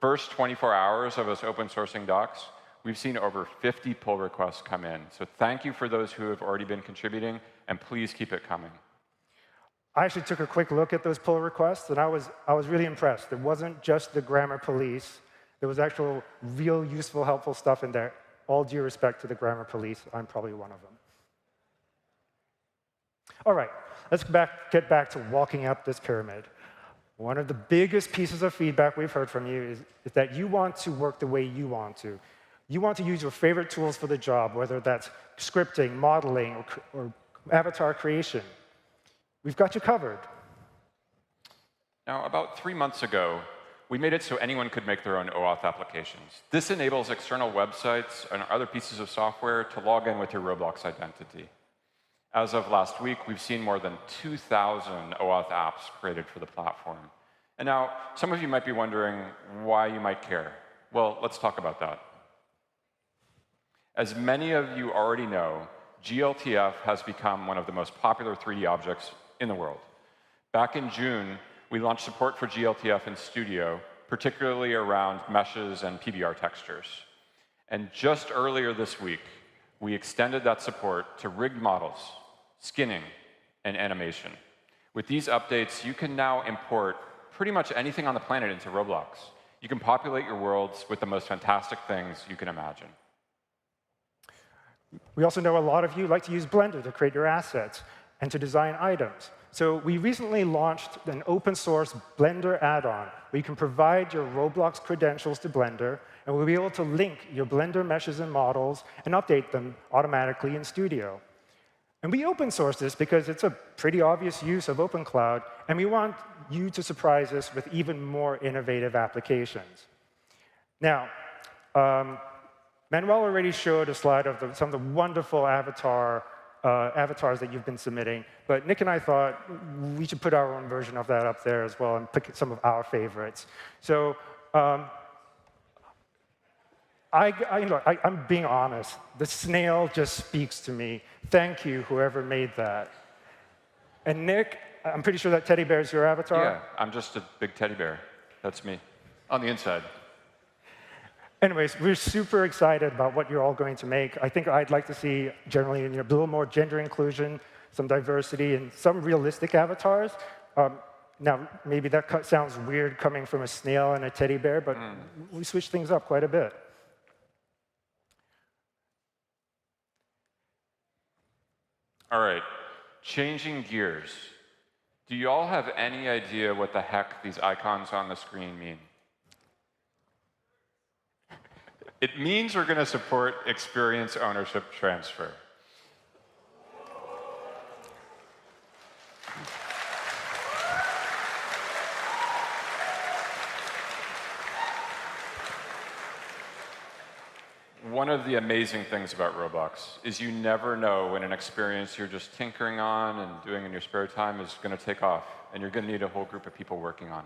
first 24 hours of us open-sourcing docs, we've seen over 50 pull requests come in. So thank you for those who have already been contributing, and please keep it coming. I actually took a quick look at those pull requests, and I was really impressed. It wasn't just the grammar police. There was actual real, useful, helpful stuff in there. All due respect to the grammar police, I'm probably one of them. All right, let's get back to walking up this pyramid. One of the biggest pieces of feedback we've heard from you is that you want to work the way you want to. You want to use your favorite tools for the job, whether that's scripting, modeling, or avatar creation. We've got you covered. Now, about three months ago, we made it so anyone could make their own OAuth applications. This enables external websites and other pieces of software to log in with your Roblox identity. As of last week, we've seen more than 2,000 OAuth apps created for the platform. And now, some of you might be wondering why you might care. Well, let's talk about that. As many of you already know, glTF has become one of the most popular 3D objects in the world. Back in June, we launched support for glTF in Studio, particularly around meshes and PBR textures. And just earlier this week, we extended that support to rig models, skinning, and animation. With these updates, you can now import pretty much anything on the planet into Roblox. You can populate your worlds with the most fantastic things you can imagine. We also know a lot of you like to use Blender to create your assets and to design items. So we recently launched an open-source Blender add-on, where you can provide your Roblox credentials to Blender, and we'll be able to link your Blender meshes and models and update them automatically in Studio. And we open-sourced this because it's a pretty obvious use of Open Cloud, and we want you to surprise us with even more innovative applications. Now, Manuel already showed a slide of some of the wonderful avatars that you've been submitting, but Nick and I thought we should put our own version of that up there as well and pick some of our favorites. So, you know, I'm being honest, the snail just speaks to me. Thank you, whoever made that. Nick, I'm pretty sure that teddy bear is your avatar? Yeah. I'm just a big teddy bear. That's me on the inside. Anyways, we're super excited about what you're all going to make. I think I'd like to see generally, you know, a little more gender inclusion, some diversity, and some realistic avatars. Now, maybe that sounds weird coming from a snail and a teddy bear. Mm But we switched things up quite a bit. All right, changing gears. Do y'all have any idea what the heck these icons on the screen mean? It means we're gonna support experience ownership transfer. One of the amazing things about Roblox is you never know when an experience you're just tinkering on and doing in your spare time is gonna take off, and you're gonna need a whole group of people working on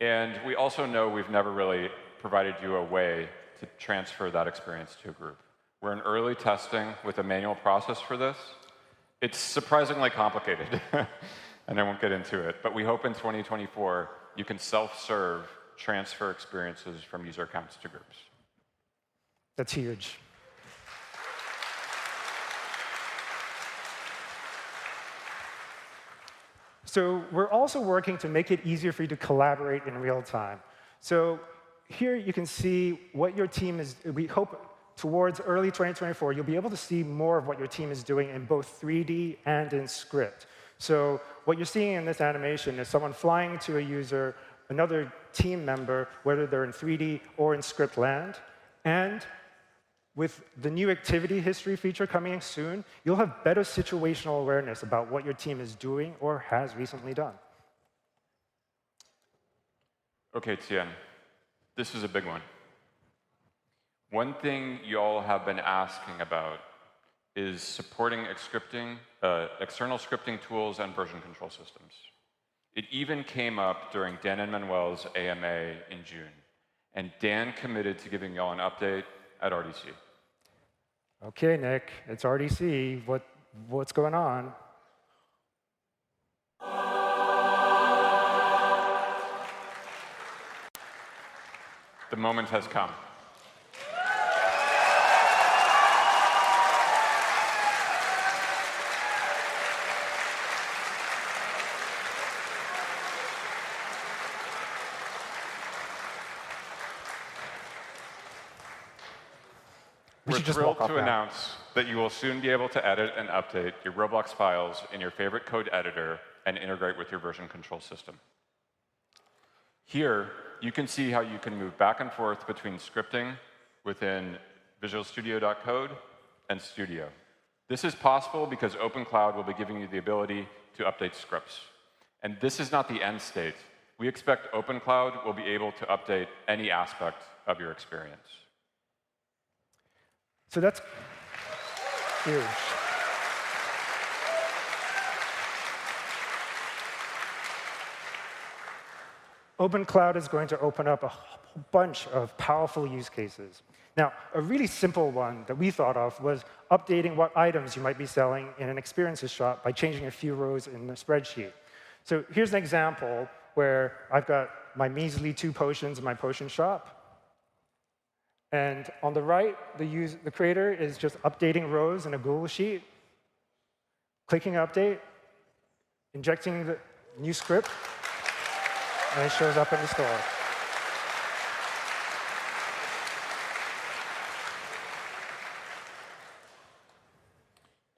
it. We also know we've never really provided you a way to transfer that experience to a group. We're in early testing with a manual process for this. It's surprisingly complicated, and I won't get into it, but we hope in 2024, you can self-serve transfer experiences from user accounts to groups. That's huge. So we're also working to make it easier for you to collaborate in real time. So here you can see what your team is. Towards early 2024, you'll be able to see more of what your team is doing in both 3D and in Script. So what you're seeing in this animation is someone flying to a user, another team member, whether they're in 3D or in Script Land, and with the new activity history feature coming soon, you'll have better situational awareness about what your team is doing or has recently done. Okay, Tian. This is a big one. One thing y'all have been asking about is supporting scripting, external scripting tools and version control systems. It even came up during Dan and Manuel's AMA in June, and Dan committed to giving y'all an update at RDC. Okay, Nick, it's RDC. What- what's going on? The moment has come. We should just walk out. We're thrilled to announce that you will soon be able to edit and update your Roblox files in your favorite code editor and integrate with your version control system. Here, you can see how you can move back and forth between scripting within Visual Studio Code and Studio. This is possible because Open Cloud will be giving you the ability to update scripts, and this is not the end state. We expect Open Cloud will be able to update any aspect of your experience. So that's huge. Open Cloud is going to open up a bunch of powerful use cases. Now, a really simple one that we thought of was updating what items you might be selling in an experiences shop by changing a few rows in a spreadsheet. So here's an example where I've got my measly two potions in my potion shop, and on the right, the creator is just updating rows in a Google Sheet, clicking Update, injecting the new script and it shows up in the store.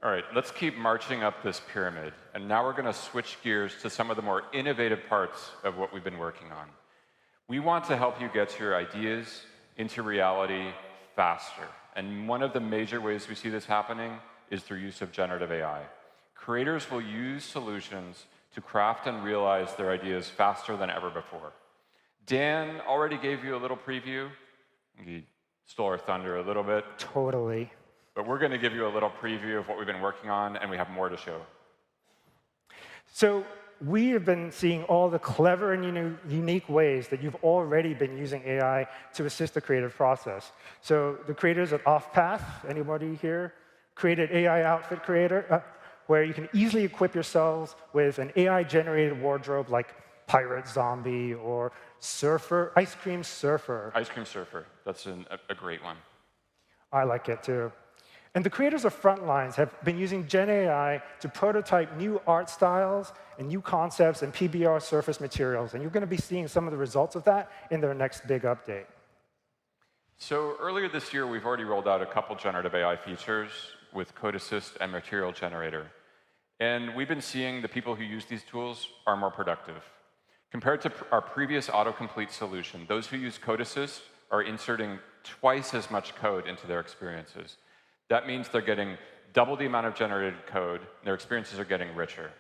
All right, let's keep marching up this pyramid, and now we're gonna switch gears to some of the more innovative parts of what we've been working on. We want to help you get your ideas into reality faster, and one of the major ways we see this happening is through use of Generative AI. Creators will use solutions to craft and realize their ideas faster than ever before. Dan already gave you a little preview. He stole our thunder a little bit. Totally. But we're gonna give you a little preview of what we've been working on, and we have more to show. So we have been seeing all the clever and unique ways that you've already been using AI to assist the creative process. So the creators at Off Path, anybody here? Created AI Outfit Creator, where you can easily equip yourselves with an AI-generated wardrobe like pirate zombie or ice cream surfer. Ice cream surfer. That's a great one. I like it, too. The creators of Frontlines have been using gen AI to prototype new art styles and new concepts and PBR surface materials, and you're gonna be seeing some of the results of that in their next big update. So earlier this year, we've already rolled out a couple Generative AI features with Code Assist and Material Generator, and we've been seeing the people who use these tools are more productive. Compared to our previous autocomplete solution, those who use Code Assist are inserting twice as much code into their experiences. That means they're getting double the amount of generated code, and their experiences are getting richer.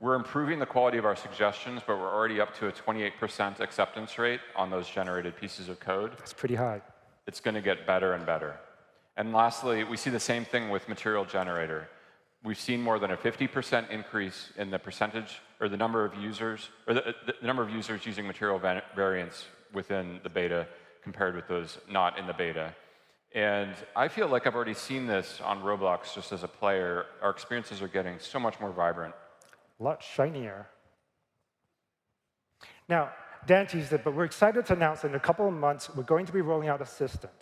We're improving the quality of our suggestions, but we're already up to a 28% acceptance rate on those generated pieces of code. It's pretty high. It's gonna get better and better. And lastly, we see the same thing with Material Generator. We've seen more than a 50% increase in the percentage or the number of users using material variance within the beta compared with those not in the beta. And I feel like I've already seen this on Roblox just as a player. Our experiences are getting so much more vibrant. A lot shinier. Now, Dan teased it, but we're excited to announce that in a couple of months we're going to be rolling out Assistant.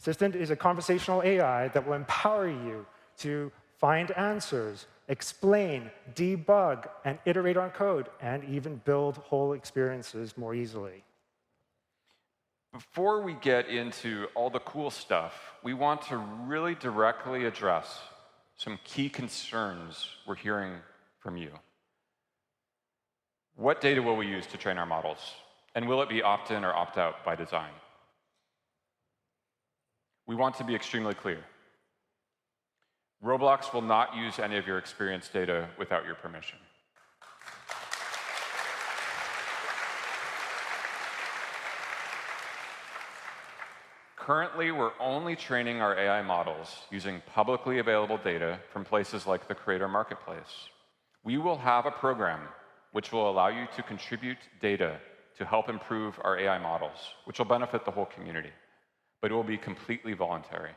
Assistant is a conversational AI that will empower you to find answers, explain, debug, and iterate on code, and even build whole experiences more easily. Before we get into all the cool stuff, we want to really directly address some key concerns we're hearing from you. What data will we use to train our models, and will it be opt-in or opt-out by design? We want to be extremely clear. Roblox will not use any of your experience data without your permission. Currently, we're only training our AI models using publicly available data from places like the Creator Marketplace. We will have a program which will allow you to contribute data to help improve our AI models, which will benefit the whole community, but it will be completely voluntary.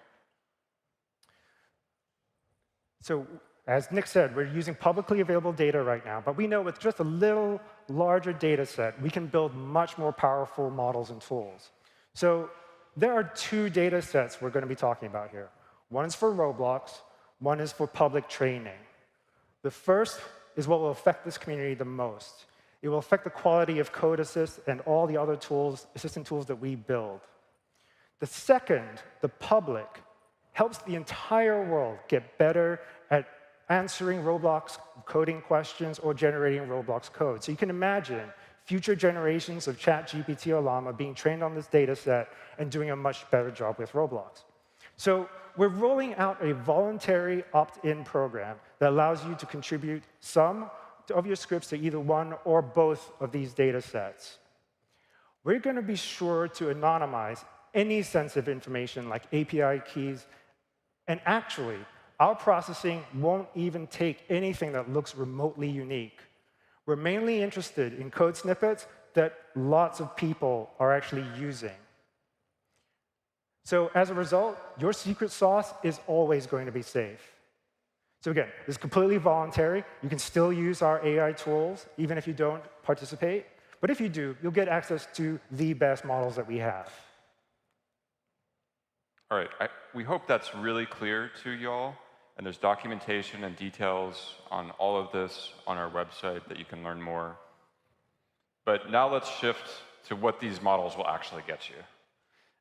So as Nick said, we're using publicly available data right now, but we know with just a little larger data set, we can build much more powerful models and tools. So there are two data sets we're gonna be talking about here. One is for Roblox, one is for public training. The first is what will affect this community the most. It will affect the quality of Code Assist and all the other tools, Assistant tools that we build. The second, the public, helps the entire world get better at answering Roblox coding questions or generating Roblox code. So you can imagine future generations of ChatGPT or Llama being trained on this data set and doing a much better job with Roblox. So we're rolling out a voluntary opt-in program that allows you to contribute some of your scripts to either one or both of these data sets. We're gonna be sure to anonymize any sensitive information, like API keys, and actually, our processing won't even take anything that looks remotely unique. We're mainly interested in code snippets that lots of people are actually using. So as a result, your secret sauce is always going to be safe. So again, it's completely voluntary. You can still use our AI tools even if you don't participate, but if you do, you'll get access to the best models that we have. All right, we hope that's really clear to y'all, and there's documentation and details on all of this on our website that you can learn more. But now let's shift to what these models will actually get you,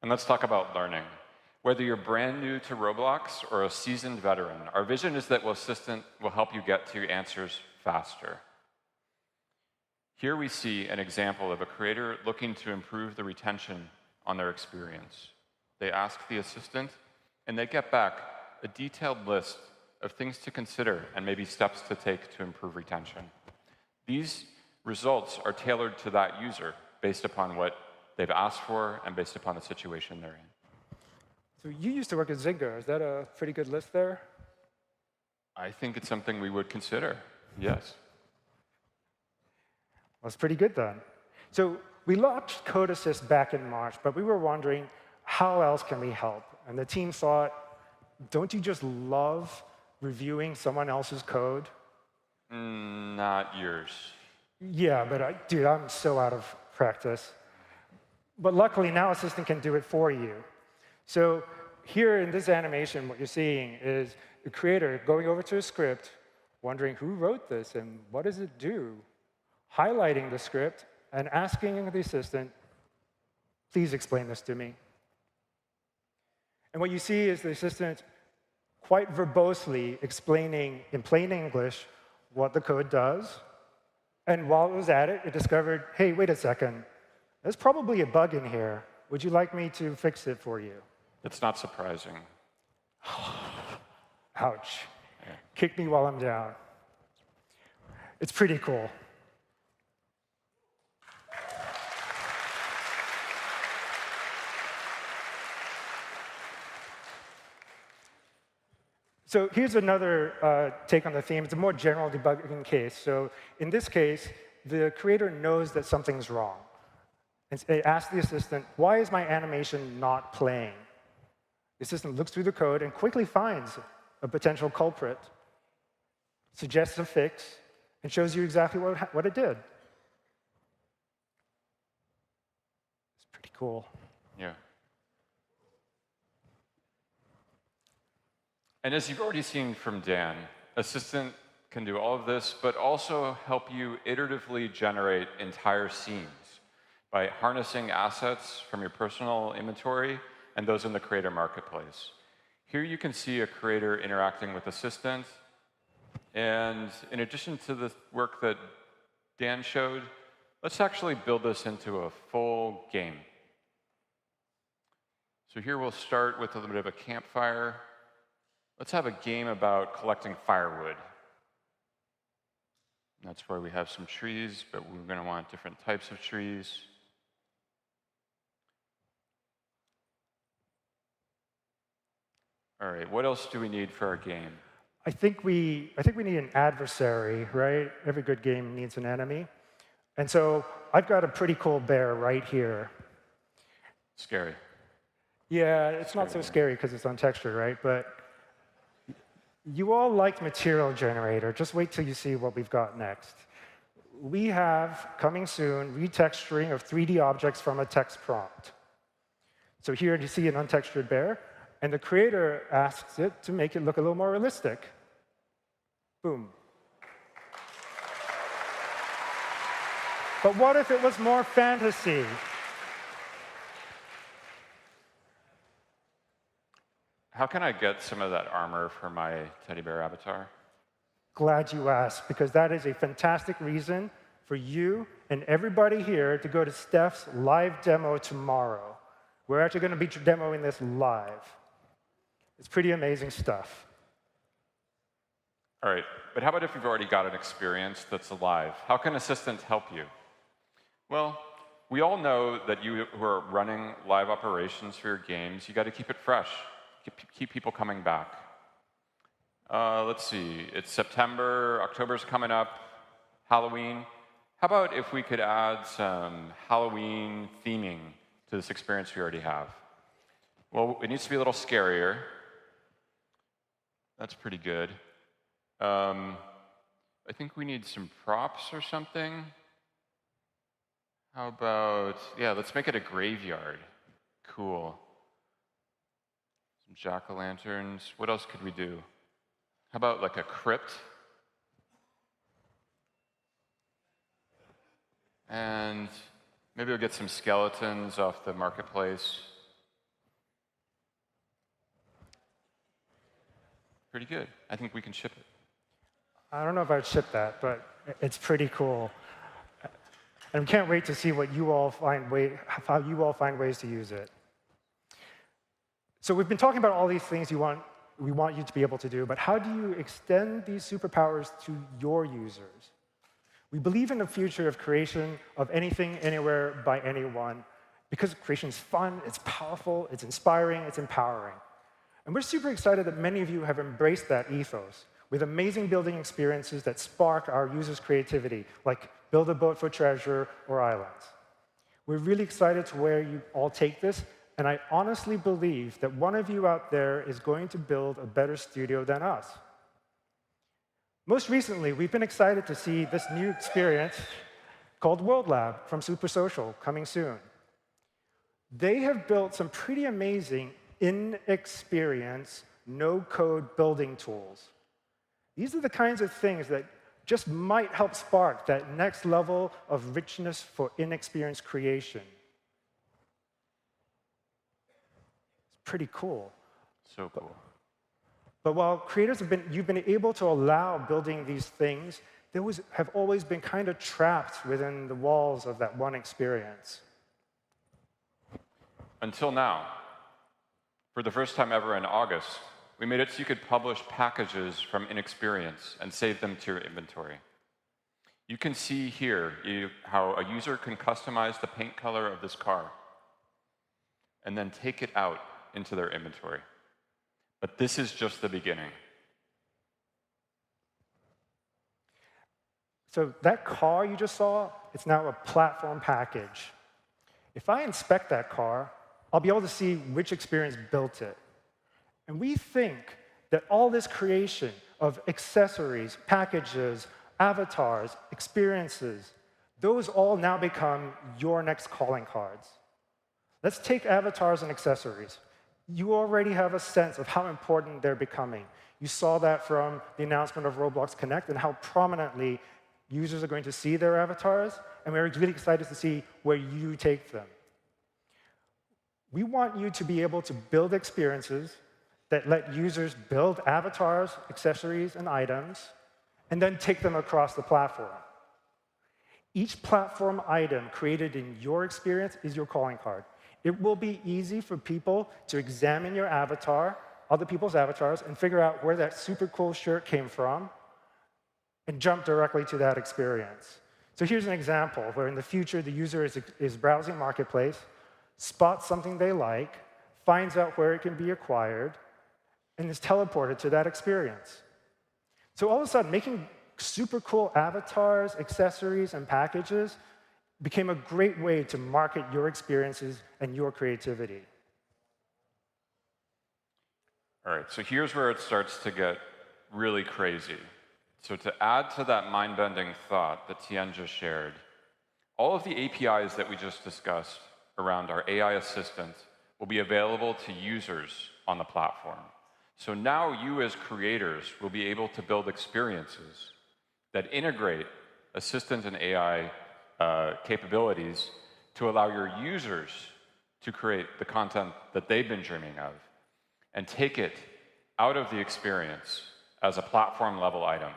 and let's talk about learning. Whether you're brand new to Roblox or a seasoned veteran, our vision is that well, Assistant will help you get to your answers faster. Here we see an example of a creator looking to improve the retention on their experience. They ask the Assistant, and they get back a detailed list of things to consider and maybe steps to take to improve retention. These results are tailored to that user based upon what they've asked for and based upon the situation they're in. So you used to work at Zynga. Is that a pretty good list there? I think it's something we would consider, yes. That's pretty good, then. So we launched Code Assist back in March, but we were wondering, how else can we help? And the team thought, "Don't you just love reviewing someone else's code? Mm, not yours. Yeah, but dude, I'm so out of practice. But luckily, now Assistant can do it for you. So here in this animation, what you're seeing is a creator going over to a script, wondering who wrote this and what does it do, highlighting the script and asking the Assistant, "Please explain this to me." And what you see is the Assistant quite verbosely explaining in plain English what the code does, and while it was at it, it discovered, "Hey, wait a second, there's probably a bug in here. Would you like me to fix it for you? It's not surprising. Ouch. Yeah. Kick me while I'm down. It's pretty cool. Here's another take on the theme. It's a more general debugging case. In this case, the creator knows that something's wrong, and they ask the Assistant, "Why is my animation not playing?" The Assistant looks through the code and quickly finds a potential culprit, suggests a fix, and shows you exactly what it did. It's pretty cool. Yeah. And as you've already seen from Dan, Assistant can do all of this, but also help you iteratively generate entire scenes by harnessing assets from your personal inventory and those in the Creator Marketplace. Here you can see a creator interacting with Assistant, and in addition to the work that Dan showed, let's actually build this into a full game. So here we'll start with a little bit of a campfire. Let's have a game about collecting firewood. That's why we have some trees, but we're gonna want different types of trees. All right, what else do we need for our game? I think we need an adversary, right? Every good game needs an enemy, and so I've got a pretty cool bear right here. Scary. Yeah, it's not so scary. Very realistic. Cause it's untextured, right? But you all like Material Generator. Just wait till you see what we've got next. We have, coming soon, retexturing of 3D objects from a text prompt. So here you see an untextured bear, and the creator asks it to make it look a little more realistic. Boom. But what if it was more fantasy? How can I get some of that armor for my teddy bear avatar? Glad you asked, because that is a fantastic reason for you and everybody here to go to Steph's live demo tomorrow. We're actually gonna be demoing this live. It's pretty amazing stuff. All right, but how about if you've already got an experience that's live? How can Assistant help you? Well, we all know that you who are running live operations for your games, you gotta keep it fresh, keep people coming back. Let's see. It's September. October's coming up, Halloween. How about if we could add some Halloween theming to this experience we already have? Well, it needs to be a little scarier. That's pretty good. I think we need some props or something. How about... Yeah, let's make it a graveyard. Cool. Some jack-o-lanterns. What else could we do? How about, like, a crypt? And maybe we'll get some skeletons off the Marketplace. Pretty good. I think we can ship it. I don't know if I'd ship that, but it's pretty cool. And we can't wait to see what you all find, how you all find ways to use it. So we've been talking about all these things you want, we want you to be able to do, but how do you extend these superpowers to your users? We believe in a future of creation, of anything, anywhere, by anyone, because creation is fun, it's powerful, it's inspiring, it's empowering. And we're super excited that many of you have embraced that ethos with amazing building experiences that spark our users' creativity, like Build a Boat for Treasure or Islands. We're really excited to where you all take this, and I honestly believe that one of you out there is going to build a better studio than us. Most recently, we've been excited to see this new experience called World Lab from Super Social, coming soon. They have built some pretty amazing in-experience, no-code building tools. These are the kinds of things that just might help spark that next level of richness for in-experience creation. It's pretty cool. So cool. But while creators have been, you've been able to allow building these things, those have always been kinda trapped within the walls of that one experience. Until now. For the first time ever, in August, we made it so you could publish packages from in-experience and save them to your inventory. You can see here how a user can customize the paint color of this car and then take it out into their inventory. But this is just the beginning. So that car you just saw, it's now a platform package. If I inspect that car, I'll be able to see which experience built it. We think that all this creation of accessories, packages, avatars, experiences, those all now become your next calling cards. Let's take avatars and accessories. You already have a sense of how important they're becoming. You saw that from the announcement of Roblox Connect and how prominently users are going to see their avatars, and we're really excited to see where you take them. We want you to be able to build experiences that let users build avatars, accessories, and items, and then take them across the platform. Each platform item created in your experience is your calling card. It will be easy for people to examine your avatar, other people's avatars, and figure out where that super cool shirt came from and jump directly to that experience. So here's an example, where in the future, the user is browsing Marketplace, spots something they like, finds out where it can be acquired, and is teleported to that experience. So all of a sudden, making super cool avatars, accessories, and packages became a great way to market your experiences and your creativity. All right, so here's where it starts to get really crazy. So to add to that mind-bending thought that Tian just shared, all of the APIs that we just discussed around our AI assistants will be available to users on the platform. So now, you as creators, will be able to build experiences that integrate assistants and AI capabilities to allow your users to create the content that they've been dreaming of, and take it out of the experience as a platform-level item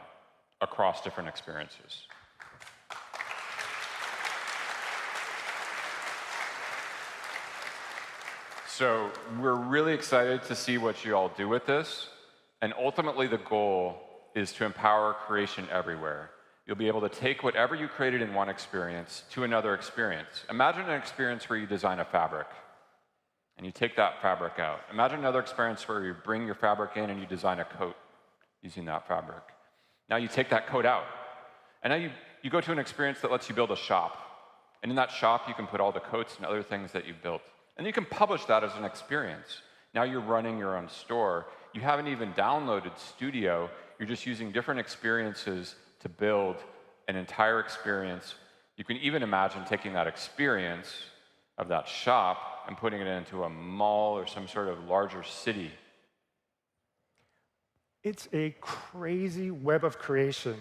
across different experiences. So we're really excited to see what you all do with this, and ultimately, the goal is to empower creation everywhere. You'll be able to take whatever you created in one experience to another experience. Imagine an experience where you design a fabric, and you take that fabric out. Imagine another experience where you bring your fabric in, and you design a coat using that fabric. Now, you take that coat out, and now you go to an experience that lets you build a shop, and in that shop, you can put all the coats and other things that you've built, and you can publish that as an experience. Now, you're running your own store. You haven't even downloaded Studio, you're just using different experiences to build an entire experience. You can even imagine taking that experience of that shop and putting it into a mall or some sort of larger city. It's a crazy web of creation.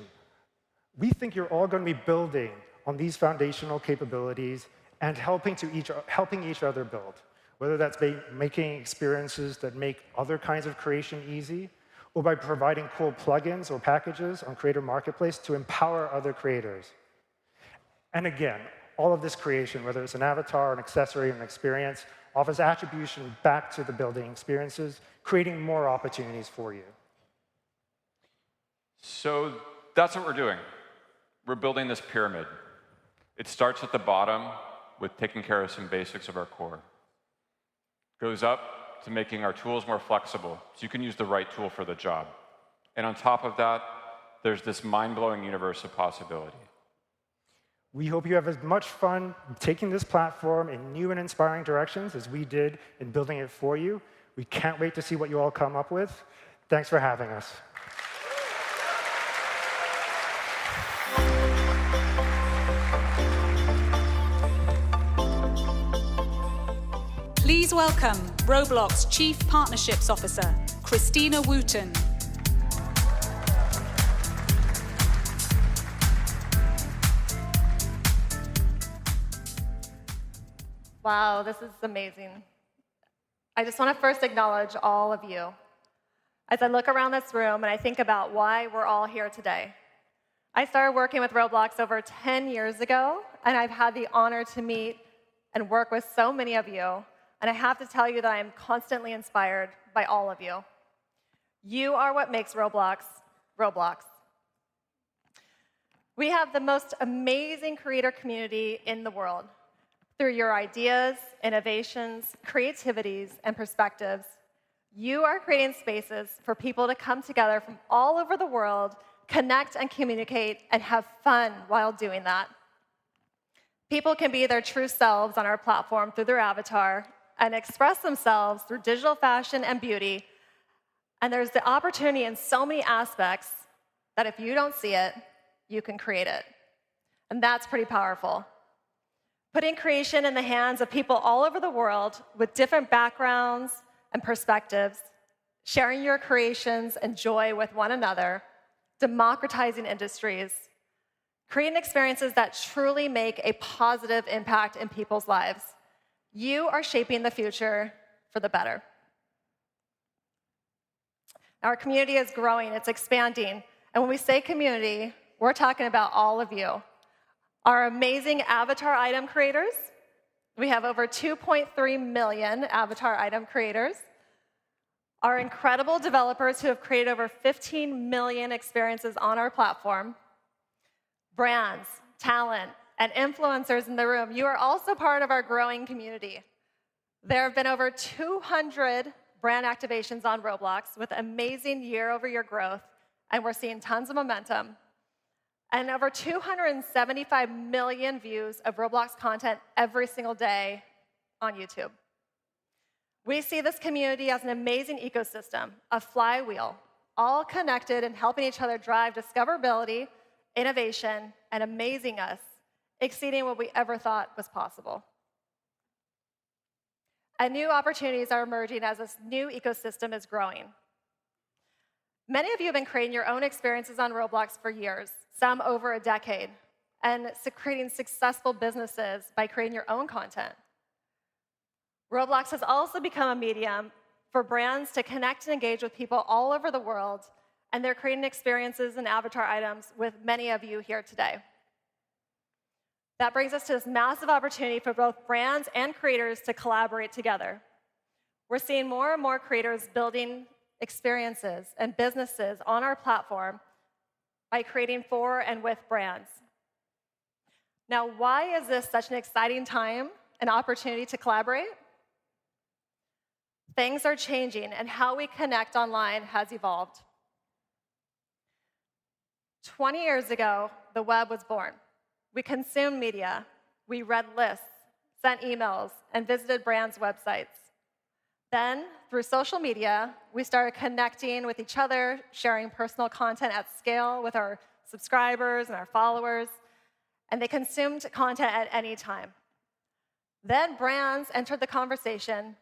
We think you're all gonna be building on these foundational capabilities and helping each other build, whether that's making experiences that make other kinds of creation easy, or by providing cool plugins or packages on Creator Marketplace to empower other creators. Again, all of this creation, whether it's an avatar, an accessory, an experience, offers attribution back to the building experiences, creating more opportunities for you. That's what we're doing. We're building this pyramid. It starts at the bottom with taking care of some basics of our core. Goes up to making our tools more flexible, so you can use the right tool for the job. On top of that, there's this mind-blowing universe of possibility. We hope you have as much fun taking this platform in new and inspiring directions as we did in building it for you. We can't wait to see what you all come up with. Thanks for having us. Please welcome Roblox Chief Partnerships Officer, Christina Wootton. Wow, this is amazing! I just want to first acknowledge all of you. As I look around this room, and I think about why we're all here today, I started working with Roblox over 10 years ago, and I've had the honor to meet and work with so many of you, and I have to tell you that I am constantly inspired by all of you. You are what makes Roblox, Roblox. We have the most amazing creator community in the world. Through your ideas, innovations, creativities, and perspectives, you are creating spaces for people to come together from all over the world, connect and communicate, and have fun while doing that. People can be their true selves on our platform through their avatar and express themselves through digital fashion and beauty. There's the opportunity in so many aspects that if you don't see it, you can create it, and that's pretty powerful. Putting creation in the hands of people all over the world with different backgrounds and perspectives, sharing your creations and joy with one another, democratizing industries, creating experiences that truly make a positive impact in people's lives, you are shaping the future for the better. Our community is growing, it's expanding, and when we say community, we're talking about all of you. Our amazing avatar item creators, we have over 2.3 million avatar item creators. Our incredible developers who have created over 15 million experiences on our platform, brands, talent, and influencers in the room, you are also part of our growing community. There have been over 200 brand activations on Roblox with amazing year-over-year growth, and we're seeing tons of momentum, and over 275 million views of Roblox content every single day on YouTube. We see this community as an amazing ecosystem, a flywheel, all connected and helping each other drive discoverability, innovation, and amazing us, exceeding what we ever thought was possible. New opportunities are emerging as this new ecosystem is growing. Many of you have been creating your own experiences on Roblox for years, some over a decade, creating successful businesses by creating your own content. Roblox has also become a medium for brands to connect and engage with people all over the world, and they're creating experiences and avatar items with many of you here today. That brings us to this massive opportunity for both brands and creators to collaborate together. We're seeing more and more creators building experiences and businesses on our platform by creating for and with brands. Now, why is this such an exciting time and opportunity to collaborate? Things are changing, and how we connect online has evolved. 20 years ago, the web was born. We consumed media, we read lists, sent emails, and visited brands' websites. Then, through social media, we started connecting with each other, sharing personal content at scale with our subscribers and our followers, and they consumed content at any time. Then brands entered the conversation,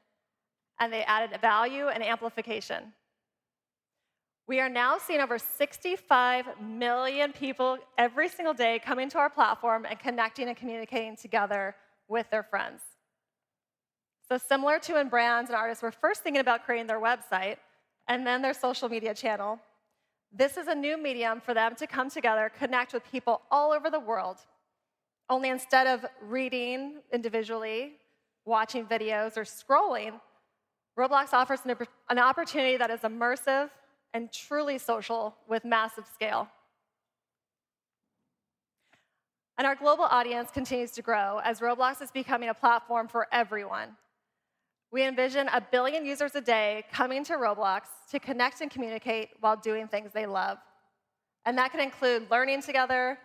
and they added value and amplification. We are now seeing over 65 million people every single day coming to our platform and connecting and communicating together with their friends. Similar to when brands and artists were first thinking about creating their website and then their social media channel, this is a new medium for them to come together, connect with people all over the world. Only instead of reading individually, watching videos, or scrolling, Roblox offers an opportunity that is immersive and truly social with massive scale. Our global audience continues to grow as Roblox is becoming a platform for everyone. We envision a billion users a day coming to Roblox to connect and communicate while doing things they love. That could include learning together,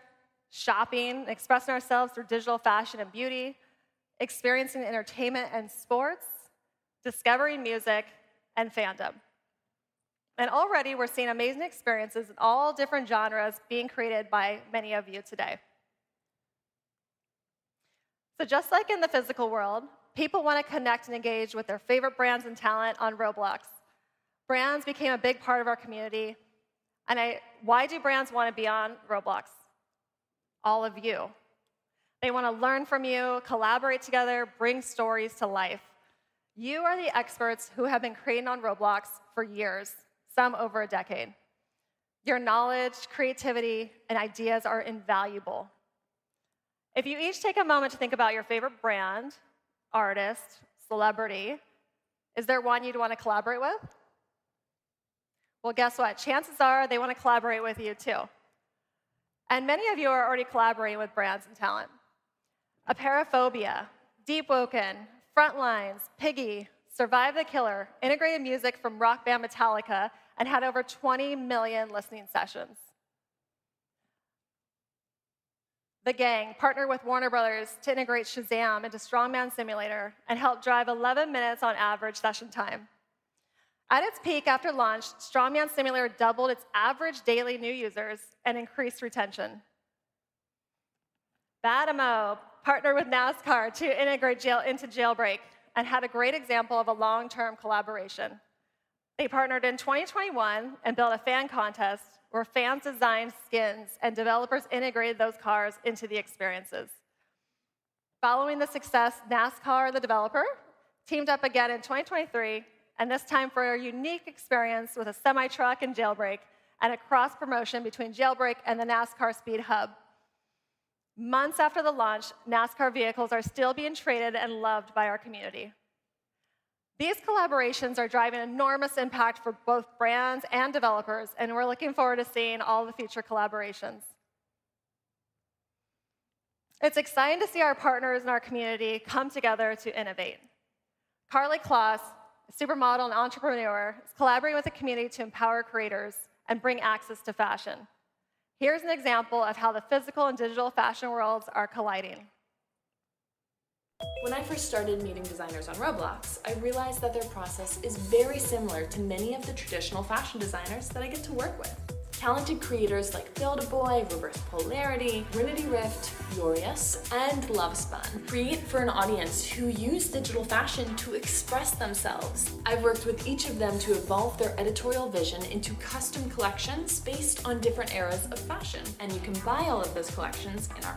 shopping, expressing ourselves through digital fashion and beauty, experiencing entertainment and sports, discovering music and fandom. Already, we're seeing amazing experiences in all different genres being created by many of you today. So just like in the physical world, people want to connect and engage with their favorite brands and talent on Roblox. Brands became a big part of our community, and. Why do brands want to be on Roblox? All of you. They want to learn from you, collaborate together, bring stories to life. You are the experts who have been creating on Roblox for years, some over a decade. Your knowledge, creativity, and ideas are invaluable. If you each take a moment to think about your favorite brand, artist, celebrity, is there one you'd want to collaborate with? Well, guess what? Chances are they want to collaborate with you too. And many of you are already collaborating with brands and talent. Apeirophobia, Deepwoken, Frontlines, Piggy, Survive the Killer, integrated music from rock band Metallica, and had over 20 million listening sessions. The Gang partnered with Warner Brothers to integrate Shazam into Strongman Simulator and helped drive 11 minutes on average session time. At its peak after launch, Stromae on Strongman Simulator doubled its average daily new users and increased retention. Badimo partnered with NASCAR to integrate NASCAR into Jailbreak, and had a great example of a long-term collaboration. They partnered in 2021 and built a fan contest, where fans designed skins, and developers integrated those cars into the experiences. Following the success, Badimo, the developer, teamed up again in 2023, and this time for a unique experience with a semi-truck in Jailbreak, and a cross-promotion between Jailbreak and the NASCAR Speed Hub. Months after the launch, NASCAR vehicles are still being traded and loved by our community. These collaborations are driving enormous impact for both brands and developers, and we're looking forward to seeing all the future collaborations. It's exciting to see our partners and our community come together to innovate. Karlie Kloss, a supermodel and entrepreneur, is collaborating with the community to empower creators and bring access to fashion. Here's an example of how the physical and digital fashion worlds are colliding. When I first started meeting designers on Roblox, I realized that their process is very similar to many of the traditional fashion designers that I get to work with. Talented creators like Builder Boy, Rebirth Polarity, Trinity Rift, Furious, and Lovespun create for an audience who use digital fashion to express themselves. I've worked with each of them to evolve their editorial vision into custom collections based on different eras of fashion, and you can buy all of those collections in our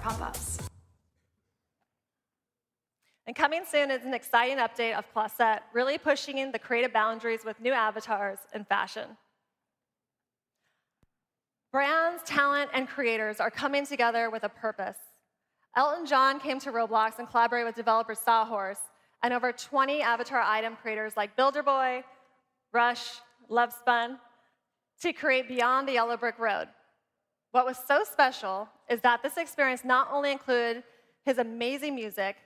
pop-ups. Coming soon is an exciting update of Klossette, really pushing in the creative boundaries with new avatars and fashion. Brands, talent, and creators are coming together with a purpose. Elton John came to Roblox and collaborated with developer Sawhorse, and over 20 avatar item creators like Builder Boy, Rush, Lovespun, to create Beyond the Yellow Brick Road. What was so special is that this experience not only included his amazing music,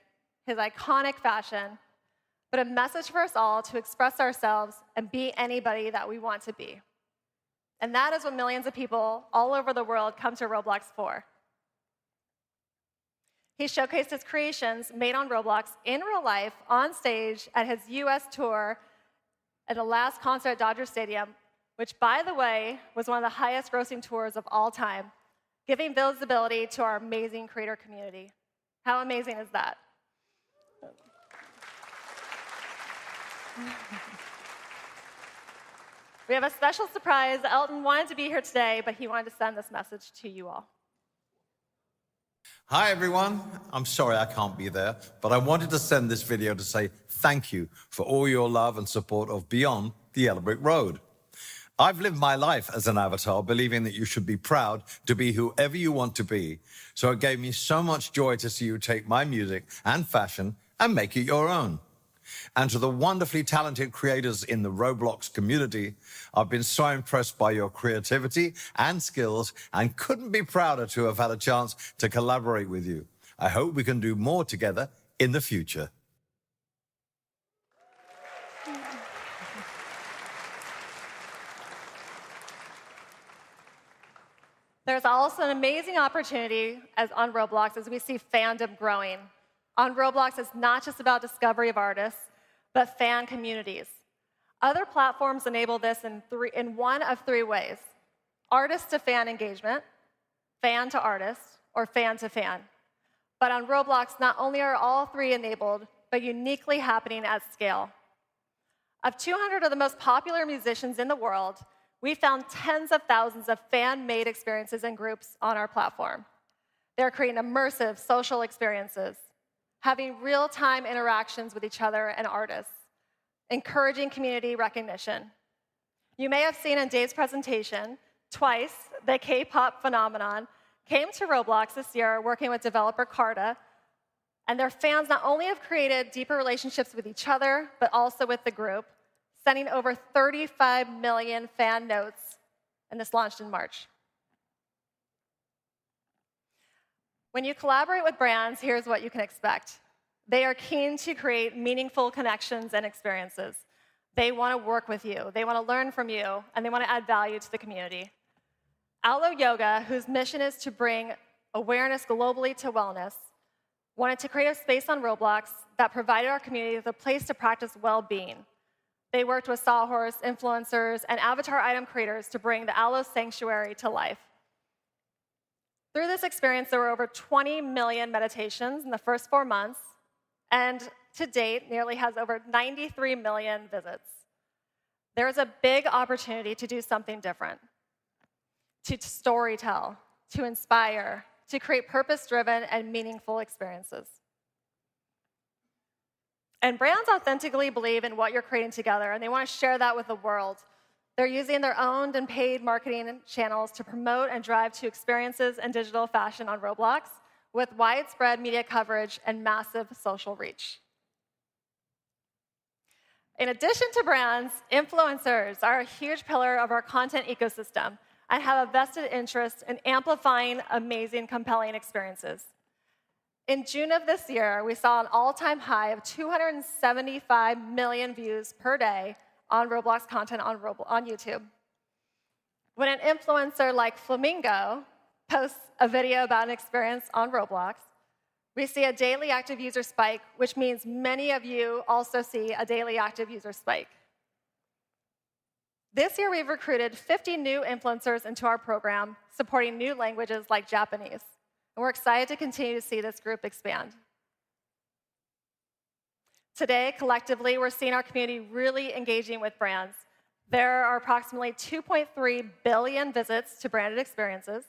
his iconic fashion, but a message for us all to express ourselves and be anybody that we want to be. That is what millions of people all over the world come to Roblox for. He showcased his creations made on Roblox in real life, on stage, at his U.S. tour, at the last concert at Dodger Stadium, which, by the way, was one of the highest grossing tours of all time, giving visibility to our amazing creator community. How amazing is that? We have a special surprise. Elton wanted to be here today, but he wanted to send this message to you all. Hi, everyone. I'm sorry I can't be there, but I wanted to send this video to say thank you for all your love and support of Beyond the Yellow Brick Road. I've lived my life as an avatar, believing that you should be proud to be whoever you want to be. So it gave me so much joy to see you take my music and fashion and make it your own. And to the wonderfully talented creators in the Roblox community, I've been so impressed by your creativity and skills, and couldn't be prouder to have had a chance to collaborate with you. I hope we can do more together in the future. There's also an amazing opportunity as on Roblox, as we see fandom growing. On Roblox, it's not just about discovery of artists, but fan communities. Other platforms enable this in one of three ways: artist to fan engagement, fan to artist, or fan to fan. But on Roblox, not only are all three enabled, but uniquely happening at scale. Of 200 of the most popular musicians in the world, we found tens of thousands of fan-made experiences and groups on our platform. They're creating immersive social experiences, having real-time interactions with each other and artists, encouraging community recognition. You may have seen in Dave's presentation, TWICE, the K-pop phenomenon, came to Roblox this year, working with developer Carta, and their fans not only have created deeper relationships with each other, but also with the group, sending over 35 million fan notes, and this launched in March. When you collaborate with brands, here's what you can expect: They are keen to create meaningful connections and experiences. They wanna work with you, they wanna learn from you, and they wanna add value to the community. Alo Yoga, whose mission is to bring awareness globally to wellness, wanted to create a space on Roblox that provided our community with a place to practice well-being. They worked with Sawhorse, influencers, and avatar item creators to bring the Alo Sanctuary to life. Through this experience, there were over 20 million meditations in the first four months, and to date, nearly has over 93 million visits. There is a big opportunity to do something different, to storytell, to inspire, to create purpose-driven and meaningful experiences. Brands authentically believe in what you're creating together, and they wanna share that with the world. They're using their owned and paid marketing channels to promote and drive to experiences and digital fashion on Roblox, with widespread media coverage and massive social reach. In addition to brands, influencers are a huge pillar of our content ecosystem, and have a vested interest in amplifying amazing, compelling experiences. In June of this year, we saw an all-time high of 275 million views per day on Roblox content on YouTube. When an influencer like Flamingo posts a video about an experience on Roblox, we see a daily active user spike, which means many of you also see a daily active user spike. This year, we've recruited 50 new influencers into our program, supporting new languages like Japanese, and we're excited to continue to see this group expand. Today, collectively, we're seeing our community really engaging with brands. There are approximately 2.3 billion visits to branded experiences,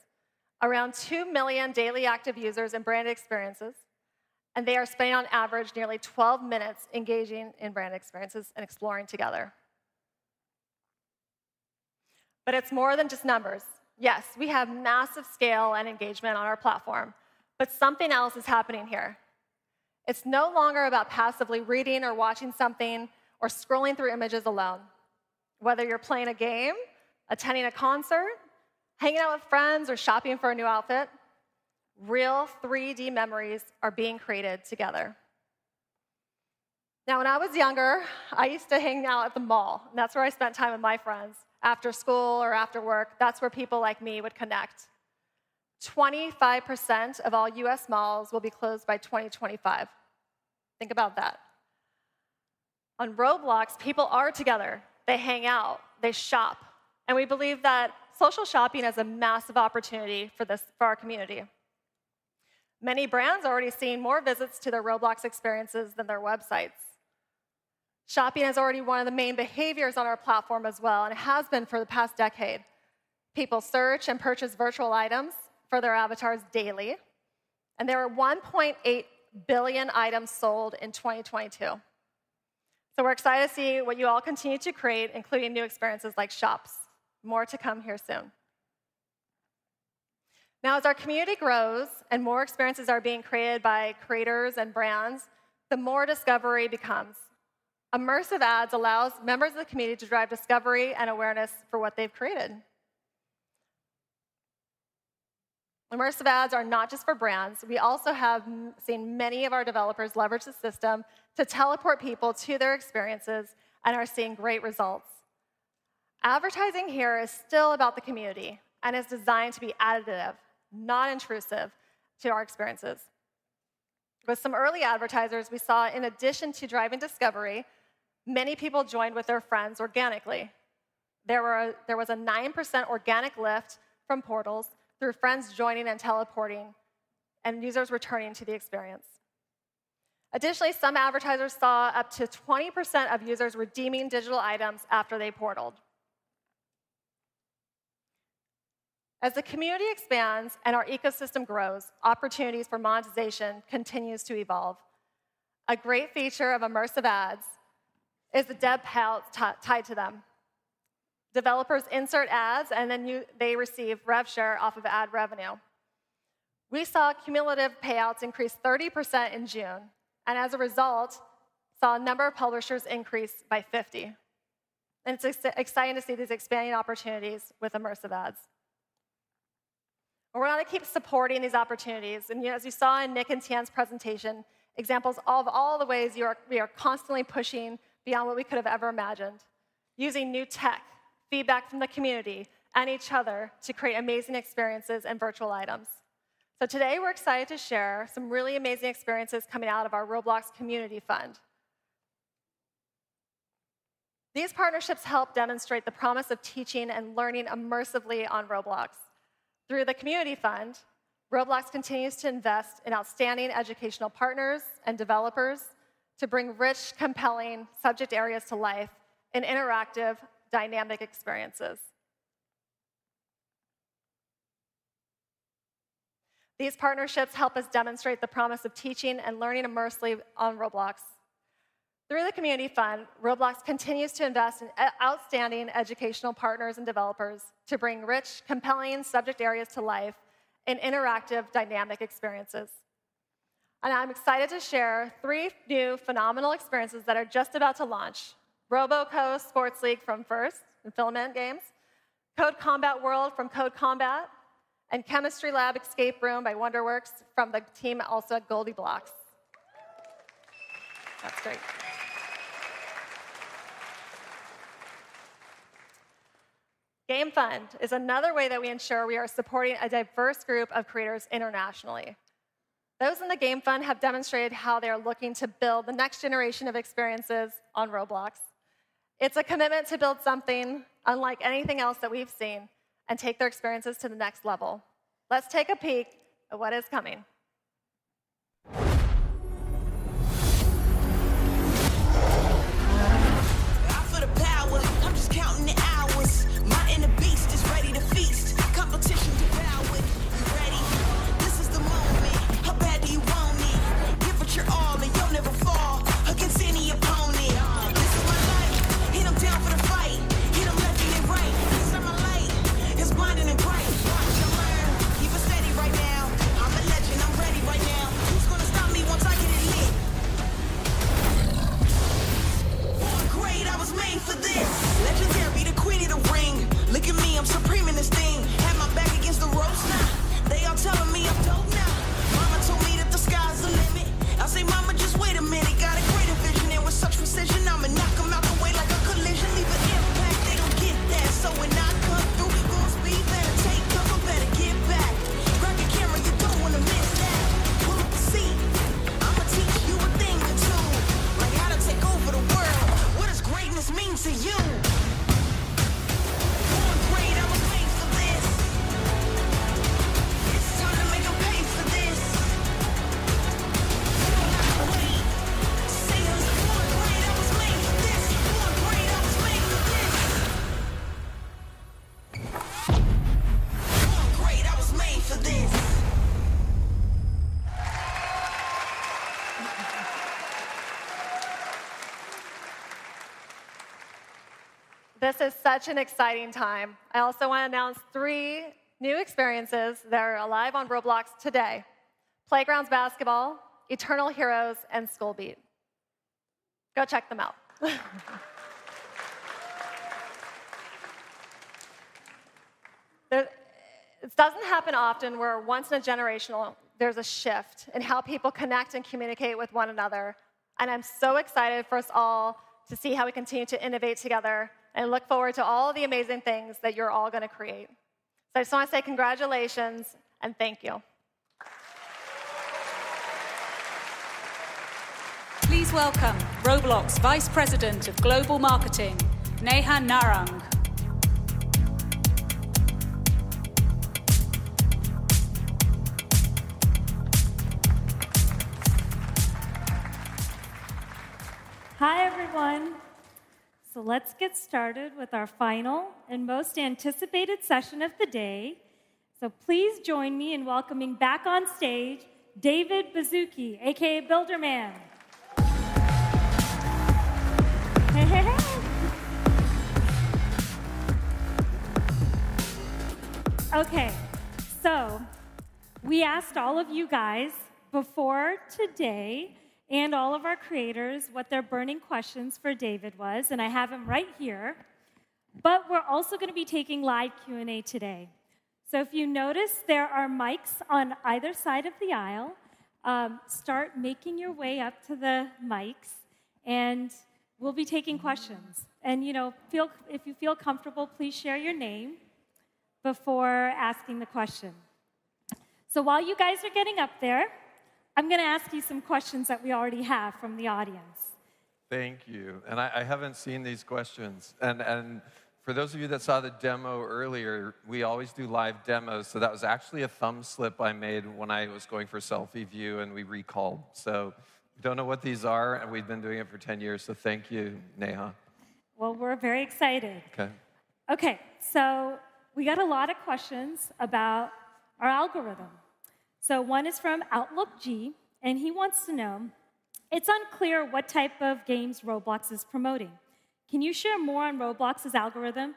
around 2 million daily active users in branded experiences, and they are spending on average nearly 12 minutes engaging in brand experiences and exploring together. But it's more than just numbers. Yes, we have massive scale and engagement on our platform, but something else is happening here. It's no longer about passively reading or watching something or scrolling through images alone. Whether you're playing a game, attending a concert, hanging out with friends, or shopping for a new outfit, real 3D memories are being created together. Now, when I was younger, I used to hang out at the mall, and that's where I spent time with my friends. After school or after work, that's where people like me would connect. 25% of all U.S. malls will be closed by 2025. Think about that. On Roblox, people are together, they hang out, they shop, and we believe that social shopping is a massive opportunity for this, for our community. Many brands are already seeing more visits to their Roblox experiences than their websites. Shopping is already one of the main behaviors on our platform as well, and it has been for the past decade. People search and purchase virtual items for their avatars daily, and there are 1.8 billion items sold in 2022. So we're excited to see what you all continue to create, including new experiences like shops. More to come here soon. Now, as our community grows and more experiences are being created by creators and brands, the more discovery Immersive Ads allows members of the community to drive discovery and awareness for what they've Immersive Ads are not just for brands. We also have seen many of our developers leverage the system to teleport people to their experiences and are seeing great results. Advertising here is still about the community and is designed to be additive, not intrusive, to our experiences. With some early advertisers, we saw, in addition to driving discovery, many people joined with their friends organically. There was a 9% organic lift from portals through friends joining and teleporting, and users returning to the experience. Additionally, some advertisers saw up to 20% of users redeeming digital items after they portaled. As the community expands and our ecosystem grows, opportunities for monetization continues to evolve. A great feature Immersive Ads is the dev payout tied to them. Developers insert ads, and then they receive rev share off of ad revenue. We saw cumulative payouts increase 30% in June, and as a result, saw a number of publishers increase by 50. It's exciting to see these expanding opportunities Immersive Ads. we're gonna keep supporting these opportunities, and, you know, as you saw in Nick and Tian's presentation, examples of all the ways we are, we are constantly pushing beyond what we could have ever imagined, using new tech, feedback from the community and each other to create amazing experiences and virtual items. So today, we're excited to share some really amazing experiences coming out of our Roblox Community Fund. These partnerships help demonstrate the promise of teaching and learning immersively on Roblox. Through the Community Fund, Roblox continues to invest in outstanding educational partners and developers to bring rich, compelling subject areas to life in interactive, dynamic experiences. These partnerships help us demonstrate the promise of teaching and learning immersively on Roblox. Through the Community Fund, Roblox continues to invest in outstanding educational partners and developers to bring rich, compelling subject areas to life in interactive, dynamic experiences. And I'm excited to share three new phenomenal experiences that are just about to launch: RoboCo Sports League from First and Filament Games, CodeCombat World from CodeCombat, and Chemistry Lab Escape Room by WonderWorks from the team also at GoldieBlox. That's great. Game Fund is another way that we ensure we are supporting a diverse group of creators internationally. Those in the Game Fund have demonstrated how they are looking to build the next generation of experiences on Roblox. It's a commitment to build something unlike anything else that we've seen and take their experiences to the next level. Let's take a peek at what is coming. This is such an exciting time. I also wanna announce three new experiences that are live on Roblox today: Playgrounds Basketball, Eternal Heroes, and Skull Beat. Go check them out. It doesn't happen often, where once in a generation, there's a shift in how people connect and communicate with one another, and I'm so excited for us all to see how we continue to innovate together, and look forward to all the amazing things that you're all gonna create. So I just wanna say congratulations and thank you. Please welcome Roblox Vice President of Global Marketing, Neha Narang. Hi, everyone. So let's get started with our final and most anticipated session of the day. So please join me in welcoming back on stage, David Baszucki, aka Builderman. Hey, hey, hey! Okay, so we asked all of you guys before today, and all of our creators, what their burning questions for David was, and I have them right here. But we're also gonna be taking live Q&A today. So if you notice, there are mics on either side of the aisle. Start making your way up to the mics, and we'll be taking questions. And, you know, if you feel comfortable, please share your name before asking the question. So while you guys are getting up there, I'm gonna ask you some questions that we already have from the audience. Thank you. And I haven't seen these questions. And for those of you that saw the demo earlier, we always do live demos, so that was actually a thumb slip I made when I was going for selfie view, and we recalled. So don't know what these are, and we've been doing it for 10 years, so thank you, Neha. Well, we're very excited. Okay. Okay, so we got a lot of questions about our algorithm. So one is from Outlook G, and he wants to know: "It's unclear what type of games Roblox is promoting. Can you share more on Roblox's algorithm?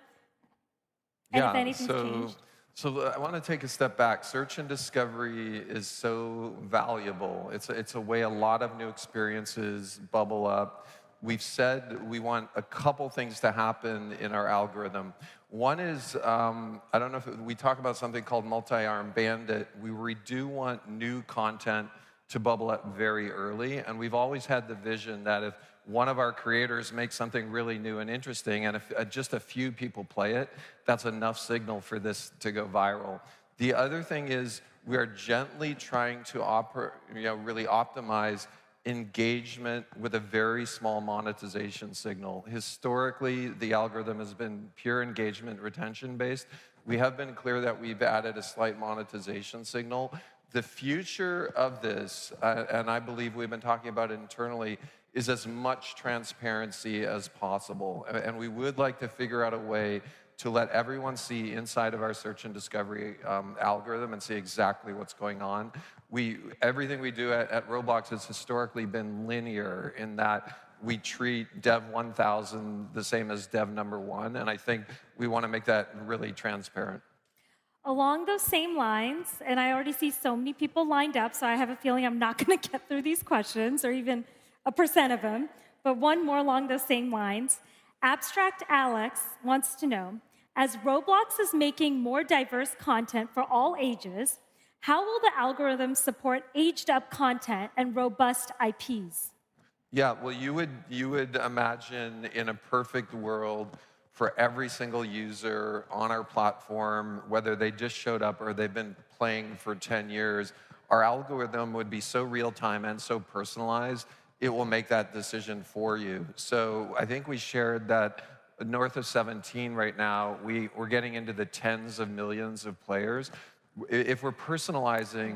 Yeah. Has anything changed? So, I wanna take a step back. Search and discovery is so valuable. It's a way a lot of new experiences bubble up. We've said we want a couple things to happen in our algorithm. One is, I don't know if we talk about something called multi-armed bandit, where we do want new content to bubble up very early, and we've always had the vision that if one of our creators makes something really new and interesting, and if just a few people play it, that's enough signal for this to go viral. The other thing is, we are gently trying to operate, you know, really optimize engagement with a very small monetization signal. Historically, the algorithm has been pure engagement, retention-based. We have been clear that we've added a slight monetization signal. The future of this, and I believe we've been talking about it internally, is as much transparency as possible. And we would like to figure out a way to let everyone see inside of our search and discovery, algorithm and see exactly what's going on. Everything we do at Roblox has historically been linear in that we treat dev 1000 the same as dev number one, and I think we wanna make that really transparent. Along those same lines, and I already see so many people lined up, so I have a feeling I'm not gonna get through these questions or even 1% of them, but one more along those same lines. Abstract Alex wants to know: "As Roblox is making more diverse content for all ages, how will the algorithm support aged-up content and robust IPs? Yeah, well, you would imagine in a perfect world, for every single user on our platform, whether they just showed up or they've been playing for 10 years, our algorithm would be so real-time and so personalized, it will make that decision for you. So I think we shared that north of 17 right now, we're getting into the tens of millions of players. If we're personalizing-